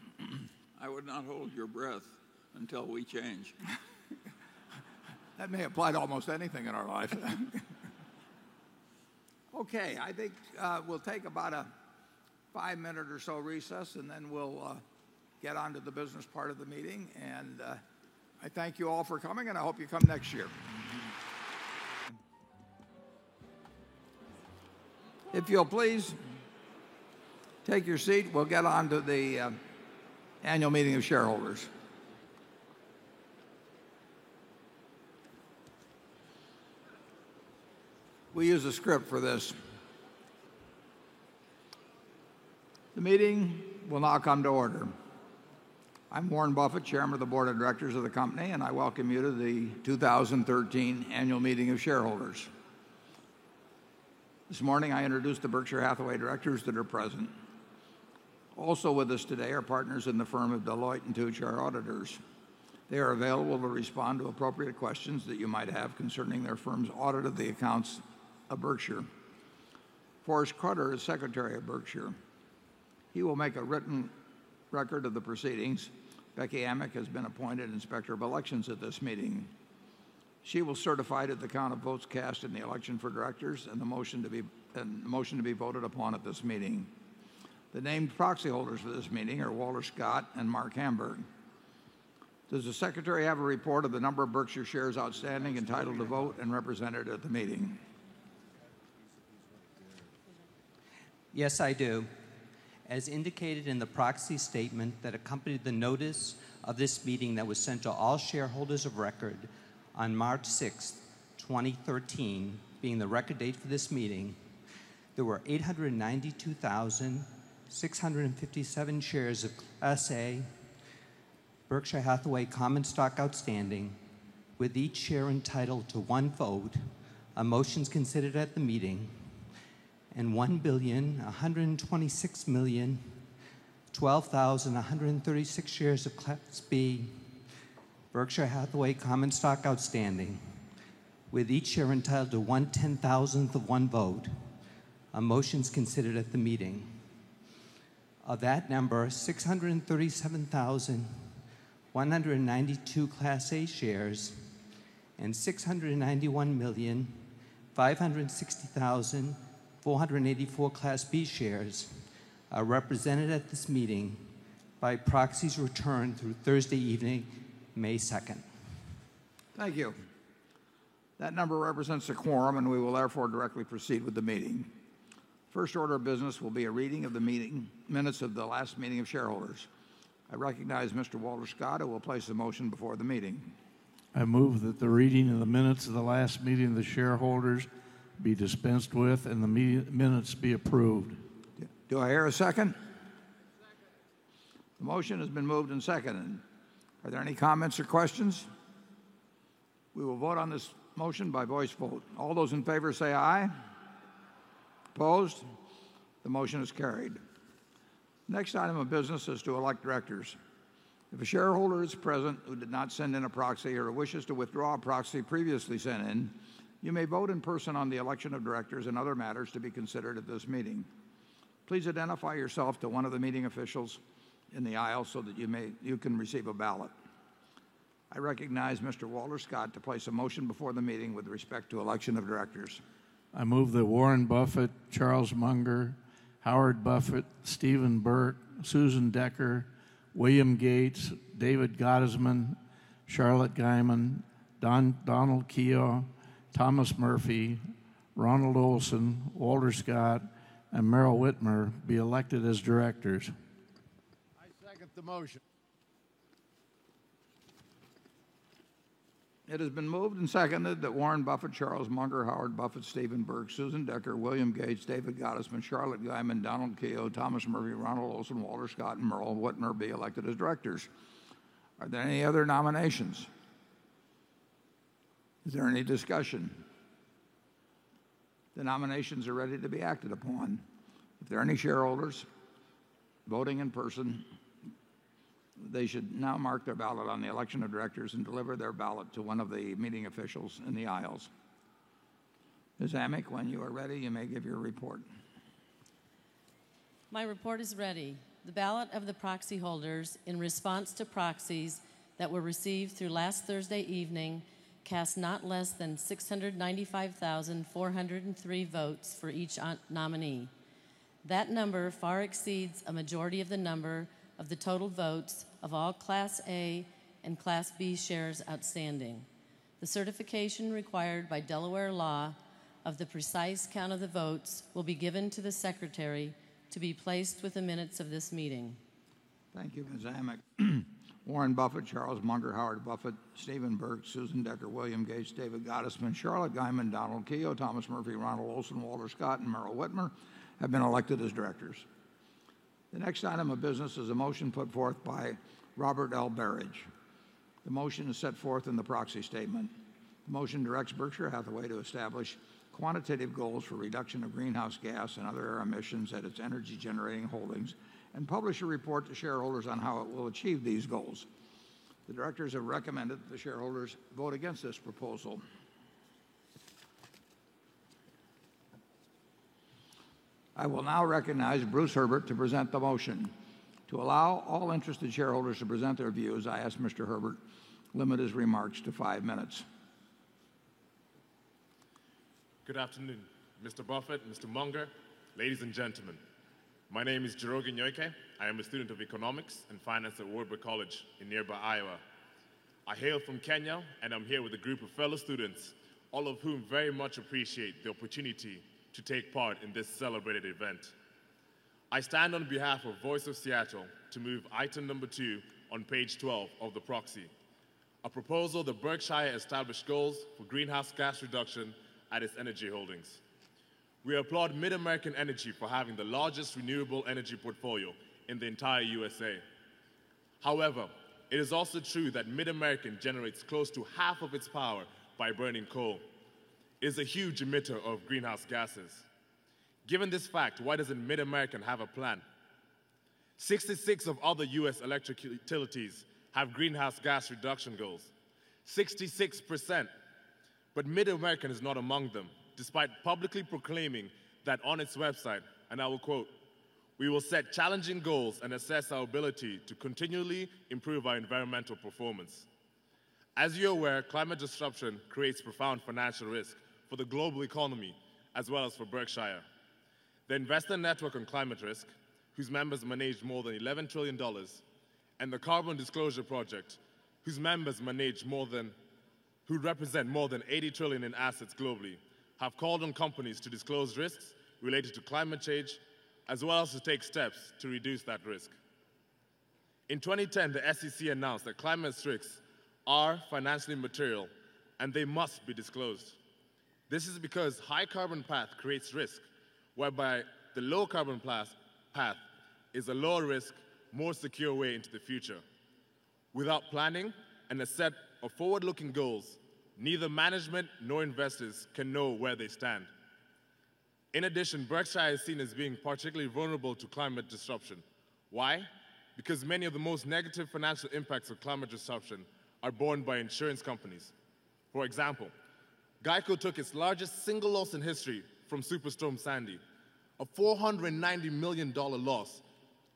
I would not hold your breath until we change. That may apply to almost anything in our life. Okay. I think we'll take about a five minute or so recess, then we'll get onto the business part of the meeting. I thank you all for coming, and I hope you come next year. If you'll please take your seat, we'll get onto the annual meeting of shareholders. We use a script for this. The meeting will now come to order. I'm Warren Buffett, chairman of the board of directors of the company, and I welcome you to the 2013 annual meeting of shareholders. This morning, I introduced the Berkshire Hathaway directors that are present. Also with us today are partners in the firm of Deloitte & Touche, our auditors. They are available to respond to appropriate questions that you might have concerning their firm's audit of the accounts of Berkshire. Forrest Krutter is secretary of Berkshire. He will make a written record of the proceedings. Becky Amick has been appointed Inspector of Elections at this meeting. She was certified at the count of votes cast in the election for directors and the motion to be voted upon at this meeting. The named proxy holders for this meeting are Walter Scott and Marc Hamburg. Does the secretary have a report of the number of Berkshire shares outstanding entitled to vote and represented at the meeting? Yes, I do. As indicated in the proxy statement that accompanied the notice of this meeting that was sent to all shareholders of record on March 6th, 2013, being the record date for this meeting, there were 892,657 shares of Class A Berkshire Hathaway common stock outstanding, with each share entitled to one vote on motions considered at the meeting, and 1,126,012,136 shares of Class B Berkshire Hathaway common stock outstanding, with each share entitled to 1/10,000 of one vote on motions considered at the meeting. Of that number, 637,192 Class A shares and 691,560,484 Class B shares are represented at this meeting by proxies returned through Thursday evening, May 2nd. Thank you. That number represents a quorum, we will therefore directly proceed with the meeting. First order of business will be a reading of the minutes of the last meeting of shareholders. I recognize Mr. Walter Scott, who will place the motion before the meeting. I move that the reading of the minutes of the last meeting of the shareholders be dispensed with and the minutes be approved. Do I hear a second? Second. The motion has been moved and seconded. Are there any comments or questions? We will vote on this motion by voice vote. All those in favor say aye. Aye. Opposed? The motion is carried. Next item of business is to elect directors. If a shareholder is present who did not send in a proxy or wishes to withdraw a proxy previously sent in, you may vote in person on the election of directors and other matters to be considered at this meeting. Please identify yourself to one of the meeting officials in the aisle so that you can receive a ballot. I recognize Mr. Walter Scott to place a motion before the meeting with respect to election of directors. I move that Warren Buffett, Charlie Munger, Howard Buffett, Stephen Burke, Susan Decker, William Gates, David Gottesman, Charlotte Guyman, Donald Keough, Thomas Murphy, Ronald Olson, Walter Scott, and Meryl Witmer be elected as directors. I second the motion. It has been moved and seconded that Warren Buffett, Charles Munger, Howard Buffett, Stephen B. Burke, Susan L. Decker, William H. Gates III, David Gottesman, Charlotte Guyman, Donald Keough, Thomas S. Murphy, Ronald Olson, Walter Scott, Jr., and Meryl Witmer be elected as directors. Are there any other nominations? Is there any discussion? The nominations are ready to be acted upon. If there are any shareholders voting in person, they should now mark their ballot on the election of directors and deliver their ballot to one of the meeting officials in the aisles. Ms. Amick, when you are ready, you may give your report. My report is ready. The ballot of the proxy holders in response to proxies that were received through last Thursday evening cast not less than 695,403 votes for each nominee. That number far exceeds a majority of the number of the total votes of all Class A and Class B shares outstanding. The certification required by Delaware law of the precise count of the votes will be given to the secretary to be placed with the minutes of this meeting. Thank you, Ms. Amick. Warren Buffett, Charles Munger, Howard Buffett, Stephen B. Burke, Susan L. Decker, William H. Gates III, David Gottesman, Charlotte Guyman, Donald Keough, Thomas S. Murphy, Ronald Olson, Walter Scott, Jr., and Meryl Witmer have been elected as directors. The next item of business is a motion put forth by Robert L. Berridge. The motion is set forth in the proxy statement. The motion directs Berkshire Hathaway to establish quantitative goals for reduction of greenhouse gas and other air emissions at its energy-generating holdings and publish a report to shareholders on how it will achieve these goals. The directors have recommended that the shareholders vote against this proposal. I will now recognize Bruce Herbert to present the motion. To allow all interested shareholders to present their views, I ask Mr. Herbert limit his remarks to five minutes. Good afternoon, Mr. Buffett, Mr. Munger, ladies and gentlemen. My name is Njoroge Nyoike. I am a student of economics and finance at Wartburg College in nearby Iowa. I hail from Kenya, and I'm here with a group of fellow students, all of whom very much appreciate the opportunity to take part in this celebrated event. I stand on behalf of Voice of Seattle to move item number 2 on page 12 of the proxy, a proposal that Berkshire establish goals for greenhouse gas reduction at its energy holdings. We applaud MidAmerican Energy for having the largest renewable energy portfolio in the entire USA. However, it is also true that MidAmerican generates close to half of its power by burning coal, is a huge emitter of greenhouse gases. Given this fact, why doesn't MidAmerican have a plan? 66 of other U.S. electric utilities have greenhouse gas reduction goals, 66%, but MidAmerican is not among them, despite publicly proclaiming that on its website, and I will quote, "We will set challenging goals and assess our ability to continually improve our environmental performance." As you are aware, climate disruption creates profound financial risk for the global economy as well as for Berkshire. The Investor Network on Climate Risk, whose members manage more than $11 trillion, and the Carbon Disclosure Project, whose members represent more than $80 trillion in assets globally, have called on companies to disclose risks related to climate change, as well as to take steps to reduce that risk. In 2010, the SEC announced that climate risks are financially material, and they must be disclosed. This is because high carbon path creates risk, whereby the low carbon path is a lower risk, more secure way into the future. Without planning and a set of forward-looking goals, neither management nor investors can know where they stand. In addition, Berkshire is seen as being particularly vulnerable to climate disruption. Why? Because many of the most negative financial impacts of climate disruption are borne by insurance companies. For example, GEICO took its largest single loss in history from Superstorm Sandy, a $490 million loss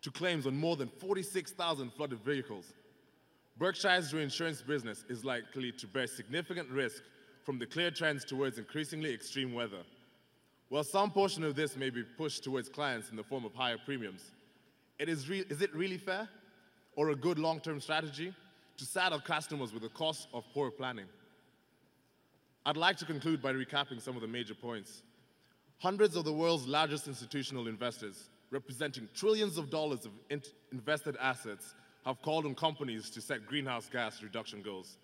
to claims on more than 46,000 flooded vehicles. Berkshire's reinsurance business is likely to bear significant risk from the clear trends towards increasingly extreme weather. While some portion of this may be pushed towards clients in the form of higher premiums, is it really fair or a good long-term strategy to saddle customers with the cost of poor planning? I would like to conclude by recapping some of the major points. Hundreds of the world's largest institutional investors, representing trillions of dollars of invested assets, have called on companies to set greenhouse gas reduction goals.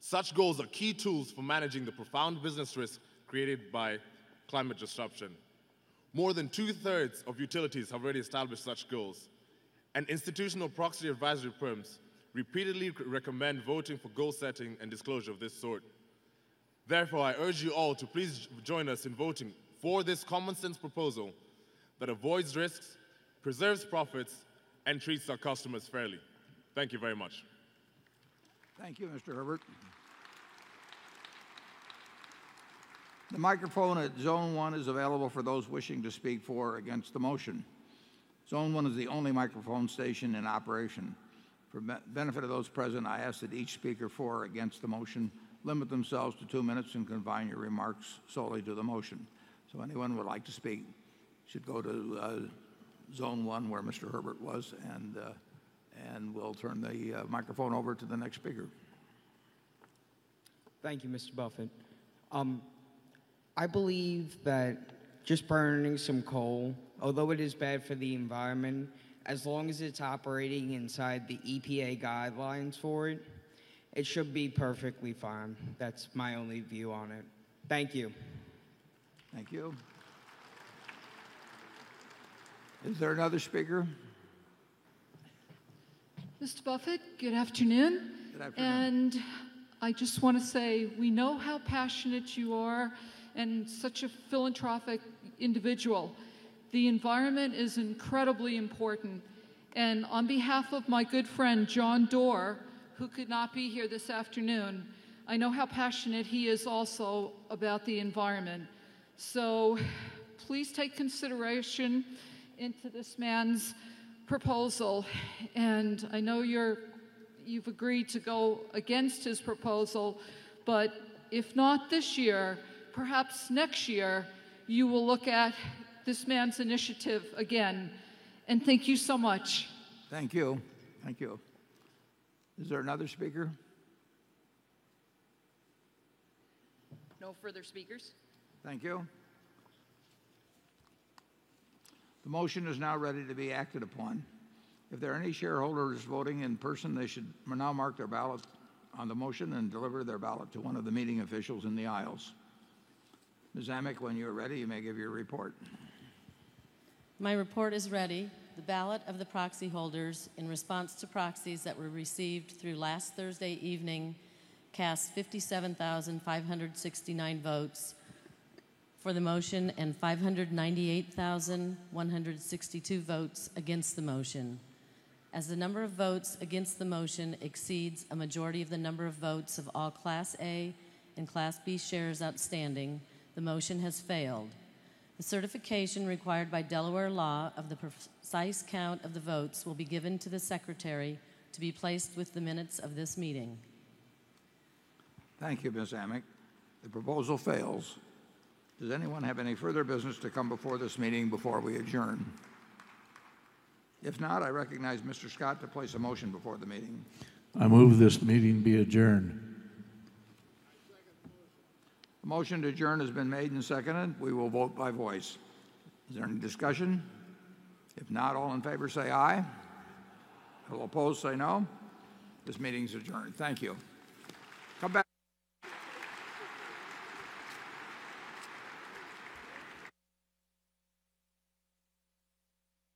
Such goals are key tools for managing the profound business risk created by climate disruption. More than two-thirds of utilities have already established such goals, and institutional proxy advisory firms repeatedly recommend voting for goal setting and disclosure of this sort. Therefore, I urge you all to please join us in voting for this common sense proposal that avoids risks, preserves profits, and treats our customers fairly. Thank you very much. Thank you, Mr. Herbert. The microphone at zone one is available for those wishing to speak for or against the motion. Zone one is the only microphone station in operation. For benefit of those present, I ask that each speaker for or against the motion limit themselves to two minutes and confine your remarks solely to the motion. Anyone who would like to speak should go to zone one where Mr. Herbert was, and we will turn the microphone over to the next speaker. Thank you, Mr. Buffett. I believe that just burning some coal, although it is bad for the environment, as long as it's operating inside the EPA guidelines for it should be perfectly fine. That's my only view on it. Thank you. Thank you. Is there another speaker? Mr. Buffett, good afternoon. Good afternoon. I just want to say, we know how passionate you are and such a philanthropic individual. The environment is incredibly important, on behalf of my good friend John Doerr, who could not be here this afternoon, I know how passionate he is also about the environment. Please take consideration into this man's proposal. I know you've agreed to go against his proposal, but if not this year, perhaps next year you will look at this man's initiative again. Thank you so much. Thank you. Is there another speaker? No further speakers. Thank you. The motion is now ready to be acted upon. If there are any shareholders voting in person, they should now mark their ballot on the motion and deliver their ballot to one of the meeting officials in the aisles. Ms. Amick, when you're ready, you may give your report. My report is ready. The ballot of the proxy holders in response to proxies that were received through last Thursday evening cast 57,569 votes for the motion and 598,162 votes against the motion. As the number of votes against the motion exceeds a majority of the number of votes of all Class A and Class B shares outstanding, the motion has failed. The certification required by Delaware law of the precise count of the votes will be given to the secretary to be placed with the minutes of this meeting. Thank you, Ms. Amick. The proposal fails. Does anyone have any further business to come before this meeting before we adjourn? If not, I recognize Mr. Scott to place a motion before the meeting. I move this meeting be adjourned. I second the motion. A motion to adjourn has been made and seconded. We will vote by voice. Is there any discussion? If not, all in favor say aye. All opposed say no. This meeting's adjourned. Thank you. Come back.